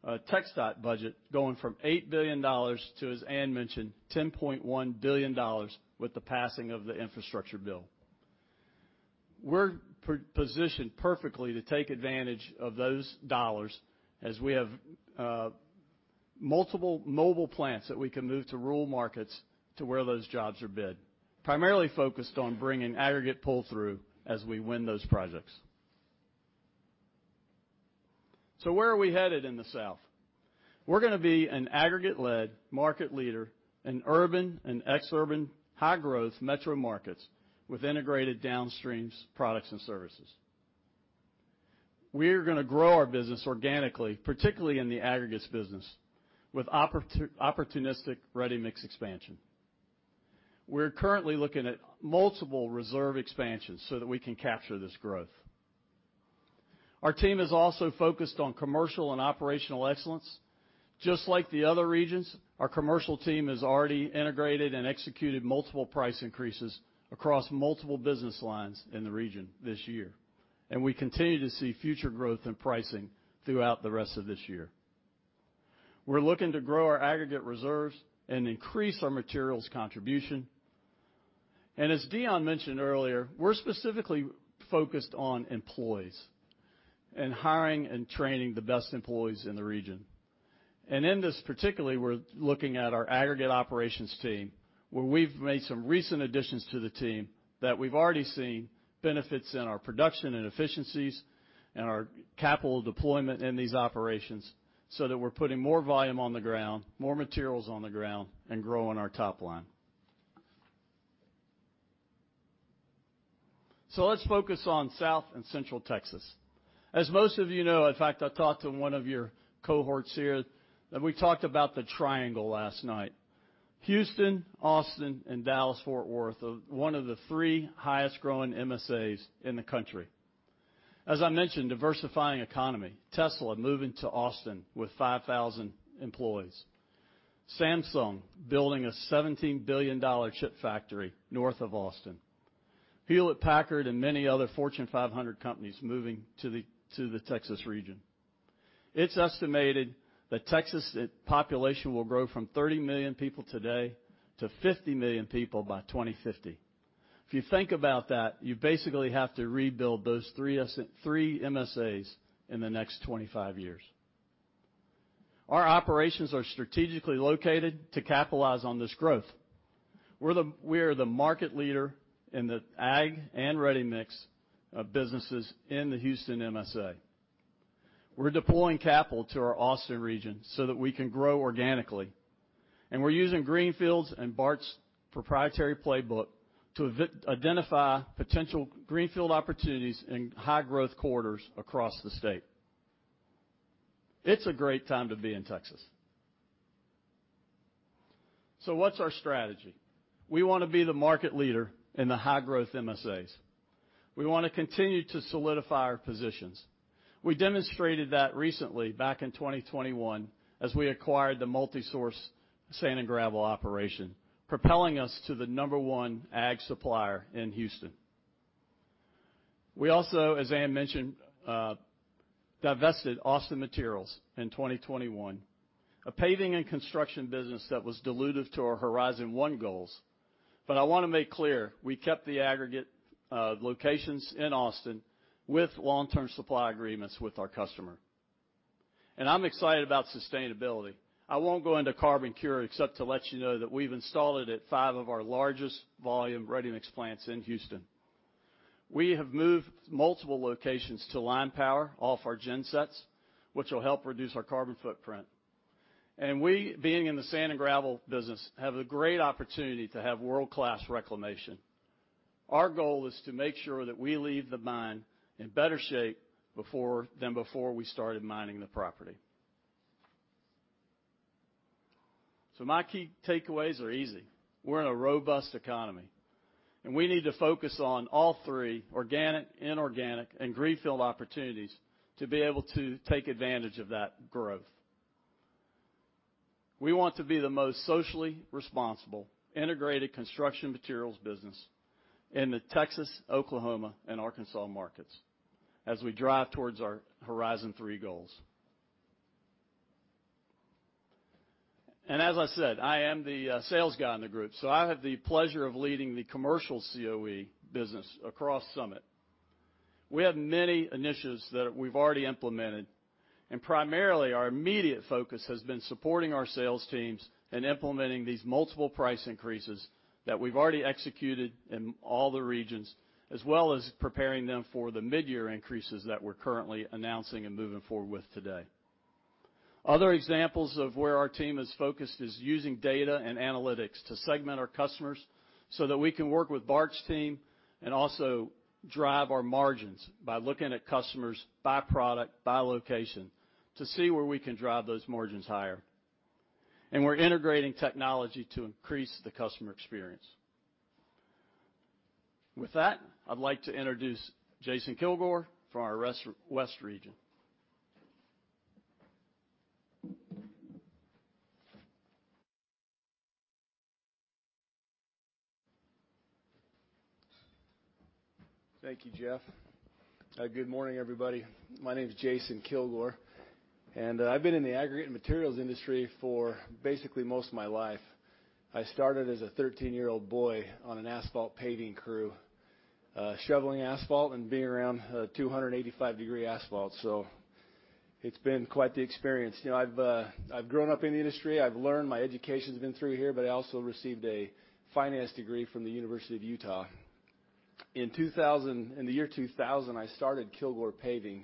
TxDOT budget going from $8 billion to, as Anne mentioned, $10.1 billion with the passing of the infrastructure bill. We're positioned perfectly to take advantage of those dollars as we have multiple mobile plants that we can move to rural markets to where those jobs are bid, primarily focused on bringing aggregate pull-through as we win those projects. Where are we headed in the South? We're gonna be an aggregate-led market leader in urban and ex-urban high-growth metro markets with integrated downstreams products and services. We are gonna grow our business organically, particularly in the aggregates business, with opportunistic ready-mix expansion. We're currently looking at multiple reserve expansions so that we can capture this growth. Our team is also focused on commercial and operational excellence. Just like the other regions, our commercial team has already integrated and executed multiple price increases across multiple business lines in the region this year, and we continue to see future growth in pricing throughout the rest of this year. We're looking to grow our aggregate reserves and increase our materials contribution. As Deon mentioned earlier, we're specifically focused on employees and hiring and training the best employees in the region. In this particular, we're looking at our aggregate operations team, where we've made some recent additions to the team that we've already seen benefits in our production and efficiencies and our capital deployment in these operations so that we're putting more volume on the ground, more materials on the ground, and growing our top line. Let's focus on South and Central Texas. As most of you know, in fact, I talked to one of your cohorts here, and we talked about the triangle last night. Houston, Austin, and Dallas/Fort Worth are one of the three highest growing MSAs in the country. As I mentioned, diversifying economy. Tesla moving to Austin with 5,000 employees. Samsung building a $17 billion chip factory north of Austin. Hewlett-Packard and many other Fortune 500 companies moving to the Texas region. It's estimated that Texas population will grow from 30 million people today to 50 million people by 2050. If you think about that, you basically have to rebuild those three MSAs in the next 25 years. Our operations are strategically located to capitalize on this growth. We are the market leader in the ag and ready mix of businesses in the Houston MSA. We're deploying capital to our Austin region so that we can grow organically. We're using greenfields and Bart's proprietary playbook to identify potential greenfield opportunities in high growth corridors across the state. It's a great time to be in Texas. What's our strategy? We wanna be the market leader in the high growth MSAs. We wanna continue to solidify our positions. We demonstrated that recently back in 2021 as we acquired the Multisource Sand and Gravel operation, propelling us to the number one ag supplier in Houston. We also, as Anne mentioned, divested Austin Materials in 2021, a paving and construction business that was dilutive to our Horizon 1 goals. I wanna make clear, we kept the aggregate locations in Austin with long-term supply agreements with our customer. I'm excited about sustainability. I won't go into CarbonCure except to let you know that we've installed it at five of our largest volume ready-mix plants in Houston. We have moved multiple locations to line power off our gensets, which will help reduce our carbon footprint. We, being in the sand and gravel business, have a great opportunity to have world-class reclamation. Our goal is to make sure that we leave the mine in better shape than before we started mining the property. My key takeaways are easy. We're in a robust economy, and we need to focus on all three, organic, inorganic, and greenfield opportunities to be able to take advantage of that growth. We want to be the most socially responsible integrated construction materials business in the Texas, Oklahoma, and Arkansas markets as we drive towards our Horizon 3 goals. As I said, I am the sales guy in the group, so I have the pleasure of leading the commercial COE business across Summit. We have many initiatives that we've already implemented, and primarily, our immediate focus has been supporting our sales teams in implementing these multiple price increases that we've already executed in all the regions, as well as preparing them for the mid-year increases that we're currently announcing and moving forward with today. Other examples of where our team is focused is using data and analytics to segment our customers so that we can work with Bart's team and also drive our margins by looking at customers by product, by location to see where we can drive those margins higher. We're integrating technology to increase the customer experience. With that, I'd like to introduce Jason Kilgore from our West region. Thank you, Jeff. Good morning, everybody. My name is Jason Kilgore, and I've been in the aggregate materials industry for basically most of my life. I started as a 13-year-old boy on an asphalt paving crew, shoveling asphalt and being around 285-degree asphalt. It's been quite the experience. You know, I've grown up in the industry. I've learned. My education's been through here, but I also received a finance degree from the University of Utah. In the year 2000, I started Kilgore Paving,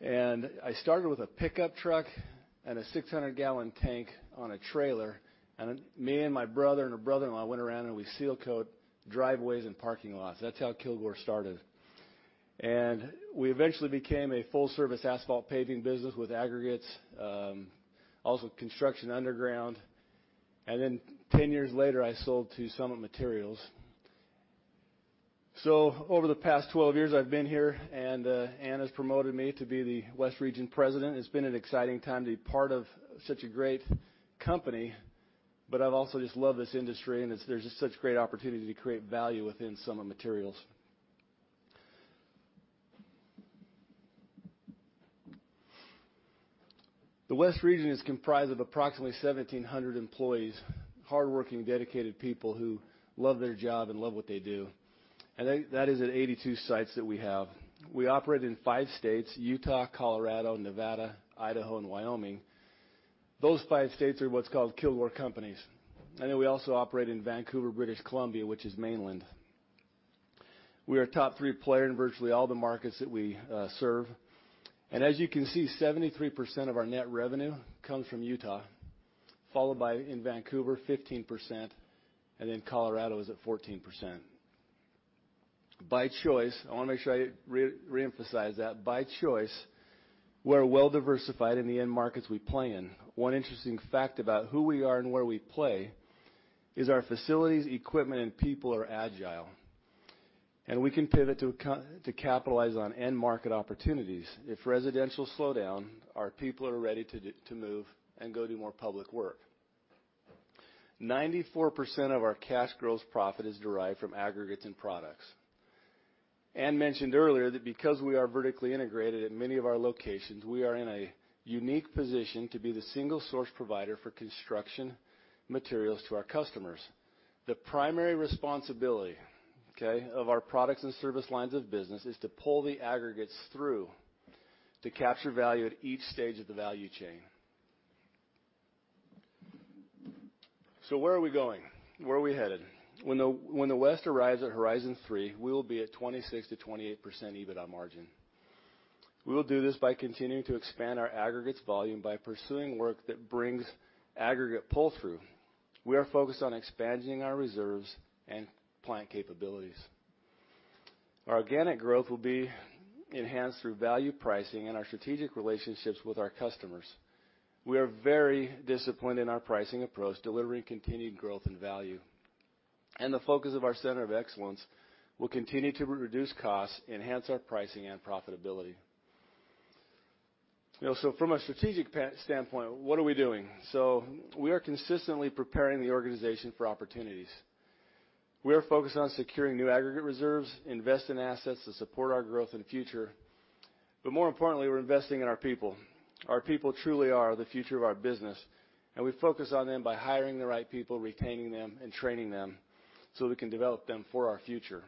and I started with a pickup truck and a 600 gal tank on a trailer. Me and my brother and a brother-in-law went around and we sealcoat driveways and parking lots. That's how Kilgore started. We eventually became a full-service asphalt paving business with aggregates, also construction underground. Then 10 years later, I sold to Summit Materials. Over the past 12 years I've been here, and Anne has promoted me to be the West Region President. It's been an exciting time to be part of such a great company, but I've also just love this industry, and there's just such great opportunity to create value within Summit Materials. The West Region is comprised of approximately 1,700 employees, hardworking, dedicated people who love their job and love what they do. That is at 82 sites that we have. We operate in five states, Utah, Colorado, Nevada, Idaho, and Wyoming. Those five states are what's called Kilgore Companies. Then we also operate in Vancouver, British Columbia, which is Mainland. We are a top three player in virtually all the markets that we serve. As you can see, 73% of our net revenue comes from Utah, followed by in Vancouver, 15%, and then Colorado is at 14%. By choice, I wanna make sure I reemphasize that, by choice, we're well diversified in the end markets we play in. One interesting fact about who we are and where we play is our facilities, equipment, and people are agile, and we can pivot to capitalize on end market opportunities. If residential slow down, our people are ready to move and go do more public work. 94% of our cash gross profit is derived from aggregates and products. Ann mentioned earlier that because we are vertically integrated in many of our locations, we are in a unique position to be the single source provider for construction materials to our customers. The primary responsibility, okay, of our products and service lines of business is to pull the aggregates through to capture value at each stage of the value chain. Where are we going? Where are we headed? When the West arrives at Horizon 3, we will be at 26%-28% EBITDA margin. We will do this by continuing to expand our aggregates volume by pursuing work that brings aggregate pull-through. We are focused on expanding our reserves and plant capabilities. Our organic growth will be enhanced through value pricing and our strategic relationships with our customers. We are very disciplined in our pricing approach, delivering continued growth and value. The focus of our center of excellence will continue to reduce costs, enhance our pricing and profitability. You know, from a strategic standpoint, what are we doing? We are consistently preparing the organization for opportunities. We are focused on securing new aggregate reserves, invest in assets to support our growth in the future, but more importantly, we're investing in our people. Our people truly are the future of our business, and we focus on them by hiring the right people, retaining them and training them so we can develop them for our future.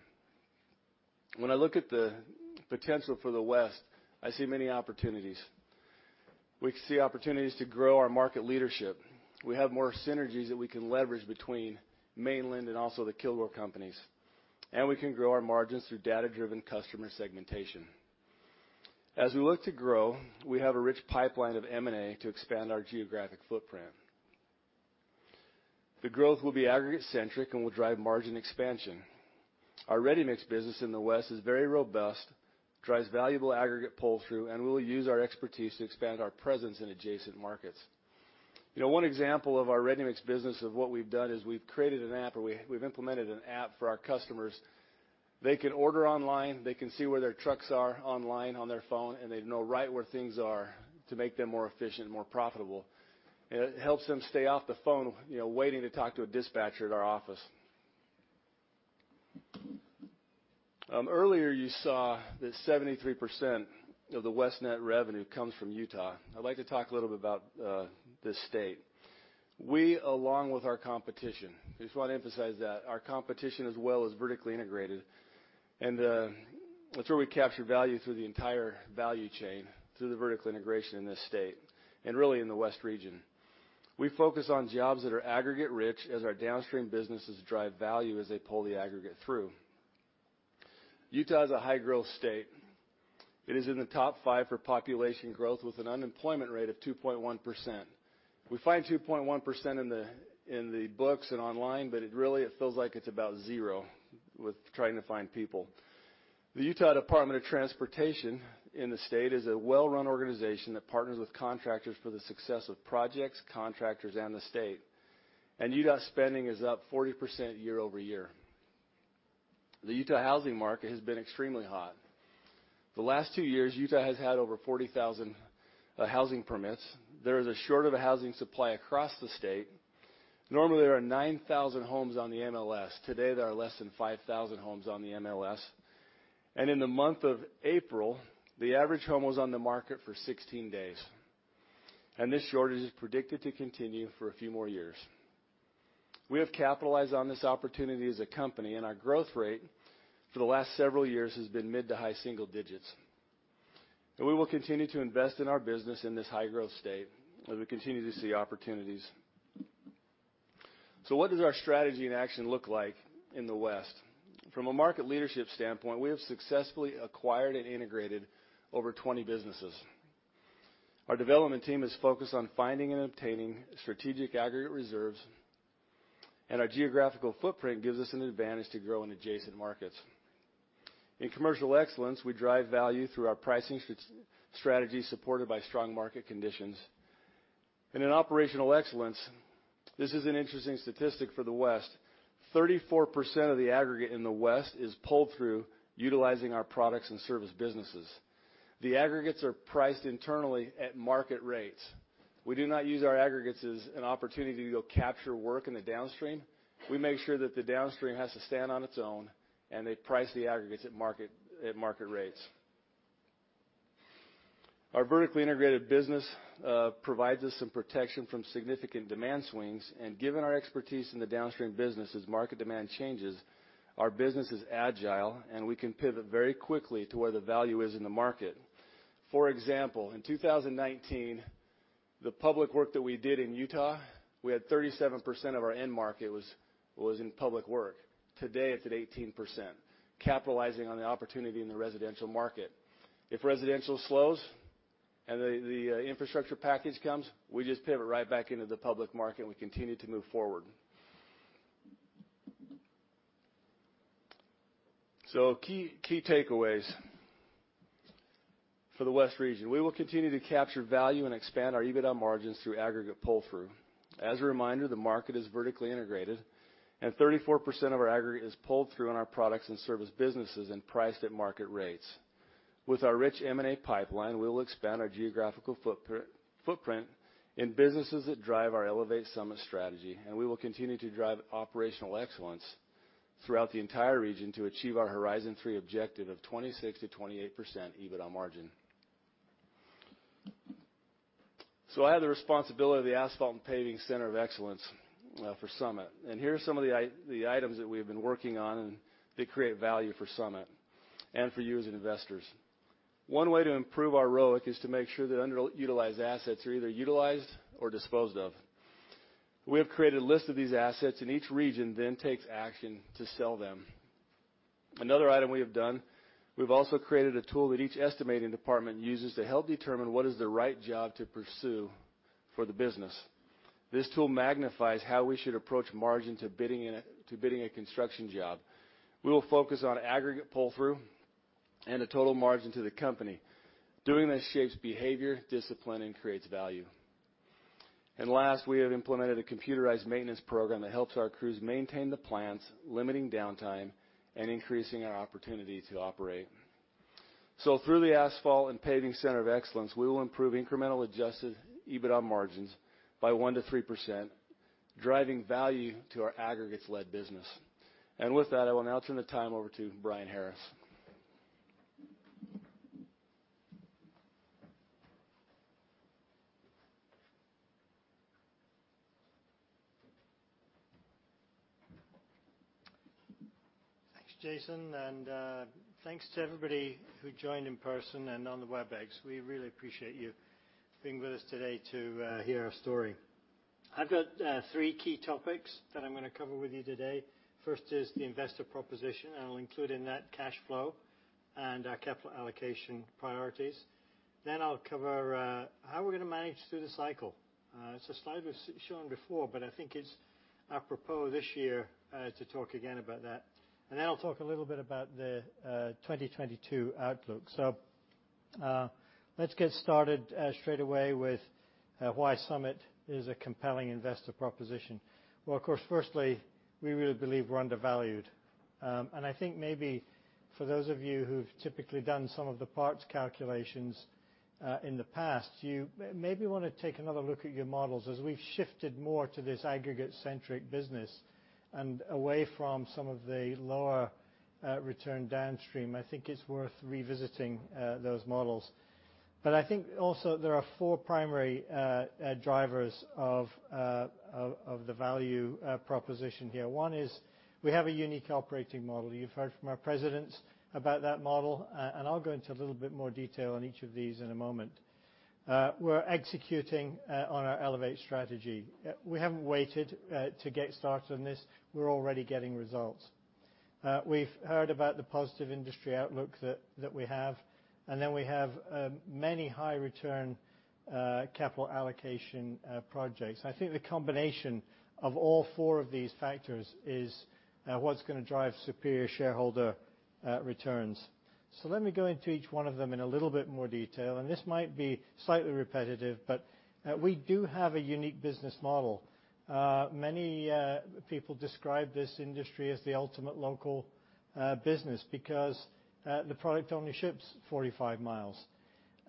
When I look at the potential for the West, I see many opportunities. We see opportunities to grow our market leadership. We have more synergies that we can leverage between Mainland and also the Kilgore Companies. We can grow our margins through data-driven customer segmentation. As we look to grow, we have a rich pipeline of M&A to expand our geographic footprint. The growth will be aggregate centric and will drive margin expansion. Our ready-mix business in the West is very robust, drives valuable aggregate pull-through, and we will use our expertise to expand our presence in adjacent markets. You know, one example of our ready-mix business of what we've done is we've implemented an app for our customers. They can order online, they can see where their trucks are online on their phone, and they know right where things are to make them more efficient and more profitable. It helps them stay off the phone, you know, waiting to talk to a dispatcher at our office. Earlier you saw that 73% of the West net revenue comes from Utah. I'd like to talk a little bit about this state. We, along with our competition, I just want to emphasize that our competition as well is vertically integrated, and that's where we capture value through the entire value chain, through the vertical integration in this state and really in the West region. We focus on jobs that are aggregate rich as our downstream businesses drive value as they pull the aggregate through. Utah is a high-growth state. It is in the top 5 for population growth with an unemployment rate of 2.1%. We find 2.1% in the books and online, but it really feels like it's about zero with trying to find people. The Utah Department of Transportation in the state is a well-run organization that partners with contractors for the success of projects, contractors, and the state. Utah spending is up 40% year-over-year. The Utah housing market has been extremely hot. The last two years, Utah has had over 40,000 housing permits. There is a shortage of housing supply across the state. Normally, there are 9,000 homes on the MLS. Today, there are less than 5,000 homes on the MLS. In the month of April, the average home was on the market for 16 days. This shortage is predicted to continue for a few more years. We have capitalized on this opportunity as a company, and our growth rate for the last several years has been mid- to high-single digits. We will continue to invest in our business in this high-growth state as we continue to see opportunities. What does our strategy in action look like in the West? From a market leadership standpoint, we have successfully acquired and integrated over 20 businesses. Our development team is focused on finding and obtaining strategic aggregate reserves, and our geographical footprint gives us an advantage to grow in adjacent markets. In commercial excellence, we drive value through our pricing strategy supported by strong market conditions. In operational excellence, this is an interesting statistic for the West. 34% of the aggregate in the West is pulled through utilizing our products and service businesses. The aggregates are priced internally at market rates. We do not use our aggregates as an opportunity to go capture work in the downstream. We make sure that the downstream has to stand on its own, and they price the aggregates at market rates. Our vertically integrated business provides us some protection from significant demand swings. Given our expertise in the downstream business, as market demand changes, our business is agile, and we can pivot very quickly to where the value is in the market. For example, in 2019, the public work that we did in Utah, we had 37% of our end market was in public work. Today, it's at 18%, capitalizing on the opportunity in the residential market. If residential slows and the infrastructure package comes, we just pivot right back into the public market, and we continue to move forward. Key takeaways for the West region. We will continue to capture value and expand our EBITDA margins through aggregate pull-through. As a reminder, the market is vertically integrated, and 34% of our aggregate is pulled through in our products and service businesses and priced at market rates. With our rich M&A pipeline, we will expand our geographical footprint in businesses that drive our Elevate Summit Strategy, and we will continue to drive operational excellence throughout the entire region to achieve our Horizon 3 objective of 26%-28% EBITDA margin. I have the responsibility of the Asphalt and Paving Center of Excellence for Summit. Here are some of the items that we have been working on and that create value for Summit and for you as investors. One way to improve our ROIC is to make sure that underutilized assets are either utilized or disposed of. We have created a list of these assets, and each region then takes action to sell them. Another item we have done, we've also created a tool that each estimating department uses to help determine what is the right job to pursue for the business. This tool magnifies how we should approach margin to bidding a construction job. We will focus on aggregate pull-through and the total margin to the company. Doing this shapes behavior, discipline, and creates value. Last, we have implemented a computerized maintenance program that helps our crews maintain the plants, limiting downtime and increasing our opportunity to operate. Through the Asphalt and Paving Center of Excellence, we will improve incremental adjusted EBITDA margins by 1%-3%, driving value to our aggregates-led business. With that, I will now turn the time over to Brian Harris. Thanks, Jason, and thanks to everybody who joined in person and on the Webex. We really appreciate you being with us today to hear our story. I've got three key topics that I'm gonna cover with you today. First is the investor proposition, and I'll include in that cash flow and our capital allocation priorities. Then I'll cover how we're gonna manage through the cycle. It's a slide we've shown before, but I think it's apropos this year to talk again about that. Then I'll talk a little bit about the 2022 outlook. Let's get started straight away with why Summit is a compelling investor proposition. Well, of course, firstly, we really believe we're undervalued. I think maybe for those of you who've typically done some of the parts calculations in the past, you maybe wanna take another look at your models as we've shifted more to this aggregate-centric business and away from some of the lower return downstream. I think it's worth revisiting those models. I think also there are four primary drivers of the value proposition here. One is we have a unique operating model. You've heard from our presidents about that model. I'll go into a little bit more detail on each of these in a moment. We're executing on our Elevate strategy. We haven't waited to get started on this. We're already getting results. We've heard about the positive industry outlook that we have, and then we have many high return capital allocation projects. I think the combination of all four of these factors is what's gonna drive superior shareholder returns. Let me go into each one of them in a little bit more detail, and this might be slightly repetitive, but we do have a unique business model. Many people describe this industry as the ultimate local business because the product only ships 45 mi.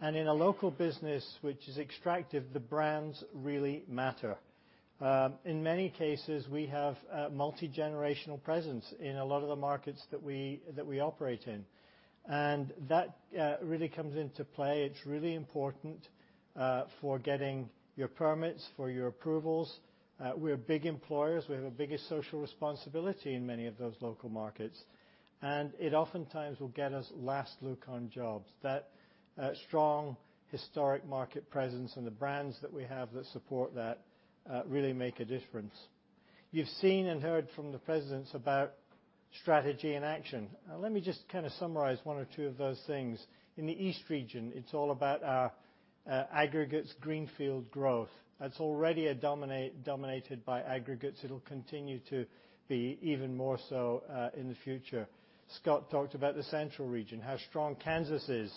In a local business which is extractive, the brands really matter. In many cases, we have a multigenerational presence in a lot of the markets that we operate in. That really comes into play. It's really important for getting your permits, for your approvals. We're big employers. We have a big social responsibility in many of those local markets, and it oftentimes will get us last look on jobs. That strong historic market presence and the brands that we have that support that really make a difference. You've seen and heard from the presidents about strategy and action. Let me just kinda summarize one or two of those things. In the east region, it's all about our aggregates greenfield growth. That's already dominated by aggregates. It'll continue to be even more so in the future. Scott talked about the central region, how strong Kansas is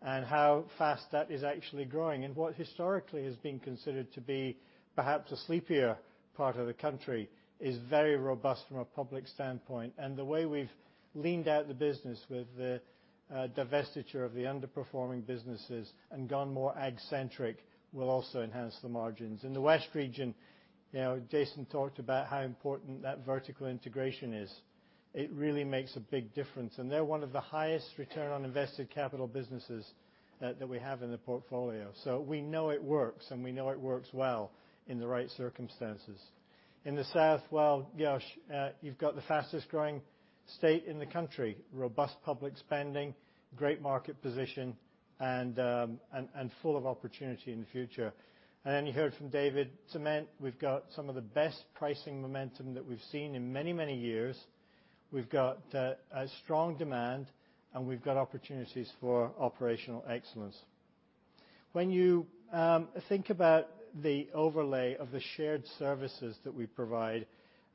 and how fast that is actually growing. What historically has been considered to be perhaps a sleepier part of the country is very robust from a public standpoint. The way we've leaned out the business with the divestiture of the underperforming businesses and gone more agg-centric will also enhance the margins. In the West Region, you know, Jason talked about how important that vertical integration is. It really makes a big difference, and they're one of the highest return on invested capital businesses that we have in the portfolio. We know it works, and we know it works well in the right circumstances. In the South, well, gosh, you've got the fastest growing state in the country, robust public spending, great market position, and full of opportunity in the future. Then you heard from David, Cement, we've got some of the best pricing momentum that we've seen in many, many years. We've got a strong demand, and we've got opportunities for operational excellence. When you think about the overlay of the shared services that we provide,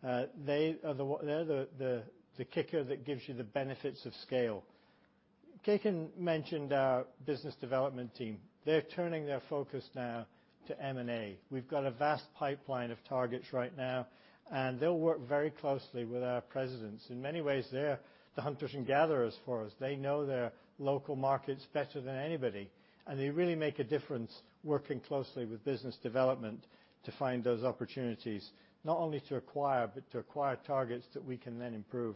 they are the kicker that gives you the benefits of scale. Kekin mentioned our business development team. They're turning their focus now to M&A. We've got a vast pipeline of targets right now, and they'll work very closely with our presidents. In many ways, they're the hunters and gatherers for us. They know their local markets better than anybody, and they really make a difference working closely with business development to find those opportunities, not only to acquire, but to acquire targets that we can then improve.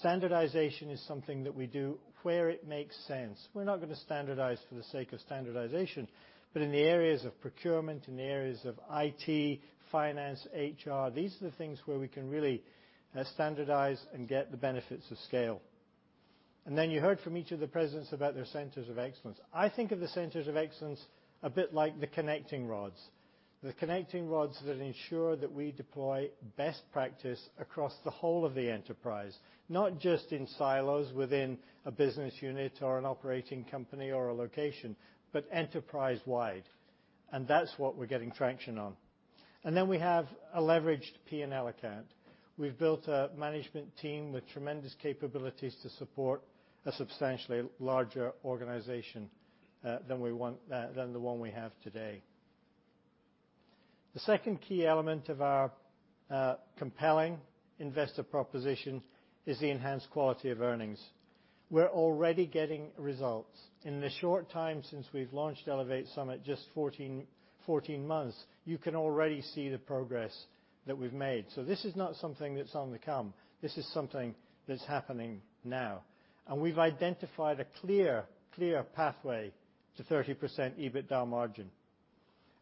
Standardization is something that we do where it makes sense. We're not gonna standardize for the sake of standardization, but in the areas of procurement, in the areas of IT, finance, HR, these are the things where we can really standardize and get the benefits of scale. You heard from each of the presidents about their centers of excellence. I think of the centers of excellence a bit like the connecting rods. The connecting rods that ensure that we deploy best practice across the whole of the enterprise, not just in silos within a business unit or an operating company or a location, but enterprise-wide. That's what we're getting traction on. We have a leveraged P&L account. We've built a management team with tremendous capabilities to support a substantially larger organization than the one we have today. The second key element of our compelling investor proposition is the enhanced quality of earnings. We're already getting results. In the short time since we've launched Elevate Summit just 14 months, you can already see the progress that we've made. This is not something that's on the come, this is something that's happening now. We've identified a clear pathway to 30% EBITDA margin.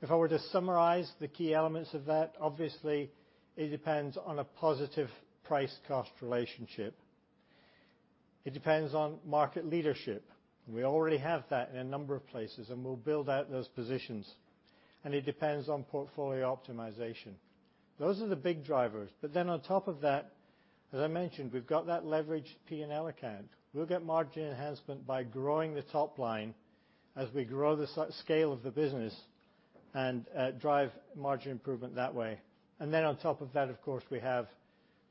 If I were to summarize the key elements of that, obviously it depends on a positive price cost relationship. It depends on market leadership, and we already have that in a number of places, and we'll build out those positions. It depends on portfolio optimization. Those are the big drivers. On top of that, as I mentioned, we've got that leveraged P&L account. We'll get margin enhancement by growing the top line as we grow the scale of the business and drive margin improvement that way. Then on top of that, of course, we have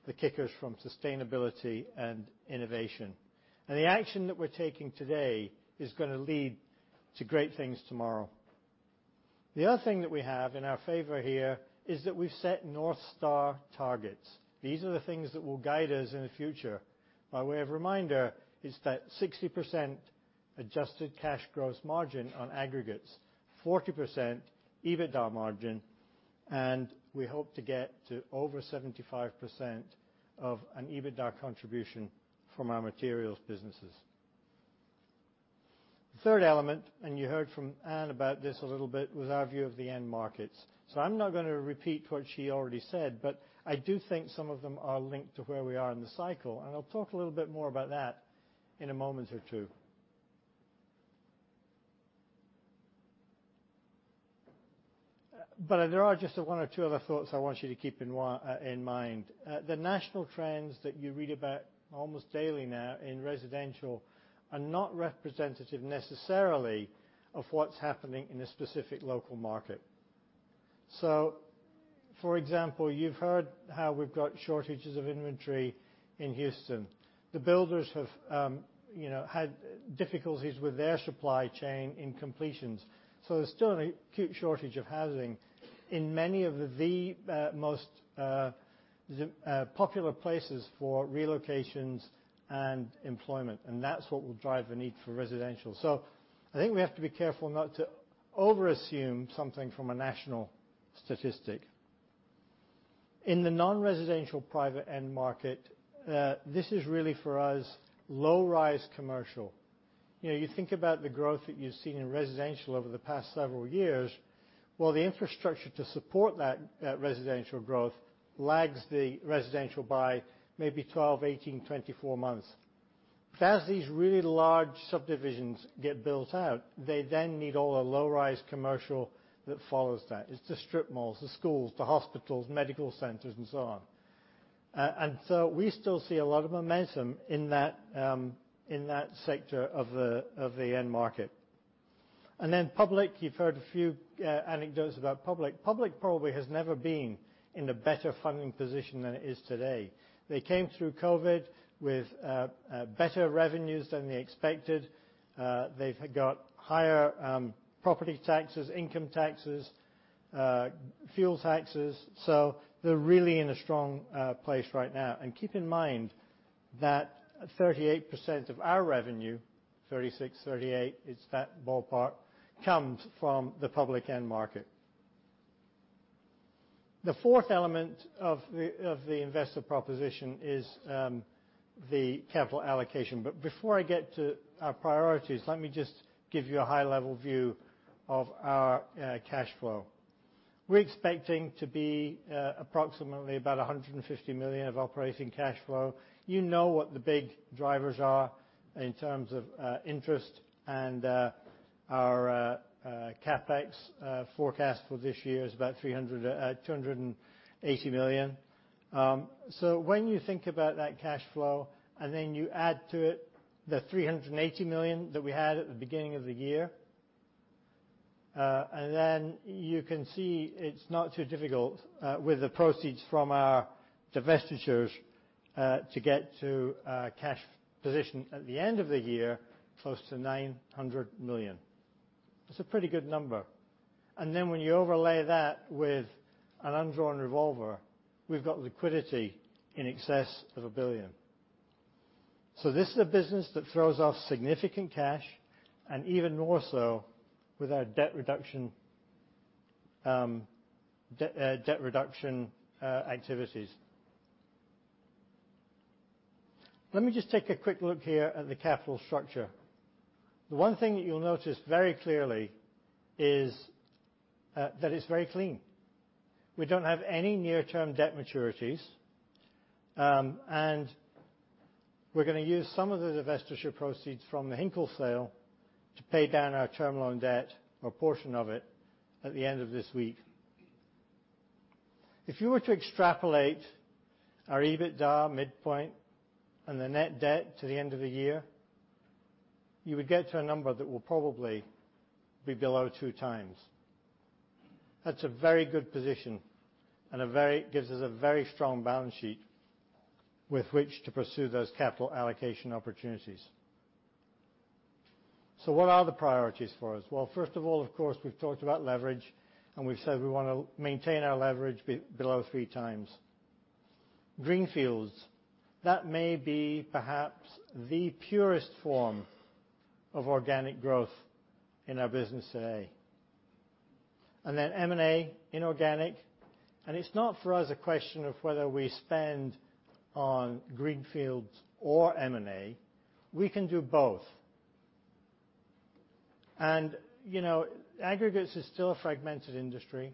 the kickers from sustainability and innovation. The action that we're taking today is gonna lead to great things tomorrow. The other thing that we have in our favor here is that we've set North Star targets. These are the things that will guide us in the future. By way of reminder is that 60% adjusted cash gross margin on aggregates, 40% EBITDA margin, and we hope to get to over 75% of an EBITDA contribution from our materials businesses. The third element, you heard from Anne about this a little bit, was our view of the end markets. I'm not gonna repeat what she already said, but I do think some of them are linked to where we are in the cycle, and I'll talk a little bit more about that in a moment or two. There are just one or two other thoughts I want you to keep in mind. The national trends that you read about almost daily now in residential are not representative necessarily of what's happening in a specific local market. For example, you've heard how we've got shortages of inventory in Houston. The builders have, you know, had difficulties with their supply chain in completions, so there's still an acute shortage of housing in many of the most popular places for relocations and employment, and that's what will drive the need for residential. I think we have to be careful not to overassume something from a national statistic. In the non-residential private end market, this is really for us low-rise commercial. You know, you think about the growth that you've seen in residential over the past several years, well, the infrastructure to support that residential growth lags the residential by maybe 12, 18, 24 months. As these really large subdivisions get built out, they then need all the low-rise commercial that follows that. It's the strip malls, the schools, the hospitals, medical centers, and so on. We still see a lot of momentum in that sector of the end market. Then public, you've heard a few anecdotes about public. Public probably has never been in a better funding position than it is today. They came through COVID with better revenues than they expected. They've got higher property taxes, income taxes, fuel taxes. They're really in a strong place right now. Keep in mind that 38% of our revenue, it's that ballpark, comes from the public end market. The fourth element of the investor proposition is the capital allocation. Before I get to our priorities, let me just give you a high-level view of our cash flow. We're expecting to be approximately about $150 million of operating cash flow. You know what the big drivers are in terms of interest and our CapEx forecast for this year is about $280 million. When you think about that cash flow, and then you add to it the $380 million that we had at the beginning of the year. Then you can see it's not too difficult, with the proceeds from our divestitures, to get to a cash position at the end of the year close to $900 million. That's a pretty good number. When you overlay that with an undrawn revolver, we've got liquidity in excess of $1 billion. This is a business that throws off significant cash and even more so with our debt reduction activities. Let me just take a quick look here at the capital structure. The one thing that you'll notice very clearly is that it's very clean. We don't have any near-term debt maturities, and we're gonna use some of those divestiture proceeds from the Hinkle sale to pay down our term loan debt or portion of it at the end of this week. If you were to extrapolate our EBITDA midpoint and the net debt to the end of the year, you would get to a number that will probably be below 2x. That's a very good position and a very strong balance sheet with which to pursue those capital allocation opportunities. What are the priorities for us? Well, first of all, of course, we've talked about leverage, and we've said we wanna maintain our leverage below 3x. Greenfields, that may be perhaps the purest form of organic growth in our business today. M&A, inorganic. It's not for us a question of whether we spend on greenfields or M&A, we can do both. You know, aggregates is still a fragmented industry.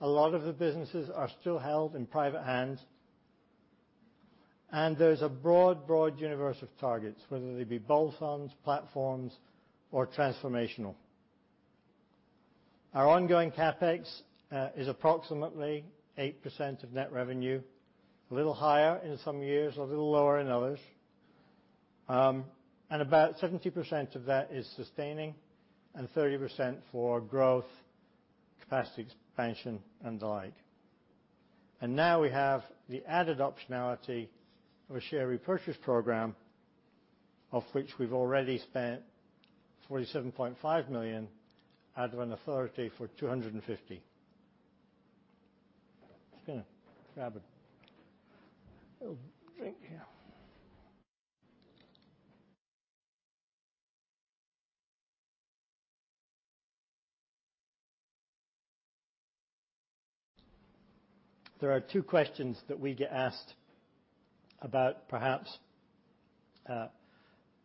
A lot of the businesses are still held in private hands. There's a broad universe of targets, whether they be bolt-ons, platforms, or transformational. Our ongoing CapEx is approximately 8% of net revenue, a little higher in some years, a little lower in others. About 70% of that is sustaining and 30% for growth, capacity expansion, and the like. Now we have the added optionality of a share repurchase program, of which we've already spent $47.5 million out of an authority for $250 million. Just gonna grab a little drink here. There are two questions that we get asked about perhaps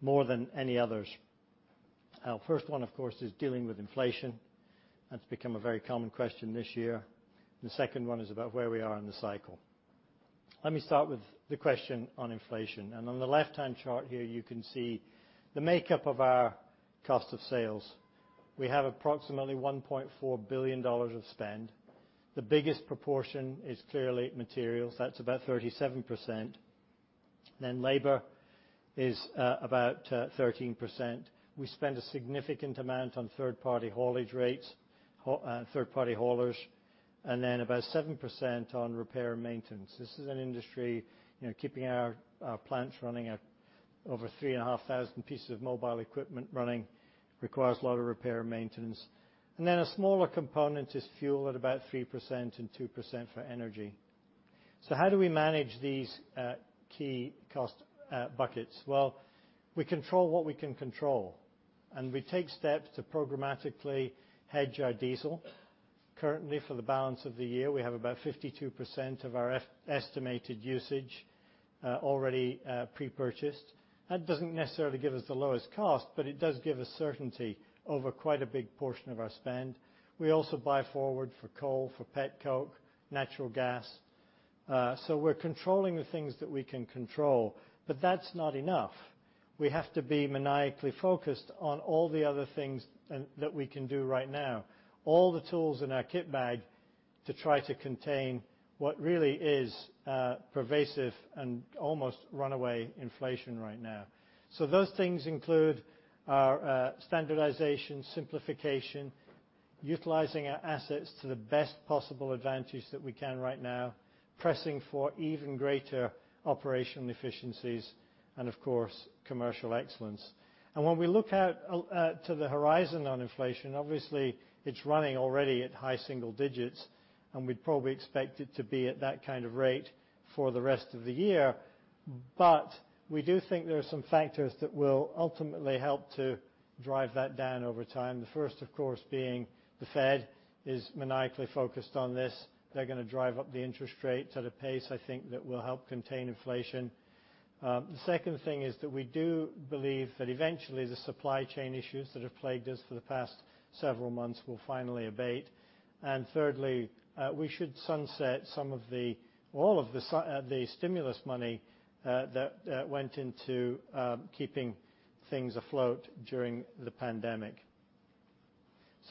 more than any others. Our first one, of course, is dealing with inflation. That's become a very common question this year. The second one is about where we are in the cycle. Let me start with the question on inflation. On the left-hand chart here, you can see the makeup of our cost of sales. We have approximately $1.4 billion of spend. The biggest proportion is clearly materials. That's about 37%. Then labor is about 13%. We spend a significant amount on third-party haulers, and then about 7% on repair and maintenance. This is an industry, you know, keeping our plants running at over 3,500 pieces of mobile equipment running requires a lot of repair and maintenance. Then a smaller component is fuel at about 3% and 2% for energy. How do we manage these key cost buckets? Well, we control what we can control, and we take steps to programmatically hedge our diesel. Currently for the balance of the year, we have about 52% of our estimated usage already pre-purchased. That doesn't necessarily give us the lowest cost, but it does give us certainty over quite a big portion of our spend. We also buy forward for coal, for petcoke, natural gas. We're controlling the things that we can control, but that's not enough. We have to be maniacally focused on all the other things that we can do right now, all the tools in our kit bag to try to contain what really is pervasive and almost runaway inflation right now. Those things include our standardization, simplification, utilizing our assets to the best possible advantage that we can right now, pressing for even greater operational efficiencies and of course, commercial excellence. When we look out to the horizon on inflation, obviously, it's running already at high single digits, and we'd probably expect it to be at that kind of rate for the rest of the year. We do think there are some factors that will ultimately help to drive that down over time. The first, of course, being the Fed is maniacally focused on this. They're gonna drive up the interest rates at a pace I think that will help contain inflation. The second thing is that we do believe that eventually the supply chain issues that have plagued us for the past several months will finally abate. Thirdly, we should sunset all of the stimulus money that went into keeping things afloat during the pandemic.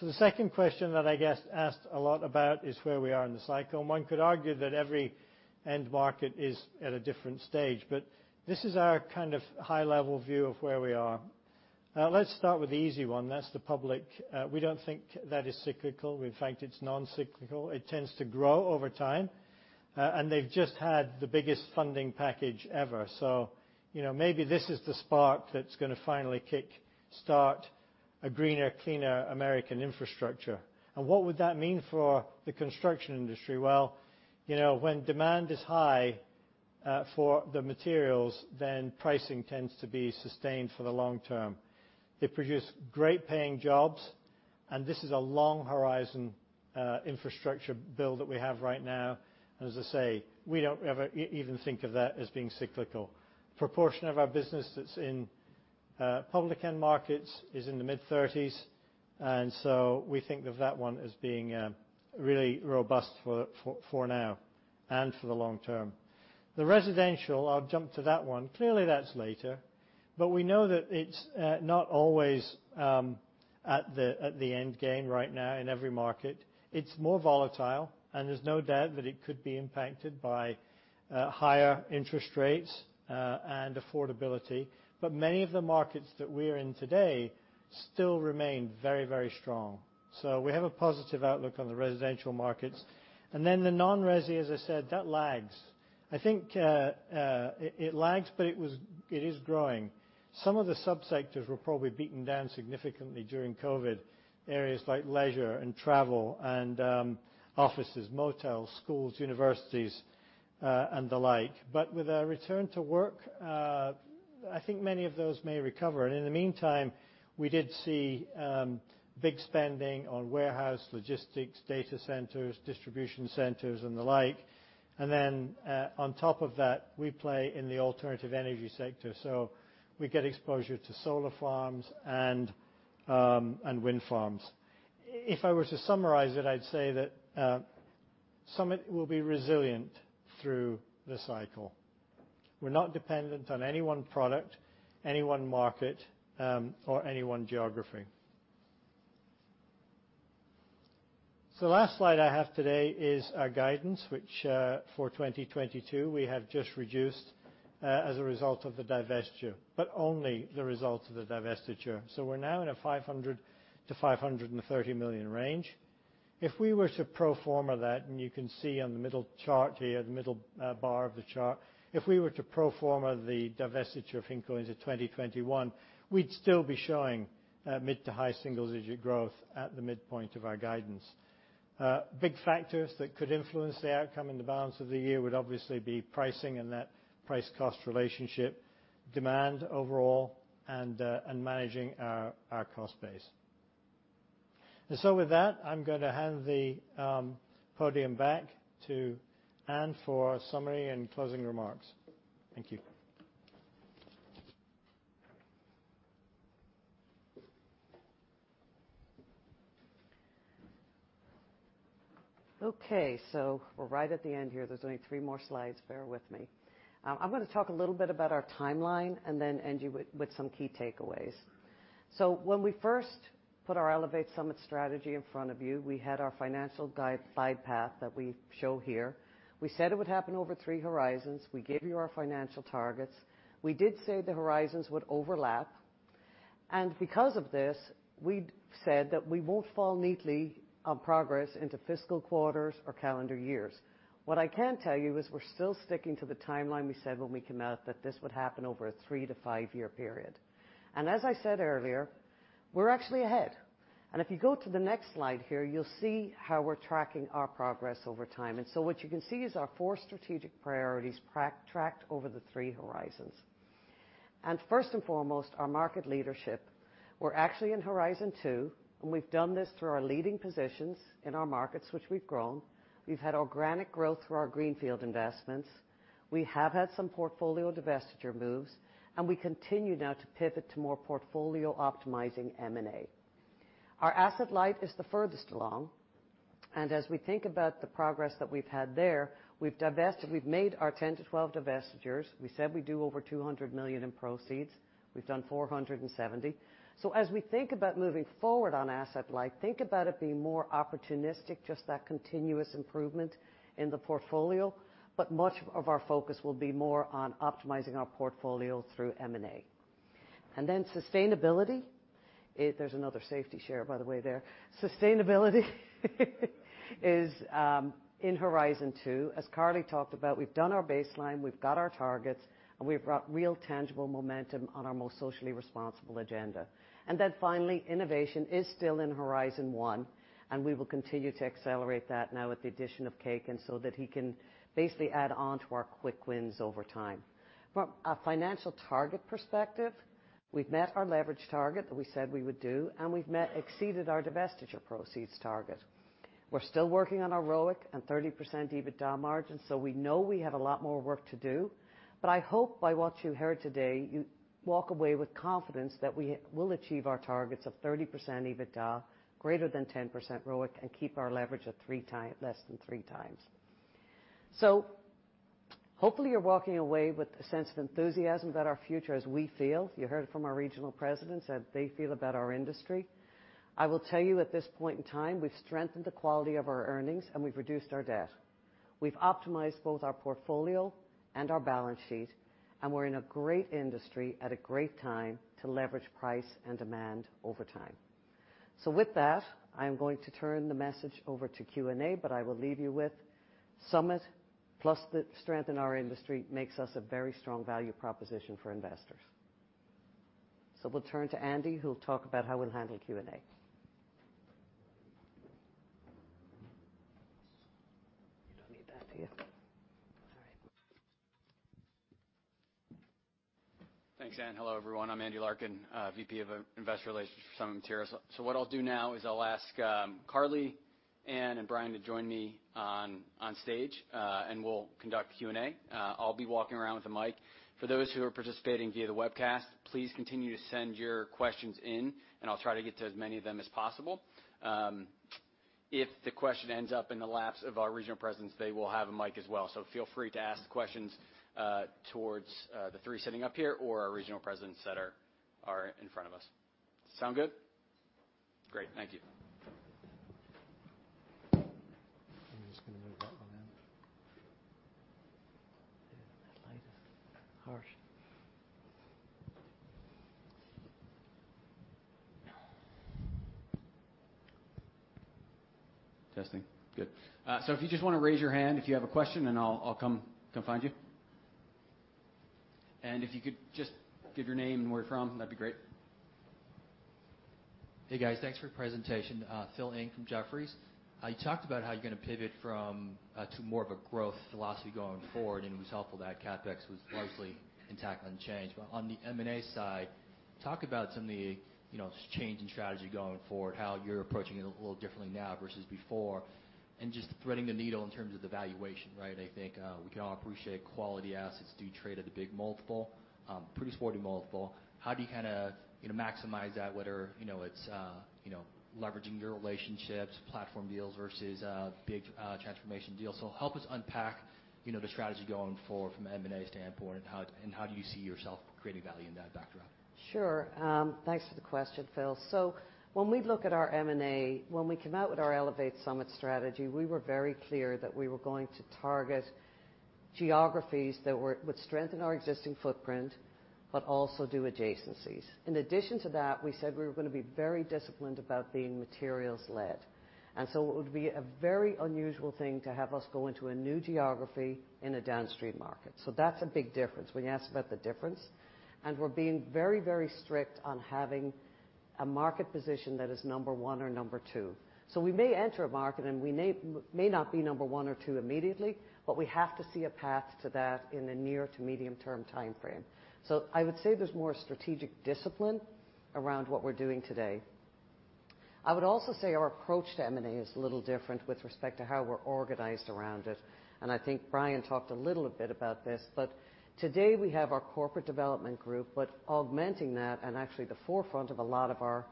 The second question that I get asked a lot about is where we are in the cycle, and one could argue that every end market is at a different stage. This is our kind of high-level view of where we are. Now let's start with the easy one. That's the public, we don't think that is cyclical. We think it's non-cyclical. It tends to grow over time, and they've just had the biggest funding package ever. You know, maybe this is the spark that's gonna finally kick-start a greener, cleaner American infrastructure. What would that mean for the construction industry? Well, you know, when demand is high for the materials, then pricing tends to be sustained for the long term. They produce great-paying jobs, and this is a long horizon infrastructure bill that we have right now. As I say, we don't ever even think of that as being cyclical. Proportion of our business that's in public end markets is in the mid-thirties, and so we think of that one as being really robust for now and for the long term. The residential, I'll jump to that one. Clearly, that's later, but we know that it's not always at the endgame right now in every market. It's more volatile, and there's no doubt that it could be impacted by higher interest rates and affordability. Many of the markets that we're in today still remain very, very strong. We have a positive outlook on the residential markets. Then the non-resi, as I said, that lags. I think it lags, but it is growing. Some of the subsectors were probably beaten down significantly during COVID. Areas like leisure and travel and offices, motels, schools, universities and the like. With a return to work, I think many of those may recover. In the meantime, we did see big spending on warehouse, logistics, data centers, distribution centers, and the like. Then on top of that, we play in the alternative energy sector, so we get exposure to solar farms and wind farms. If I were to summarize it, I'd say that some of it will be resilient through the cycle. We're not dependent on any one product, any one market, or any one geography. Last slide I have today is our guidance, which for 2022, we have just reduced as a result of the divestiture, but only the result of the divestiture. We're now in a $500 million-$530 million range. If we were to pro forma that, and you can see on the middle chart here, the middle bar of the chart, if we were to pro forma the divestiture of Hinkle into 2021, we'd still be showing mid to high single-digit growth at the midpoint of our guidance. Big factors that could influence the outcome in the balance of the year would obviously be pricing and net price cost relationship, demand overall, and managing our cost base. With that, I'm gonna hand the podium back to Anne for summary and closing remarks. Thank you. Okay, we're right at the end here. There's only three more slides. Bear with me. I'm gonna talk a little bit about our timeline and then end you with some key takeaways. When we first put our Elevate Summit Strategy in front of you, we had our financial guide slide path that we show here. We said it would happen over three horizons. We gave you our financial targets. We did say the horizons would overlap. Because of this, we said that we won't fall neatly on progress into fiscal quarters or calendar years. What I can tell you is we're still sticking to the timeline we said when we came out that this would happen over a three to five-year period. As I said earlier, we're actually ahead. If you go to the next slide here, you'll see how we're tracking our progress over time. What you can see is our four strategic priorities tracked over the three horizons. First and foremost, our market leadership. We're actually in Horizon 2, and we've done this through our leading positions in our markets, which we've grown. We've had organic growth through our greenfield investments. We have had some portfolio divestiture moves, and we continue now to pivot to more portfolio optimizing M&A. Our asset light is the furthest along, and as we think about the progress that we've had there, we've divested. We've made our 10-12 divestitures. We said we'd do over $200 million in proceeds. We've done $470 million. As we think about moving forward on asset light, think about it being more opportunistic, just that continuous improvement in the portfolio, but much of our focus will be more on optimizing our portfolio through M&A. Sustainability. There's another safety share by the way there. Sustainability is in Horizon 2. As Karli talked about, we've done our baseline, we've got our targets, and we've brought real tangible momentum on our most socially responsible agenda. Innovation is still in Horizon 1, and we will continue to accelerate that now with the addition of Kekin, so that he can basically add on to our quick wins over time. From a financial target perspective, we've met our leverage target that we said we would do, and we've met, exceeded our divestiture proceeds target. We're still working on our ROIC and 30% EBITDA margin, so we know we have a lot more work to do. I hope by what you heard today, you walk away with confidence that we will achieve our targets of 30% EBITDA, greater than 10% ROIC, and keep our leverage at less than 3x. Hopefully you're walking away with a sense of enthusiasm about our future as we feel. You heard from our regional presidents how they feel about our industry. I will tell you at this point in time, we've strengthened the quality of our earnings, and we've reduced our debt. We've optimized both our portfolio and our balance sheet, and we're in a great industry at a great time to leverage price and demand over time. With that, I'm going to turn the message over to Q&A, but I will leave you with Summit, plus the strength in our industry makes us a very strong value proposition for investors. We'll turn to Andy, who'll talk about how we'll handle Q&A. You don't need that, do you? All right. Thanks, Anne. Hello, everyone. I'm Andy Larkin, VP of Investor Relations for Summit Materials. What I'll do now is I'll ask Karli, Anne, and Brian to join me on stage, and we'll conduct the Q&A. I'll be walking around with a mic. For those who are participating via the webcast, please continue to send your questions in, and I'll try to get to as many of them as possible. If the question ends up in the laps of our regional presidents, they will have a mic as well. Feel free to ask questions towards the three sitting up here or our regional presidents that are in front of us. Sound good? Great. Thank you. Good. So if you just wanna raise your hand if you have a question, and I'll come find you. If you could just give your name and where you're from, that'd be great. Hey, guys. Thanks for the presentation. Phil Ng from Jefferies. You talked about how you're gonna pivot from to more of a growth philosophy going forward, and it was helpful that CapEx was largely intact and unchanged. On the M&A side, talk about some of the, you know, change in strategy going forward, how you're approaching it a little differently now versus before, and just threading the needle in terms of the valuation, right? I think, we can all appreciate quality assets do trade at a big multiple, pretty sporty multiple. How do you kinda, you know, maximize that whether, you know, it's, you know, leveraging your relationships, platform deals versus, big, transformation deals? Help us unpack, you know, the strategy going forward from an M&A standpoint, and how do you see yourself creating value in that backdrop? Sure. Thanks for the question, Phil. When we look at our M&A, when we came out with our Elevate Summit Strategy, we were very clear that we were going to target geographies that would strengthen our existing footprint but also do adjacencies. In addition to that, we said we were gonna be very disciplined about being materials-led. It would be a very unusual thing to have us go into a new geography in a downstream market. That's a big difference when you ask about the difference, and we're being very, very strict on having a market position that is number one or number two. We may enter a market, and we may not be number one or two immediately, but we have to see a path to that in the near to medium-term timeframe. I would say there's more strategic discipline around what we're doing today. I would also say our approach to M&A is a little different with respect to how we're organized around it, and I think Brian talked a little bit about this. Today, we have our corporate development group, but augmenting that and actually the forefront of a lot of our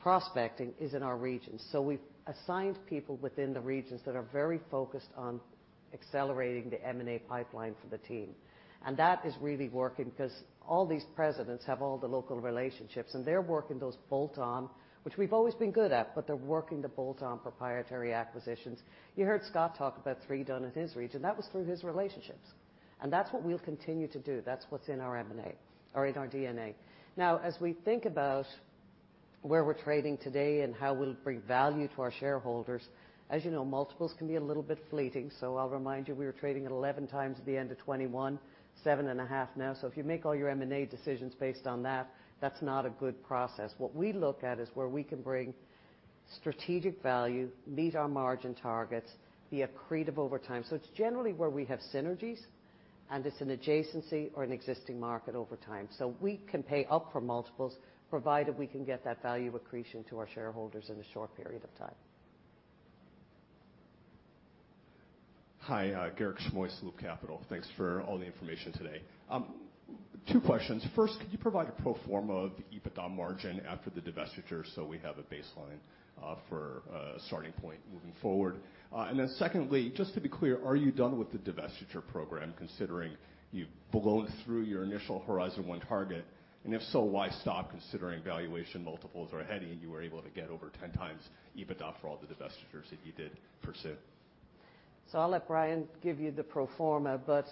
prospecting is in our regions. We've assigned people within the regions that are very focused on accelerating the M&A pipeline for the team. That is really working because all these presidents have all the local relationships, and they're working those bolt-on, which we've always been good at, but they're working the bolt-on proprietary acquisitions. You heard Scott talk about three done in his region. That was through his relationships, and that's what we'll continue to do. That's what's in our M&A or in our DNA. Now, as we think about where we're trading today and how we'll bring value to our shareholders, as you know, multiples can be a little bit fleeting, so I'll remind you, we were trading at 11x at the end of 2021, 7.5x now. If you make all your M&A decisions based on that's not a good process. What we look at is where we can bring strategic value, meet our margin targets, be accretive over time. It's generally where we have synergies, and it's an adjacency or an existing market over time. We can pay up for multiples provided we can get that value accretion to our shareholders in a short period of time. Hi, Garik Shmois, Loop Capital Markets. Thanks for all the information today. Two questions. First, could you provide a pro forma of EBITDA margin after the divestiture so we have a baseline for a starting point moving forward? Secondly, just to be clear, are you done with the divestiture program considering you've blown through your initial Horizon 1 target? If so, why stop considering valuation multiples are heady, and you were able to get over 10x EBITDA for all the divestitures that you did pursue? I'll let Brian give you the pro forma, but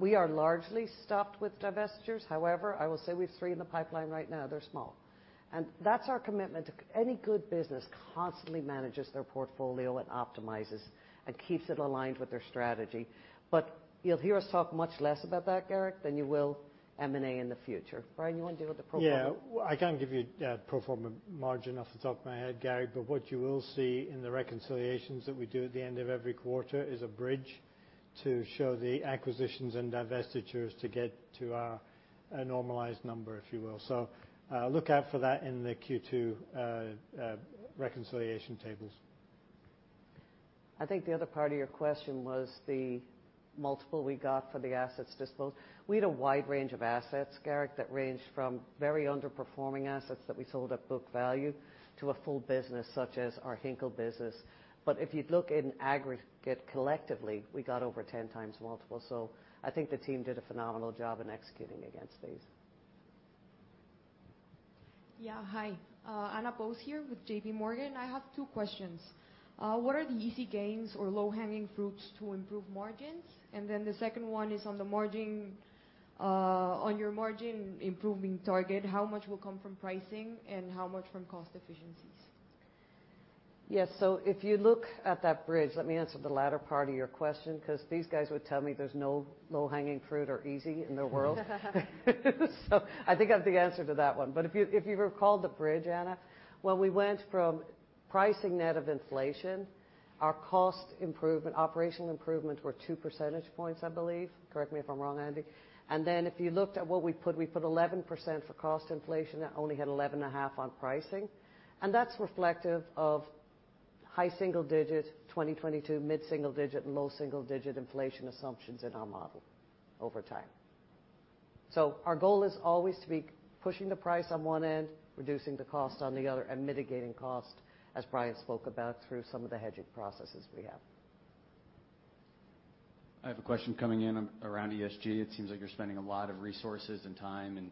we are largely stopped with divestitures. However, I will say we have three in the pipeline right now. They're small. That's our commitment. Any good business constantly manages their portfolio and optimizes and keeps it aligned with their strategy. You'll hear us talk much less about that, Garik, than you will M&A in the future. Brian, you wanna deal with the pro forma? Yeah. I can't give you pro forma margin off the top of my head, Garik, but what you will see in the reconciliations that we do at the end of every quarter is a bridge to show the acquisitions and divestitures to get to our normalized number, if you will. Look out for that in the Q2 reconciliation tables. I think the other part of your question was the multiple we got for the assets disposed. We had a wide range of assets, Garik, that ranged from very underperforming assets that we sold at book value to a full business such as our Hinkle business. If you'd look in aggregate, collectively, we got over 10x multiple. I think the team did a phenomenal job in executing against these. Hi, Anna Bose here with JPMorgan. I have two questions. What are the easy gains or low-hanging fruits to improve margins? The second one is on the margin, on your margin improving target, how much will come from pricing and how much from cost efficiencies? Yes. If you look at that bridge, let me answer the latter part of your question because these guys would tell me there's no low-hanging fruit or easy in their world. I think I have the answer to that one. If you recall the bridge, Anna, when we went from pricing net of inflation, our cost improvement, operational improvement were 2 percentage points, I believe. Correct me if I'm wrong, Andy. Then if you looked at what we put, we put 11% for cost inflation that only had 11.5% on pricing. That's reflective of high single-digit, 2022 mid-single-digit and low-single-digit inflation assumptions in our model over time. Our goal is always to be pushing the price on one end, reducing the cost on the other, and mitigating cost, as Brian spoke about, through some of the hedging processes we have. I have a question coming in around ESG. It seems like you're spending a lot of resources and time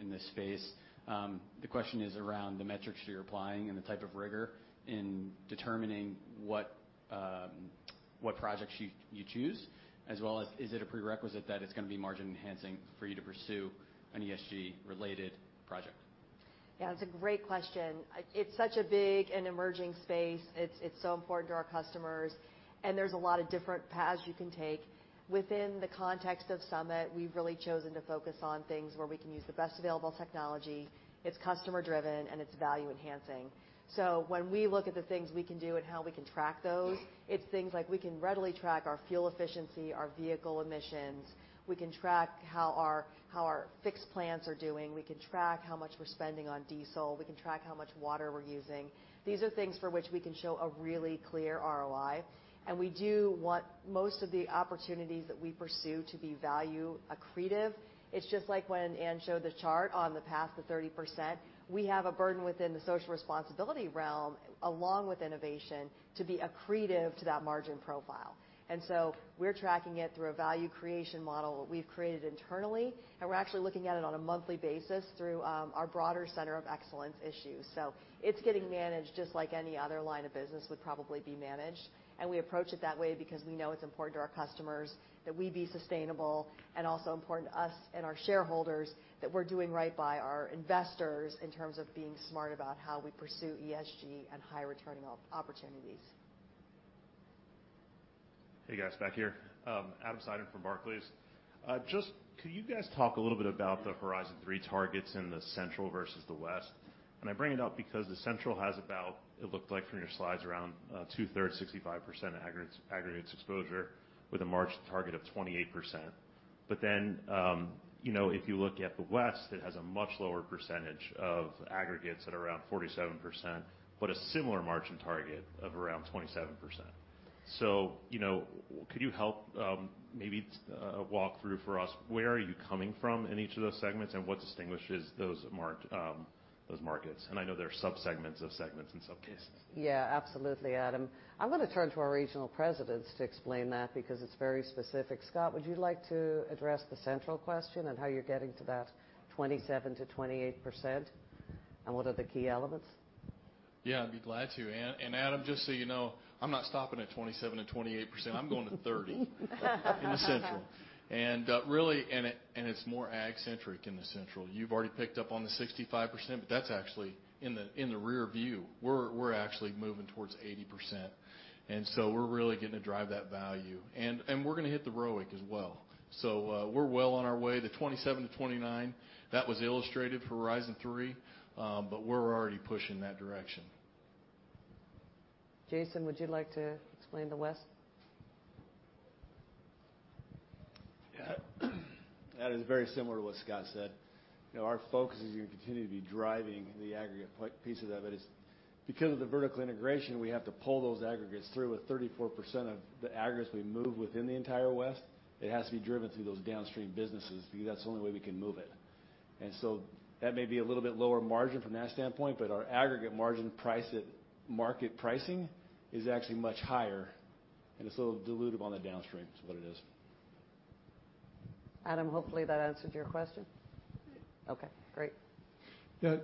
in this space. The question is around the metrics you're applying and the type of rigor in determining what projects you choose, as well as is it a prerequisite that it's going to be margin-enhancing for you to pursue an ESG-related project? Yeah, it's a great question. It's such a big and emerging space. It's so important to our customers, and there's a lot of different paths you can take. Within the context of Summit, we've really chosen to focus on things where we can use the best available technology, it's customer-driven, and it's value-enhancing. When we look at the things we can do and how we can track those, it's things like we can readily track our fuel efficiency, our vehicle emissions. We can track how our fixed plants are doing. We can track how much we're spending on diesel. We can track how much water we're using. These are things for which we can show a really clear ROI. We do want most of the opportunities that we pursue to be value accretive. It's just like when Anne showed the chart on the path to 30%, we have a burden within the social responsibility realm, along with innovation to be accretive to that margin profile. We're tracking it through a value creation model that we've created internally, and we're actually looking at it on a monthly basis through our broader center of excellence issues. It's getting managed just like any other line of business would probably be managed. We approach it that way because we know it's important to our customers that we be sustainable and also important to us and our shareholders that we're doing right by our investors in terms of being smart about how we pursue ESG and high returning opportunities. Hey, guys, back here. Adam Seiden from Barclays. Just could you guys talk a little bit about the Horizon 3 targets in the central versus the west? I bring it up because the central has about, it looked like from your slides, around two-thirds, 65% aggregates exposure with a margin target of 28%. You know, if you look at the west, it has a much lower percentage of aggregates at around 47%, but a similar margin target of around 27%. You know, could you help maybe walk through for us, where are you coming from in each of those segments, and what distinguishes those markets? I know there are subsegments of segments in some cases. Yeah, absolutely, Adam. I'm gonna turn to our regional presidents to explain that because it's very specific. Scott, would you like to address the central question and how you're getting to that 27%-28%, and what are the key elements? Yeah, I'd be glad to. Adam, just so you know, I'm not stopping at 27% and 28%. I'm going to 30% in the Central. Really, it's more agg-centric in the Central. You've already picked up on the 65%, but that's actually in the rear view. We're actually moving towards 80%, and we're really getting to drive that value. We're gonna hit the ROIC as well. We're well on our way. The 27%-29%, that was illustrated for Horizon 3, but we're already pushing that direction. Jason, would you like to explain the West? Yeah. That is very similar to what Scott said. You know, our focus is gonna continue to be driving the aggregate piece of that. It's because of the vertical integration, we have to pull those aggregates through. With 34% of the aggregates we move within the entire West, it has to be driven through those downstream businesses because that's the only way we can move it. That may be a little bit lower margin from that standpoint, but our aggregate margin price at market pricing is actually much higher, and it's a little dilutive on the downstream is what it is. Adam, hopefully that answered your question. Yeah. Okay, great. Yeah.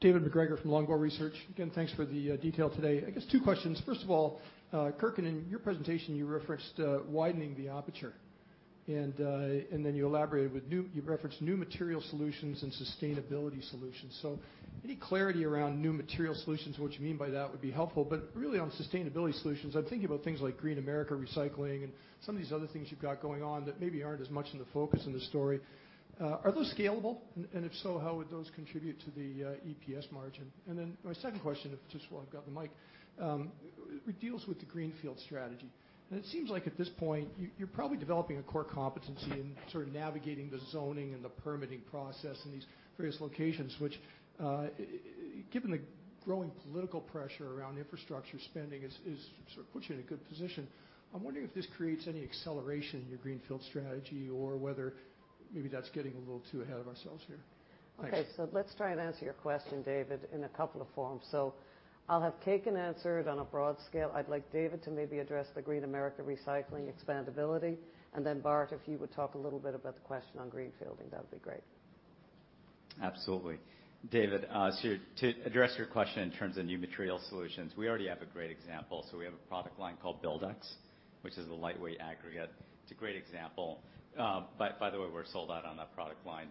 David MacGregor from Longbow Research. Again, thanks for the detail today. I guess two questions. First of all, Kekin, in your presentation, you referenced widening the aperture, and then you elaborated with new material solutions and sustainability solutions. So any clarity around new material solutions and what you mean by that would be helpful. But really, on sustainability solutions, I'm thinking about things like Green America Recycling and some of these other things you've got going on that maybe aren't as much in the focus in the story. Are those scalable? And if so, how would those contribute to the EPS margin? And then my second question, just while I've got the mic, deals with the greenfield strategy. It seems like at this point you're probably developing a core competency in sort of navigating the zoning and the permitting process in these various locations, which, given the growing political pressure around infrastructure spending is sort of puts you in a good position. I'm wondering if this creates any acceleration in your greenfield strategy or whether maybe that's getting a little too ahead of ourselves here. Thanks. Okay, let's try and answer your question, David, in a couple of forms. I'll have Kekin answer it on a broad scale. I'd like David to maybe address the Green America Recycling expandability. Then, Bart, if you would talk a little bit about the question on greenfielding, that would be great. Absolutely. David, to address your question in terms of new material solutions, we already have a great example. We have a product line called Buildex, which is a lightweight aggregate. It's a great example. By the way, we're sold out on that product line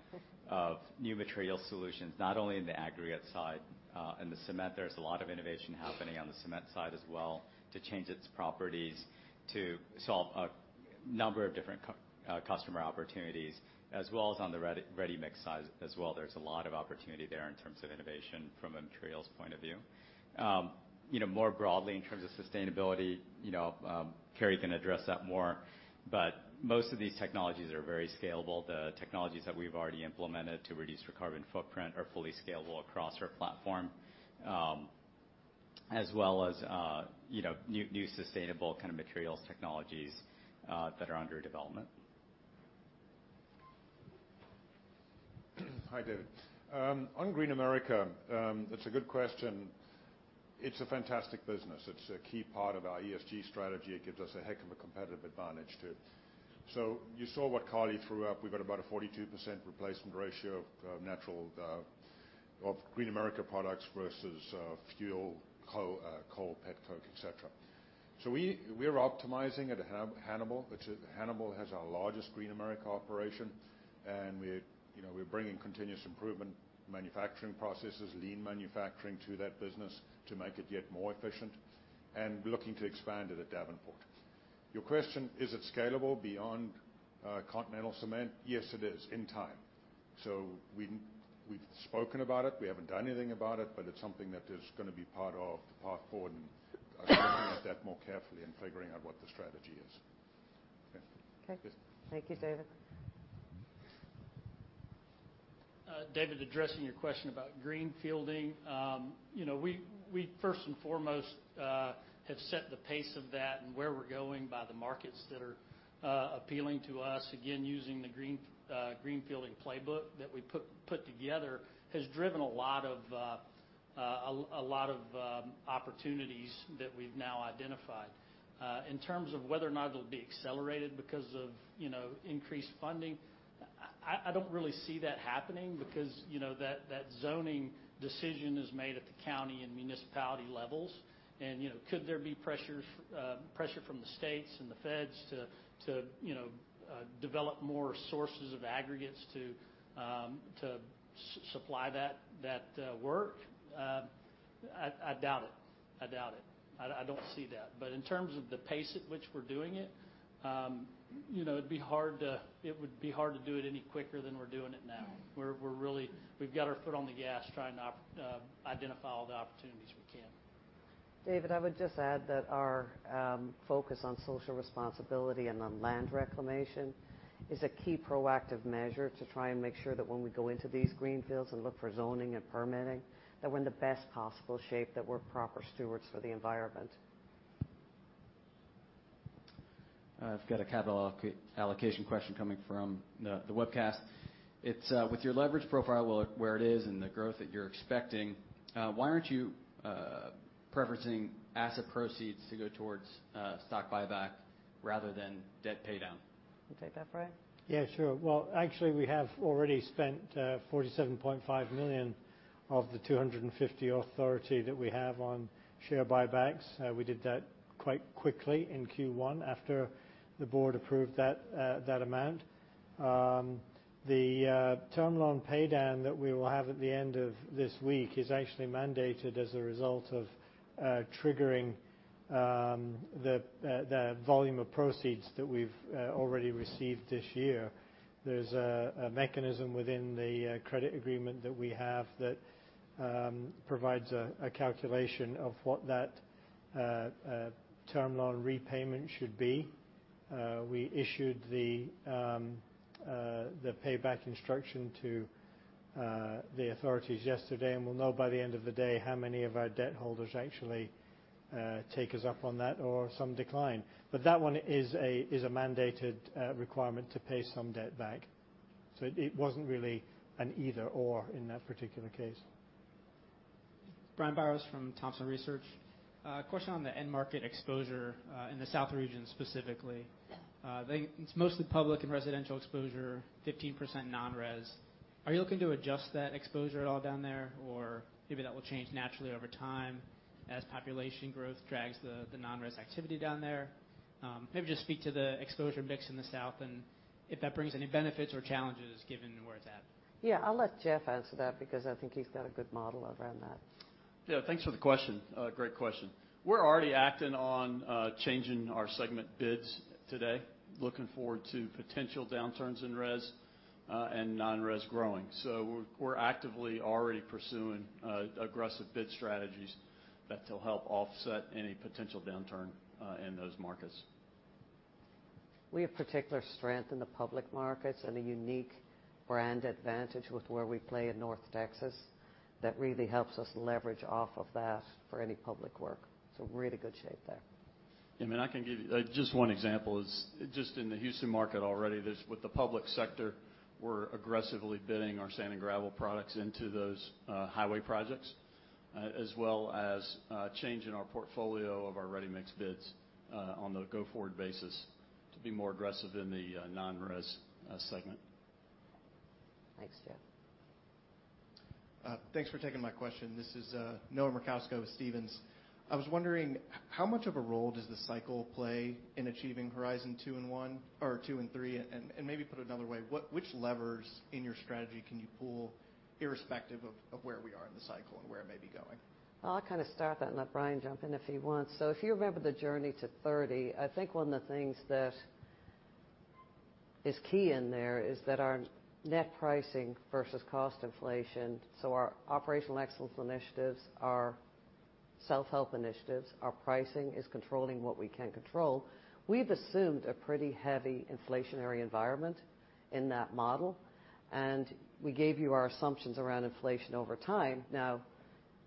of new material solutions, not only in the aggregate side, in the cement, there's a lot of innovation happening on the cement side as well to change its properties to solve a number of different customer opportunities, as well as on the ready mix side as well. There's a lot of opportunity there in terms of innovation from a materials point of view. You know, more broadly, in terms of sustainability, you know, Karli can address that more, but most of these technologies are very scalable. The technologies that we've already implemented to reduce our carbon footprint are fully scalable across our platform, as well as, you know, new sustainable kind of materials technologies that are under development. Hi, David. On Green America, it's a good question. It's a fantastic business. It's a key part of our ESG strategy. It gives us a heck of a competitive advantage too. You saw what Karli threw up. We've got about a 42% replacement ratio of Green America products versus fuel, coal, petcoke, et cetera. We're optimizing at Hannibal, which has our largest Green America operation, and we're bringing continuous improvement manufacturing processes, lean manufacturing to that business to make it yet more efficient, and looking to expand it at Davenport. Your question, is it scalable beyond Continental Cement? Yes, it is, in time. We've spoken about it. We haven't done anything about it, but it's something that is gonna be part of the path forward, and looking at that more carefully and figuring out what the strategy is. Okay. Thank you, David. David, addressing your question about greenfielding, you know, we first and foremost have set the pace of that and where we're going by the markets that are appealing to us. Again, using the greenfielding playbook that we put together has driven a lot of opportunities that we've now identified. In terms of whether or not it'll be accelerated because of, you know, increased funding, I don't really see that happening because, you know, that zoning decision is made at the county and municipality levels. You know, could there be pressure from the states and the feds to, you know, develop more sources of aggregates to supply that work? I doubt it. I don't see that. In terms of the pace at which we're doing it, you know, it would be hard to do it any quicker than we're doing it now. We've got our foot on the gas trying to identify all the opportunities we can. David, I would just add that our focus on social responsibility and on land reclamation is a key proactive measure to try and make sure that when we go into these greenfields and look for zoning and permitting, that we're in the best possible shape, that we're proper stewards for the environment. I've got a capital allocation question coming from the webcast. It's with your leverage profile where it is and the growth that you're expecting, why aren't you preferencing asset proceeds to go towards stock buyback rather than debt paydown? You take that, Brian? Yeah, sure. Well, actually, we have already spent $47.5 million of the $250 million authority that we have on share buybacks. We did that quite quickly in Q1 after the board approved that amount. The term loan paydown that we will have at the end of this week is actually mandated as a result of triggering the volume of proceeds that we've already received this year. There's a mechanism within the credit agreement that we have that provides a calculation of what that term loan repayment should be. We issued the paydown instruction to the authorities yesterday, and we'll know by the end of the day how many of our debt holders actually take us up on that or some decline. That one is a mandated requirement to pay some debt back. It wasn't really an either/or in that particular case. Brian Biros from Thompson Research. Question on the end market exposure, in the South region specifically. It's mostly public and residential exposure, 15% non-res. Are you looking to adjust that exposure at all down there? Or maybe that will change naturally over time as population growth drags the non-res activity down there. Maybe just speak to the exposure mix in the South and if that brings any benefits or challenges given where it's at. Yeah. I'll let Jeff answer that because I think he's got a good model around that. Yeah. Thanks for the question. Great question. We're already acting on changing our segment bids today, looking forward to potential downturns in res and non-res growing. We're actively already pursuing aggressive bid strategies that will help offset any potential downturn in those markets. We have particular strength in the public markets and a unique brand advantage with where we play in North Texas that really helps us leverage off of that for any public work, so really good shape there. I can give you just one example is just in the Houston market already. There's with the public sector, we're aggressively bidding our sand and gravel products into those highway projects, as well as changing our portfolio of our ready-mix bids on the go-forward basis To be more aggressive in the non-res segment. Thanks, Jeff. Thanks for taking my question. This is Noah Merkousko with Stephens. I was wondering, how much of a role does the cycle play in achieving Horizon 2 and 3? Maybe put another way, which levers in your strategy can you pull irrespective of where we are in the cycle and where it may be going? I'll kind of start that and let Brian jump in if he wants. If you remember the Journey to 30%, I think one of the things that is key in there is that our net pricing versus cost inflation, so our operational excellence initiatives, our self-help initiatives, our pricing is controlling what we can control. We've assumed a pretty heavy inflationary environment in that model, and we gave you our assumptions around inflation over time. Now,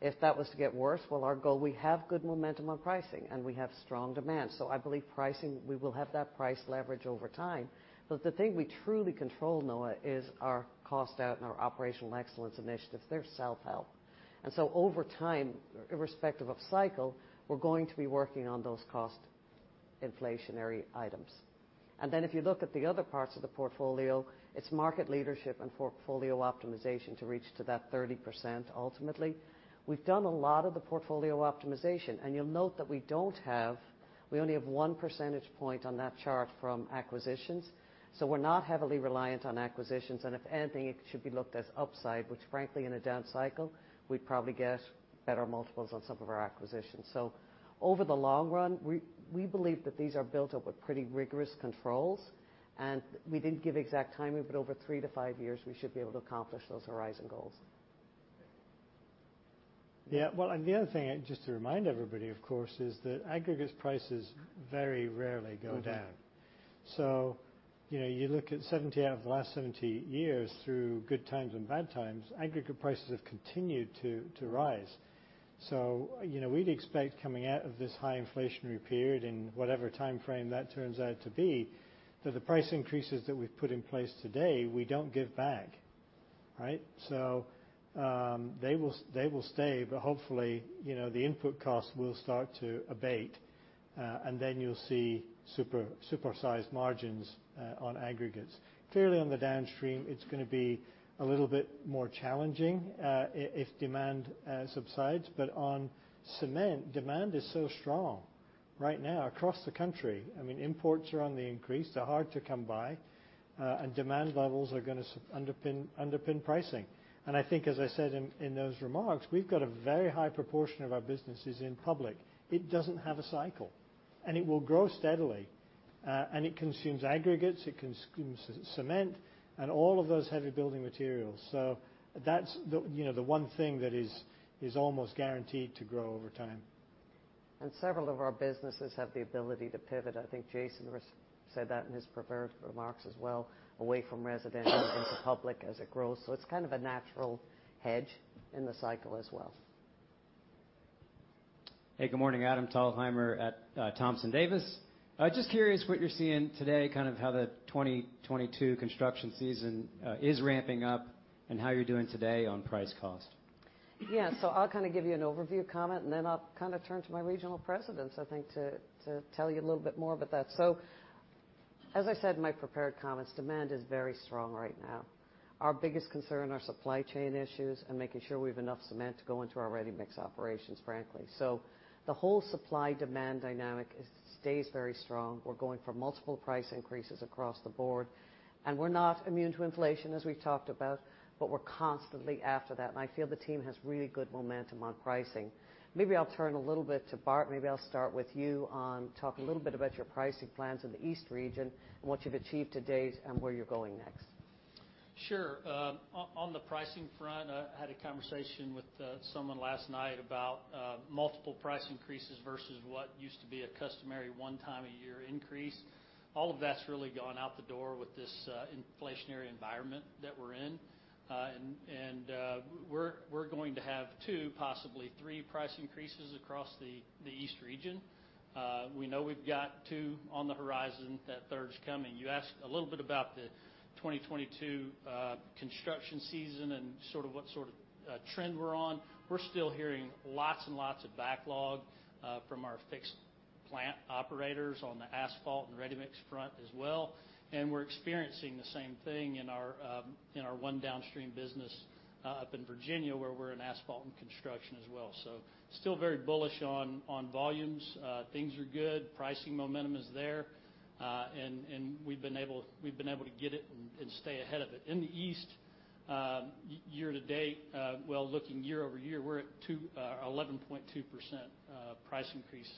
if that was to get worse, well, our goal, we have good momentum on pricing, and we have strong demand. I believe pricing, we will have that price leverage over time. The thing we truly control, Noah, is our cost out and our operational excellence initiatives. They're self-help. Over time, irrespective of cycle, we're going to be working on those cost inflationary items. If you look at the other parts of the portfolio, it's market leadership and portfolio optimization to reach to that 30% ultimately. We've done a lot of the portfolio optimization, and you'll note that we don't have, we only have 1 percentage point on that chart from acquisitions, so we're not heavily reliant on acquisitions, and if anything, it should be looked as upside, which frankly, in a down cycle, we'd probably get better multiples on some of our acquisitions. Over the long run, we believe that these are built up with pretty rigorous controls. We didn't give exact timing, but over three to five years, we should be able to accomplish those Horizon goals. Yeah. Well, the other thing, just to remind everybody, of course, is that aggregates prices very rarely go down. You know, you look at 70 out of the last 70 years through good times and bad times, aggregate prices have continued to rise. You know, we'd expect coming out of this high inflationary period in whatever timeframe that turns out to be, that the price increases that we've put in place today, we don't give back, right? They will stay, but hopefully, you know, the input cost will start to abate, and then you'll see supersized margins on aggregates. Clearly, on the downstream, it's gonna be a little bit more challenging, if demand subsides. On cement, demand is so strong right now across the country. I mean, imports are on the increase. They're hard to come by. Demand levels are gonna underpin pricing. I think as I said in those remarks, we've got a very high proportion of our businesses in public. It doesn't have a cycle, and it will grow steadily. It consumes aggregates, it consumes cement and all of those heavy building materials. That's the, you know, the one thing that is almost guaranteed to grow over time. Several of our businesses have the ability to pivot. I think Jason said that in his prepared remarks as well, away from residential into public as it grows. It's kind of a natural hedge in the cycle as well. Hey, good morning. Adam Thalhimer at Thompson Davis. Just curious what you're seeing today, kind of how the 2022 construction season is ramping up and how you're doing today on price cost. Yeah. I'll kind of give you an overview comment, and then I'll kind of turn to my regional presidents, I think, to tell you a little bit more about that. As I said in my prepared comments, demand is very strong right now. Our biggest concern are supply chain issues and making sure we have enough cement to go into our ready-mix operations, frankly. The whole supply-demand dynamic is, stays very strong. We're going for multiple price increases across the board. We're not immune to inflation, as we've talked about, but we're constantly after that, and I feel the team has really good momentum on pricing. Maybe I'll turn a little bit to Bart. Maybe I'll start with you to talk a little bit about your pricing plans in the East Region and what you've achieved to date and where you're going next. Sure. On the pricing front, I had a conversation with someone last night about multiple price increases versus what used to be a customary one-time-a-year increase. All of that's really gone out the door with this inflationary environment that we're in. We're going to have two, possibly three price increases across the East Region. We know we've got two on the Horizon. That third's coming. You asked a little bit about the 2022 construction season and sort of what trend we're on. We're still hearing lots and lots of backlog from our fixed plant operators on the asphalt and ready-mix front as well. We're experiencing the same thing in our one downstream business up in Virginia, where we're in asphalt and construction as well. Still very bullish on volumes. Things are good. Pricing momentum is there. We've been able to get it and stay ahead of it. In the East, looking year-over-year, we're at 11.2% price increase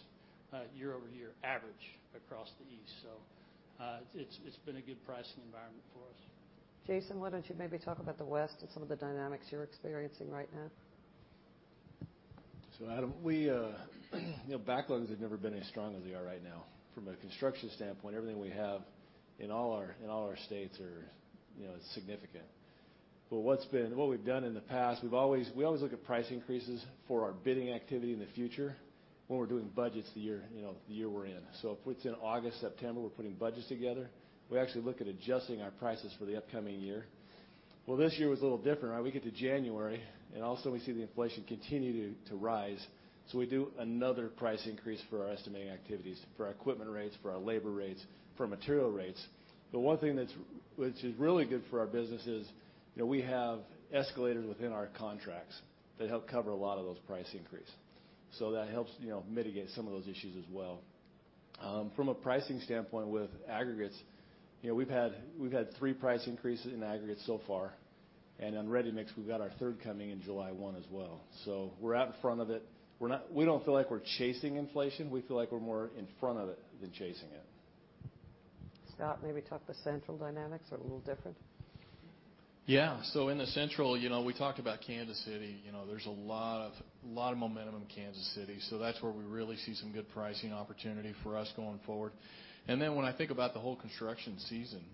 year-over-year average across the East. It's been a good pricing environment for us. Jason, why don't you maybe talk about the West and some of the dynamics you're experiencing right now? Adam, we, you know, backlogs have never been as strong as they are right now. From a construction standpoint, everything we have in all our states are, you know, significant. What's been what we've done in the past, we always look at price increases for our bidding activity in the future when we're doing budgets the year, you know, the year we're in. If it's in August, September, we're putting budgets together, we actually look at adjusting our prices for the upcoming year. Well, this year was a little different, right? We get to January, and all of a sudden we see the inflation continue to rise, so we do another price increase for our estimating activities, for our equipment rates, for our labor rates, for material rates. The one thing that's really good for our business is, you know, we have escalators within our contracts that help cover a lot of those price increase. That helps, you know, mitigate some of those issues as well. From a pricing standpoint with aggregates, you know, we've had three price increases in aggregates so far, and on ready-mix, we've got our third coming in July one as well. We're out in front of it. We don't feel like we're chasing inflation. We feel like we're more in front of it than chasing it. Scott, maybe talk to Central dynamics are a little different. Yeah. In the Central, you know, we talked about Kansas City. You know, there's a lot of momentum in Kansas City, so that's where we really see some good pricing opportunity for us going forward. Then when I think about the whole construction season,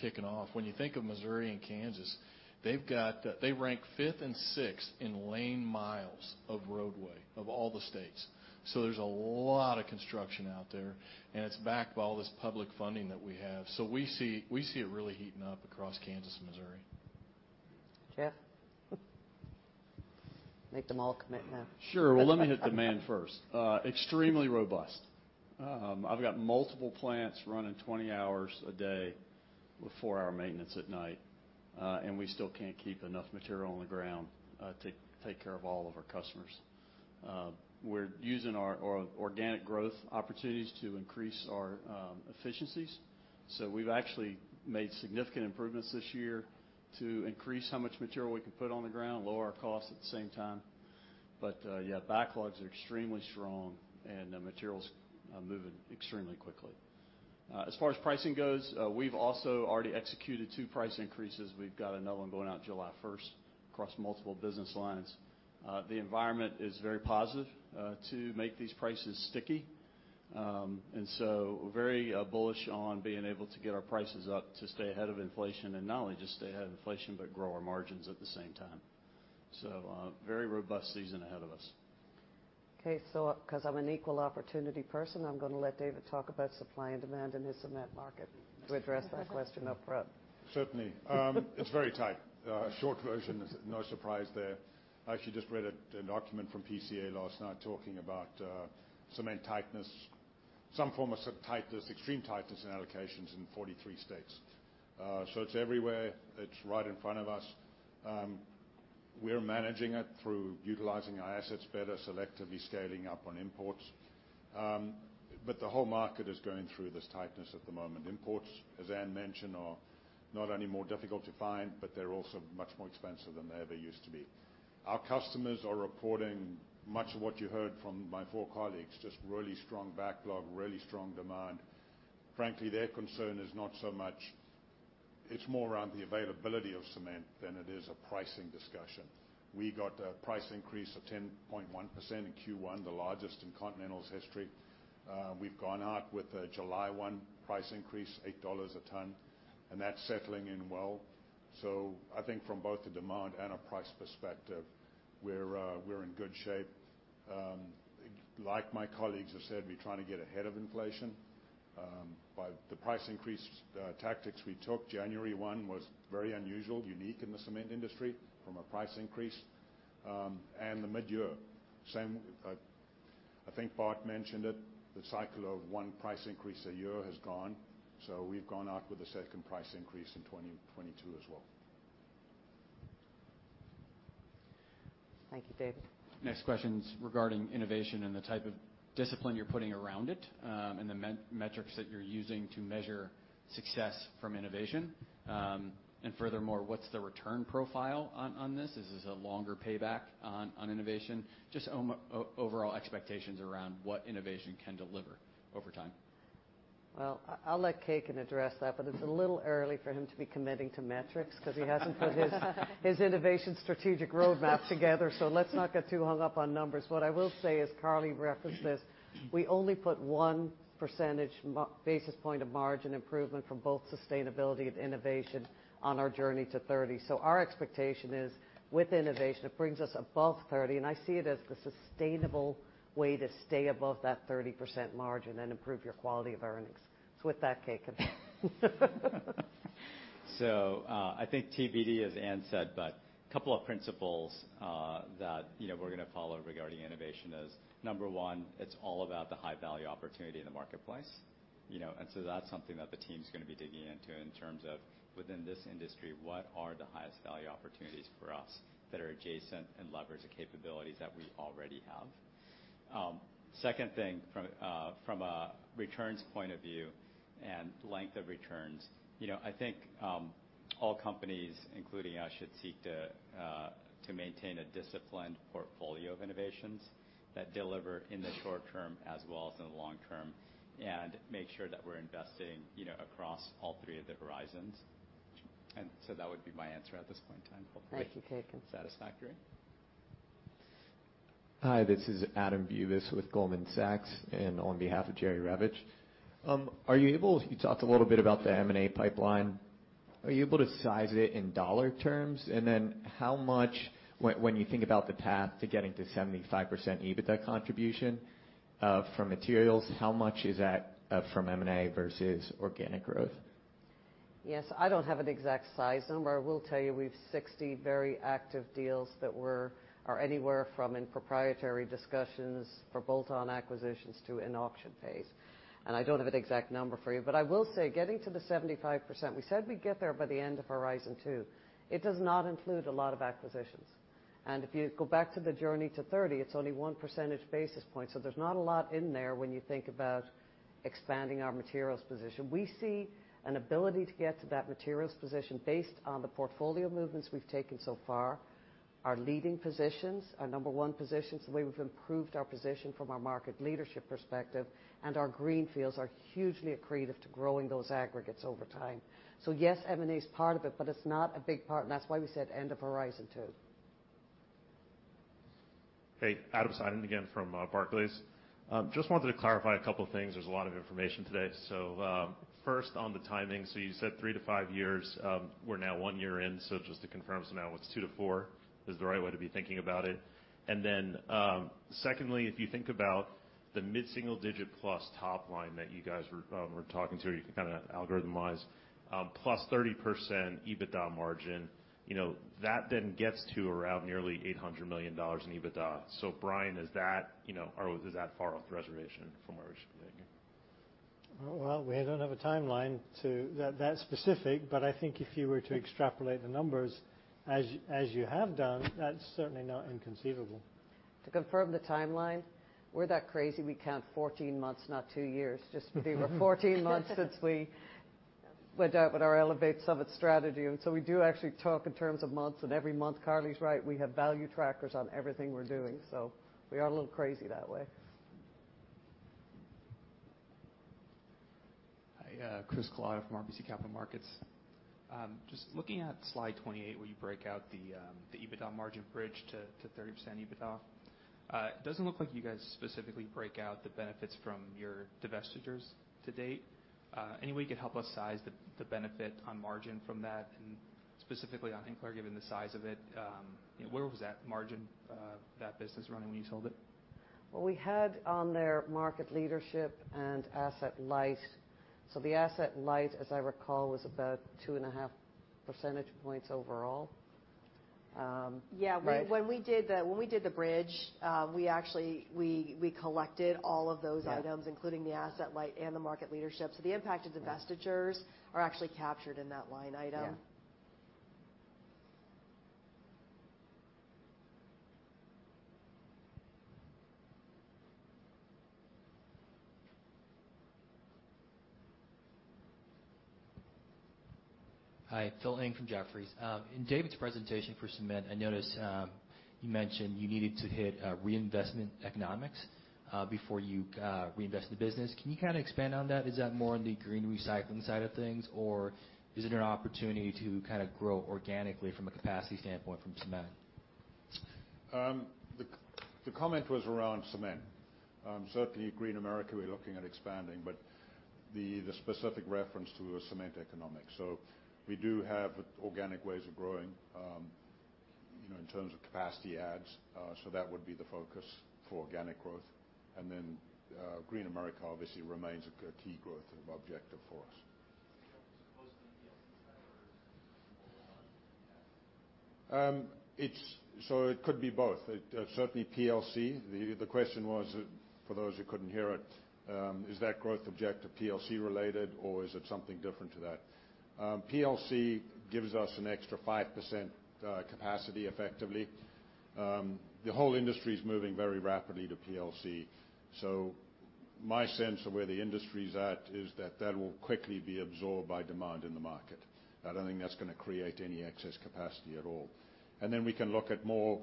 kicking off, when you think of Missouri and Kansas, they rank fifth and sixth in lane miles of roadway of all the states. There's a lot of construction out there, and it's backed by all this public funding that we have. We see it really heating up across Kansas and Missouri. Jeff? Make them all commit now. Sure. Well, let me hit demand first. Extremely robust. I've got multiple plants running 20 hours a day with four-hour maintenance at night, and we still can't keep enough material on the ground to take care of all of our customers. We're using our organic growth opportunities to increase our efficiencies. We've actually made significant improvements this year to increase how much material we can put on the ground, lower our costs at the same time. Yeah, backlogs are extremely strong, and the material's moving extremely quickly. As far as pricing goes, we've also already executed two price increases. We've got another one going out July 1st across multiple business lines. The environment is very positive to make these prices sticky. Very bullish on being able to get our prices up to stay ahead of inflation, and not only just stay ahead of inflation, but grow our margins at the same time. Very robust season ahead of us. Okay. Because I'm an equal opportunity person, I'm gonna let David talk about supply and demand in his cement market to address that question upfront. Certainly. It's very tight. Short version is no surprise there. I actually just read a document from PCA last night talking about cement tightness, some form of tightness, extreme tightness in allocations in 43 states. It's everywhere. It's right in front of us. We're managing it through utilizing our assets better, selectively scaling up on imports. The whole market is going through this tightness at the moment. Imports, as Anne mentioned, are not only more difficult to find, but they're also much more expensive than they ever used to be. Our customers are reporting much of what you heard from my four colleagues, just really strong backlog, really strong demand. Frankly, their concern is not so much. It's more around the availability of cement than it is a pricing discussion. We got a price increase of 10.1% in Q1, the largest in Continental Cement's history. We've gone out with a July 1 price increase, $8 a ton, and that's settling in well. I think from both the demand and a price perspective, we're in good shape. Like my colleagues have said, we're trying to get ahead of inflation by the price increase tactics we took. January 1 was very unusual, unique in the cement industry from a price increase, and the midyear. I think Bart mentioned it, the cycle of one price increase a year has gone, so we've gone out with a second price increase in 2022 as well. Thank you, David. Next question's regarding innovation and the type of discipline you're putting around it, and the metrics that you're using to measure success from innovation. Furthermore, what's the return profile on this? Is this a longer payback on innovation? Just overall expectations around what innovation can deliver over time. Well, I'll let Kekin address that, but it's a little early for him to be committing to metrics because he hasn't put his innovation strategic roadmap together. Let's not get too hung up on numbers. What I will say, as Karli referenced this, we only put one basis point of margin improvement from both sustainability and innovation on our Journey to 30%. Our expectation is, with innovation, it brings us above 30%, and I see it as the sustainable way to stay above that 30% margin and improve your quality of earnings. With that, Kekin. I think TBD, as Anne said, but couple of principles that, you know, we're gonna follow regarding innovation is, number one, it's all about the high-value opportunity in the marketplace. You know, and so that's something that the team's gonna be digging into in terms of, within this industry, what are the highest value opportunities for us that are adjacent and leverage the capabilities that we already have. Second thing from a returns point of view and length of returns, you know, I think all companies, including us, should seek to maintain a disciplined portfolio of innovations that deliver in the short term as well as in the long term, and make sure that we're investing, you know, across all three of the Horizons. That would be my answer at this point in time. Thank you, Kekin. Satisfactory. Hi, this is Adam Bubes with Goldman Sachs, and on behalf of Jerry Revich. You talked a little bit about the M&A pipeline. Are you able to size it in dollar terms? How much, when you think about the path to getting to 75% EBITDA contribution from materials, is that from M&A versus organic growth? Yes. I don't have an exact size number. I will tell you we have 60 very active deals that we are anywhere from in proprietary discussions for bolt-on acquisitions to an auction phase. I don't have an exact number for you, but I will say, getting to the 75%, we said we'd get there by the end of Horizon 2. It does not include a lot of acquisitions. If you go back to the Journey to 30%, it's only 1 percentage point, so there's not a lot in there when you think about expanding our materials position. We see an ability to get to that materials position based on the portfolio movements we've taken so far, our leading positions, our number one positions, the way we've improved our position from a market leadership perspective, and our greenfields are hugely accretive to growing those aggregates over time. Yes, M&A is part of it, but it's not a big part, and that's why we said end of Horizon 2. Hey, Adam Seiden again from Barclays. Just wanted to clarify a couple of things. There's a lot of information today. First on the timing. You said three to five years, we're now one year in. Just to confirm, now it's two to four, is the right way to be thinking about it? Secondly, if you think about the mid-single-digit-plus top line that you guys were talking to, you can kind of algorithmize, +30% EBITDA margin, you know, that then gets to around nearly $800 million in EBITDA. Brian, is that, you know, or is that far off the reservation from where we should be? Well, we don't have a timeline to that specific, but I think if you were to extrapolate the numbers as you have done, that's certainly not inconceivable. To confirm the timeline, we're that crazy, we count 14 months, not two years. Just we were 14 months since we went out with our Elevate Summit Strategy. We do actually talk in terms of months, and every month, Karli's right, we have value trackers on everything we're doing. We are a little crazy that way. Hi, Chris Kalata from RBC Capital Markets. Just looking at slide 28, where you break out the EBITDA margin bridge to 30% EBITDA, it doesn't look like you guys specifically break out the benefits from your divestitures to date. Any way you could help us size the benefit on margin from that, and specifically on Hinkle, given the size of it, you know, where was that margin, that business running when you sold it? Well, we had on there market leadership and asset light. The asset light, as I recall, was about 2.5 percentage points overall. Right? Yeah, when we did the bridge, we actually collected all of those items including the asset light and the market leadership. The impact of divestitures are actually captured in that line item. Yeah. Hi, Phil Ng from Jefferies. In David's presentation for Cement, I noticed you mentioned you needed to hit reinvestment economics before you reinvest in the business. Can you kind of expand on that? Is that more on the green recycling side of things, or is it an opportunity to kind of grow organically from a capacity standpoint from Cement? The comment was around cement. Certainly Green America, we're looking at expanding, but the specific reference to a cement economics. We do have organic ways of growing, you know, in terms of capacity adds, so that would be the focus for organic growth. Green America obviously remains a key growth objective for us. Is that mostly PLC side or is it more on the cement side? It could be both. It certainly PLC. The question was, for those who couldn't hear it, is that growth objective PLC related or is it something different to that? PLC gives us an extra 5% capacity effectively. The whole industry is moving very rapidly to PLC. My sense of where the industry's at is that that will quickly be absorbed by demand in the market. I don't think that's gonna create any excess capacity at all. Then we can look at more,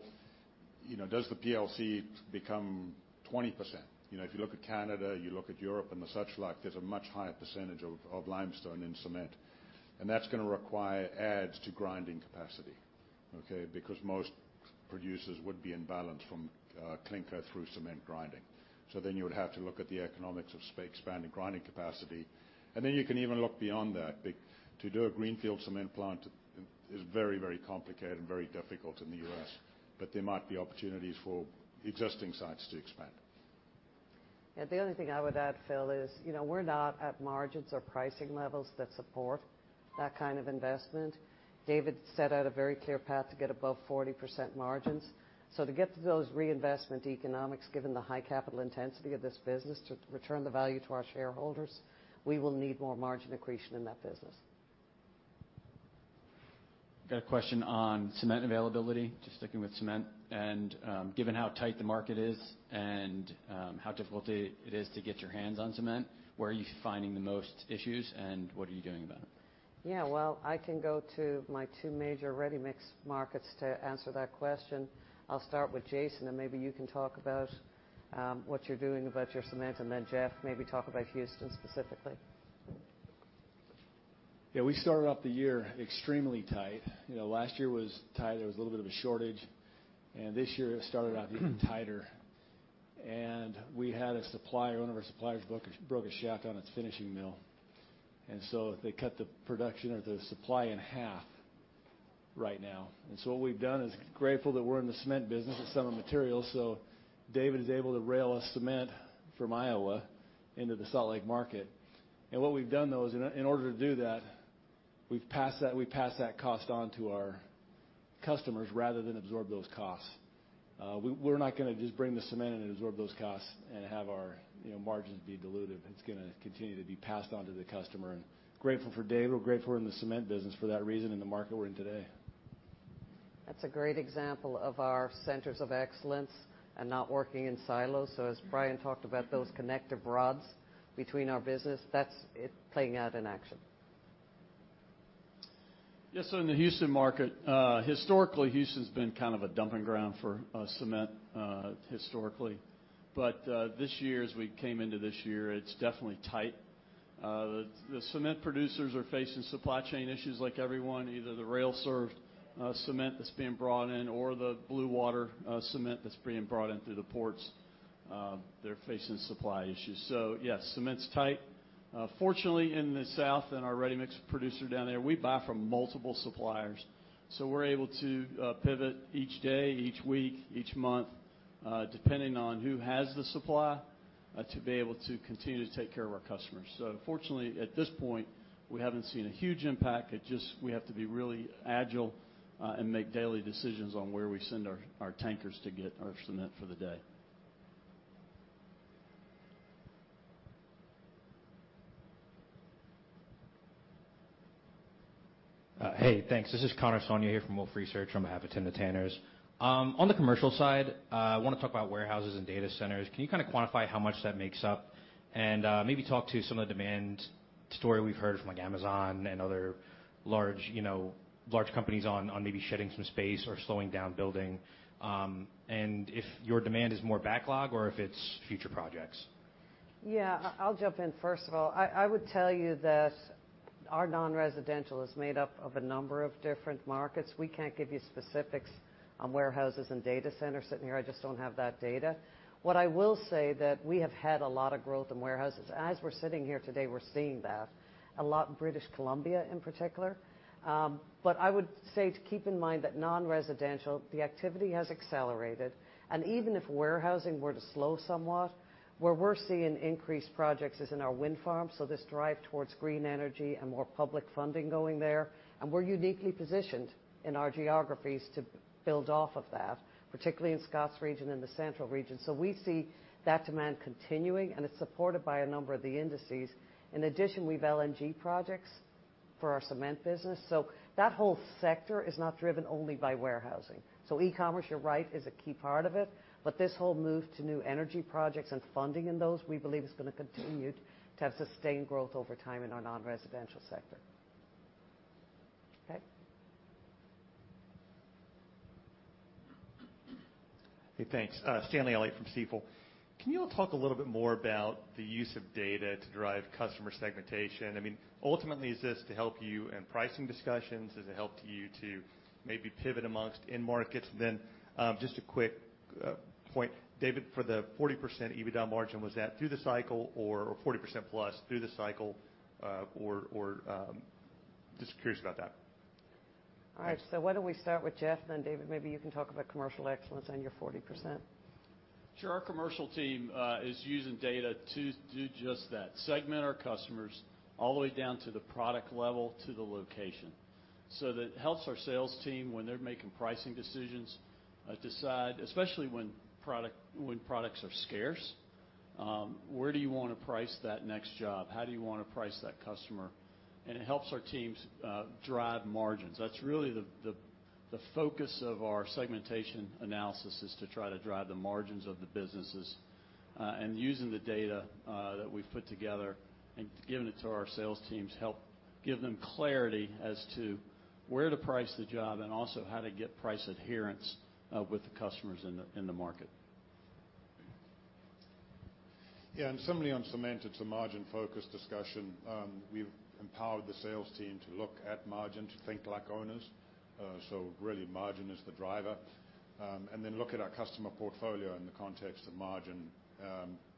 you know, does the PLC become 20%? You know, if you look at Canada, you look at Europe and the such like, there's a much higher percentage of limestone in cement. That's gonna require adds to grinding capacity, okay, because most producers would be in balance from clinker through cement grinding. You would have to look at the economics of spanning grinding capacity. You can even look beyond that. To do a greenfield cement plant is very, very complicated and very difficult in the U.S., but there might be opportunities for existing sites to expand. Yeah. The only thing I would add, Phil, is, you know, we're not at margins or pricing levels that support that kind of investment. David set out a very clear path to get above 40% margins. To get to those reinvestment economics, given the high capital intensity of this business, to return the value to our shareholders, we will need more margin accretion in that business. Got a question on cement availability, just sticking with cement, and given how tight the market is and how difficult it is to get your hands on cement, where are you finding the most issues, and what are you doing about it? Yeah. Well, I can go to my two major ready-mix markets to answer that question. I'll start with Jason, and maybe you can talk about what you're doing about your cement, and then Jeff, maybe talk about Houston specifically. Yeah. We started off the year extremely tight. You know, last year was tight. There was a little bit of a shortage. This year it started out even tighter. We had a supplier, one of our suppliers broke a shaft on its finishing mill. They cut the production of the supply in half right now. We're grateful that we're in the cement business with Summit Materials. David is able to rail our cement from Iowa into the Salt Lake market. What we've done, though, is in order to do that, we've passed that cost on to our customers rather than absorb those costs. We're not gonna just bring the cement in and absorb those costs and have our, you know, margins be diluted. It's gonna continue to be passed on to the customer. Grateful for David. We're grateful we're in the cement business for that reason in the market we're in today. That's a great example of our centers of excellence and not working in silos. As Brian talked about those connective rods between our business, that's it playing out in action. Yes. In the Houston market, historically, Houston's been kind of a dumping ground for cement historically. This year, as we came into this year, it's definitely tight. The cement producers are facing supply chain issues like everyone, either the rail served cement that's being brought in or the blue water cement that's being brought in through the ports, they're facing supply issues. Yes, cement's tight. Fortunately, in the south and our ready-mix producer down there, we buy from multiple suppliers. We're able to pivot each day, each week, each month, depending on who has the supply, to be able to continue to take care of our customers. Fortunately, at this point, we haven't seen a huge impact. We have to be really agile and make daily decisions on where we send our tankers to get our cement for the day. Hey, thanks. This is Connor Shyne here from Wolfe Research on behalf of Timna Tanners. On the commercial side, I wanna talk about warehouses and data centers. Can you kinda quantify how much that makes up? Maybe talk to some of the demand story we've heard from, like, Amazon and other large, you know, large companies on maybe shedding some space or slowing down building, and if your demand is more backlog or if it's future projects. Yeah. I'll jump in. First of all, I would tell you that our non-residential is made up of a number of different markets. We can't give you specifics on warehouses and data centers sitting here. I just don't have that data. What I will say that we have had a lot of growth in warehouses. As we're sitting here today, we're seeing that, a lot in British Columbia in particular. But I would say to keep in mind that non-residential, the activity has accelerated, and even if warehousing were to slow somewhat, where we're seeing increased projects is in our wind farms, so this drive towards green energy and more public funding going there. We're uniquely positioned in our geographies to build off of that, particularly in Scott's region and the central region. We see that demand continuing, and it's supported by a number of the indices. In addition, we've LNG projects for our cement business. That whole sector is not driven only by warehousing. E-commerce, you're right, is a key part of it, but this whole move to new energy projects and funding in those, we believe, is gonna continue to have sustained growth over time in our non-residential sector. Hey, thanks. Stanley Elliott from Stifel. Can you all talk a little bit more about the use of data to drive customer segmentation? I mean, ultimately, is this to help you in pricing discussions? Does it help you to maybe pivot among end markets? Just a quick point, David, for the 40% EBITDA margin, was that through the cycle or 40%+ through the cycle, or. Just curious about that. All right. Why don't we start with Jeff, and then David, maybe you can talk about commercial excellence and your 40%. Sure. Our commercial team is using data to do just that, segment our customers all the way down to the product level to the location. That helps our sales team when they're making pricing decisions, especially when products are scarce, where do you wanna price that next job? How do you wanna price that customer? It helps our teams drive margins. That's really the focus of our segmentation analysis is to try to drive the margins of the businesses, and using the data that we've put together and giving it to our sales teams help give them clarity as to where to price the job and also how to get price adherence with the customers in the market. Yeah. Similarly on cement, it's a margin-focused discussion. We've empowered the sales team to look at margin, to think like owners. Really margin is the driver. Look at our customer portfolio in the context of margin,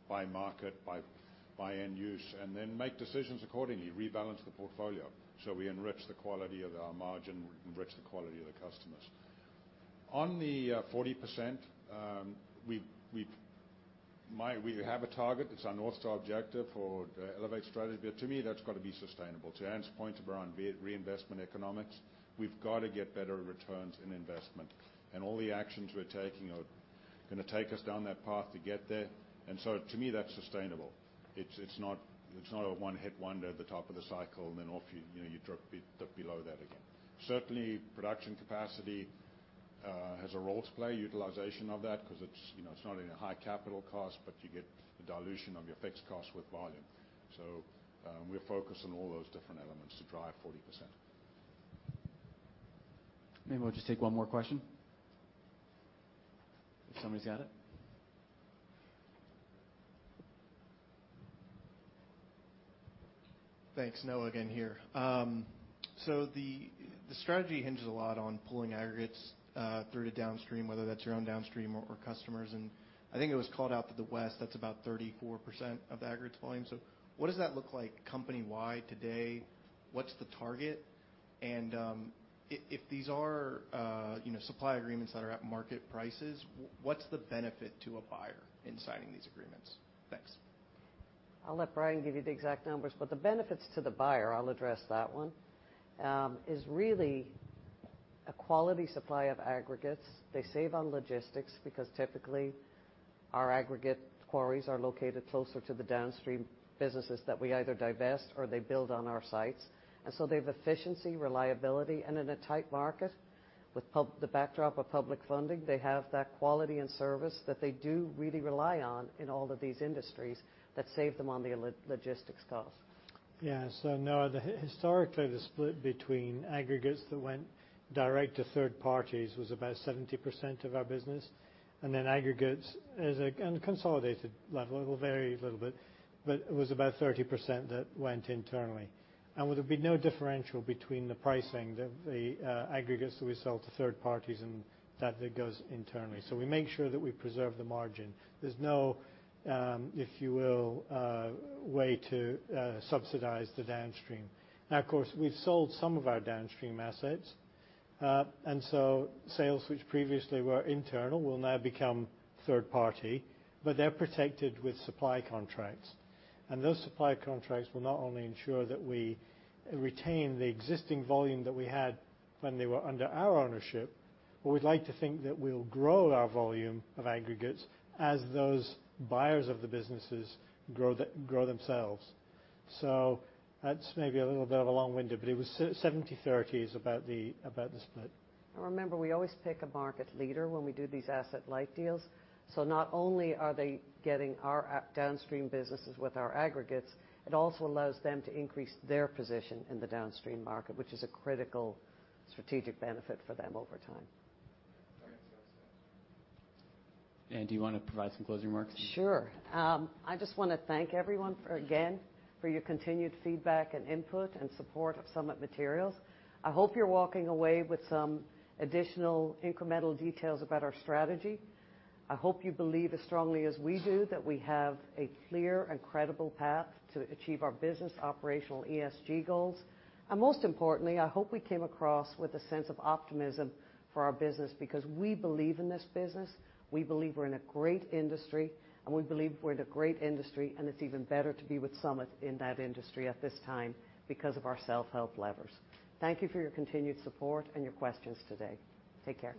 by market, by end use, and then make decisions accordingly, rebalance the portfolio so we enrich the quality of our margin, we enrich the quality of the customers. On the 40%, we have a target that's our North Star objective for the Elevate strategy, but to me, that's got to be sustainable. To Anne's point around reinvestment economics, we've got to get better returns in investment, and all the actions we're taking are gonna take us down that path to get there. To me, that's sustainable. It's not a one-hit wonder at the top of the cycle and then, you know, you drop below that again. Certainly, production capacity has a role to play, utilization of that because it's, you know, it's not only a high capital cost, but you get the dilution of your fixed cost with volume. We're focused on all those different elements to drive 40%. Maybe we'll just take one more question. If somebody's got it. Thanks. Noah again here. The strategy hinges a lot on pulling aggregates through to downstream, whether that's your own downstream or customers. I think it was called out to the west, that's about 34% of the aggregates volume. What does that look like company-wide today? What's the target? If these are, you know, supply agreements that are at market prices, what's the benefit to a buyer in signing these agreements? Thanks. I'll let Brian give you the exact numbers, but the benefits to the buyer, I'll address that one, is really a quality supply of aggregates. They save on logistics because typically our aggregate quarries are located closer to the downstream businesses that we either divest or they build on our sites. They've efficiency, reliability, and in a tight market with the backdrop of public funding, they have that quality and service that they do really rely on in all of these industries that save them on the overall logistics costs. Yeah. No, historically, the split between aggregates that went direct to third parties was about 70% of our business. Aggregates on a consolidated level, it will vary a little bit, but it was about 30% that went internally. There would be no differential between the pricing that the aggregates that we sell to third parties and that goes internally. We make sure that we preserve the margin. There's no, if you will, way to subsidize the downstream. Now, of course, we've sold some of our downstream assets. Sales which previously were internal will now become third party, but they're protected with supply contracts. Those supply contracts will not only ensure that we retain the existing volume that we had when they were under our ownership, but we'd like to think that we'll grow our volume of aggregates as those buyers of the businesses grow themselves. That's maybe a little bit of a long-winded, but it was 70/30, about the split. Remember, we always pick a market leader when we do these asset light deals. Not only are they getting our downstream businesses with our aggregates, it also allows them to increase their position in the downstream market, which is a critical strategic benefit for them over time. All right. That's it. Anne, do you wanna provide some closing remarks? Sure. I just wanna thank everyone for again, for your continued feedback and input and support of Summit Materials. I hope you're walking away with some additional incremental details about our strategy. I hope you believe as strongly as we do that we have a clear and credible path to achieve our business operational ESG goals. Most importantly, I hope we came across with a sense of optimism for our business because we believe in this business, we believe we're in a great industry, and it's even better to be with Summit in that industry at this time because of our self-help levers. Thank you for your continued support and your questions today. Take care.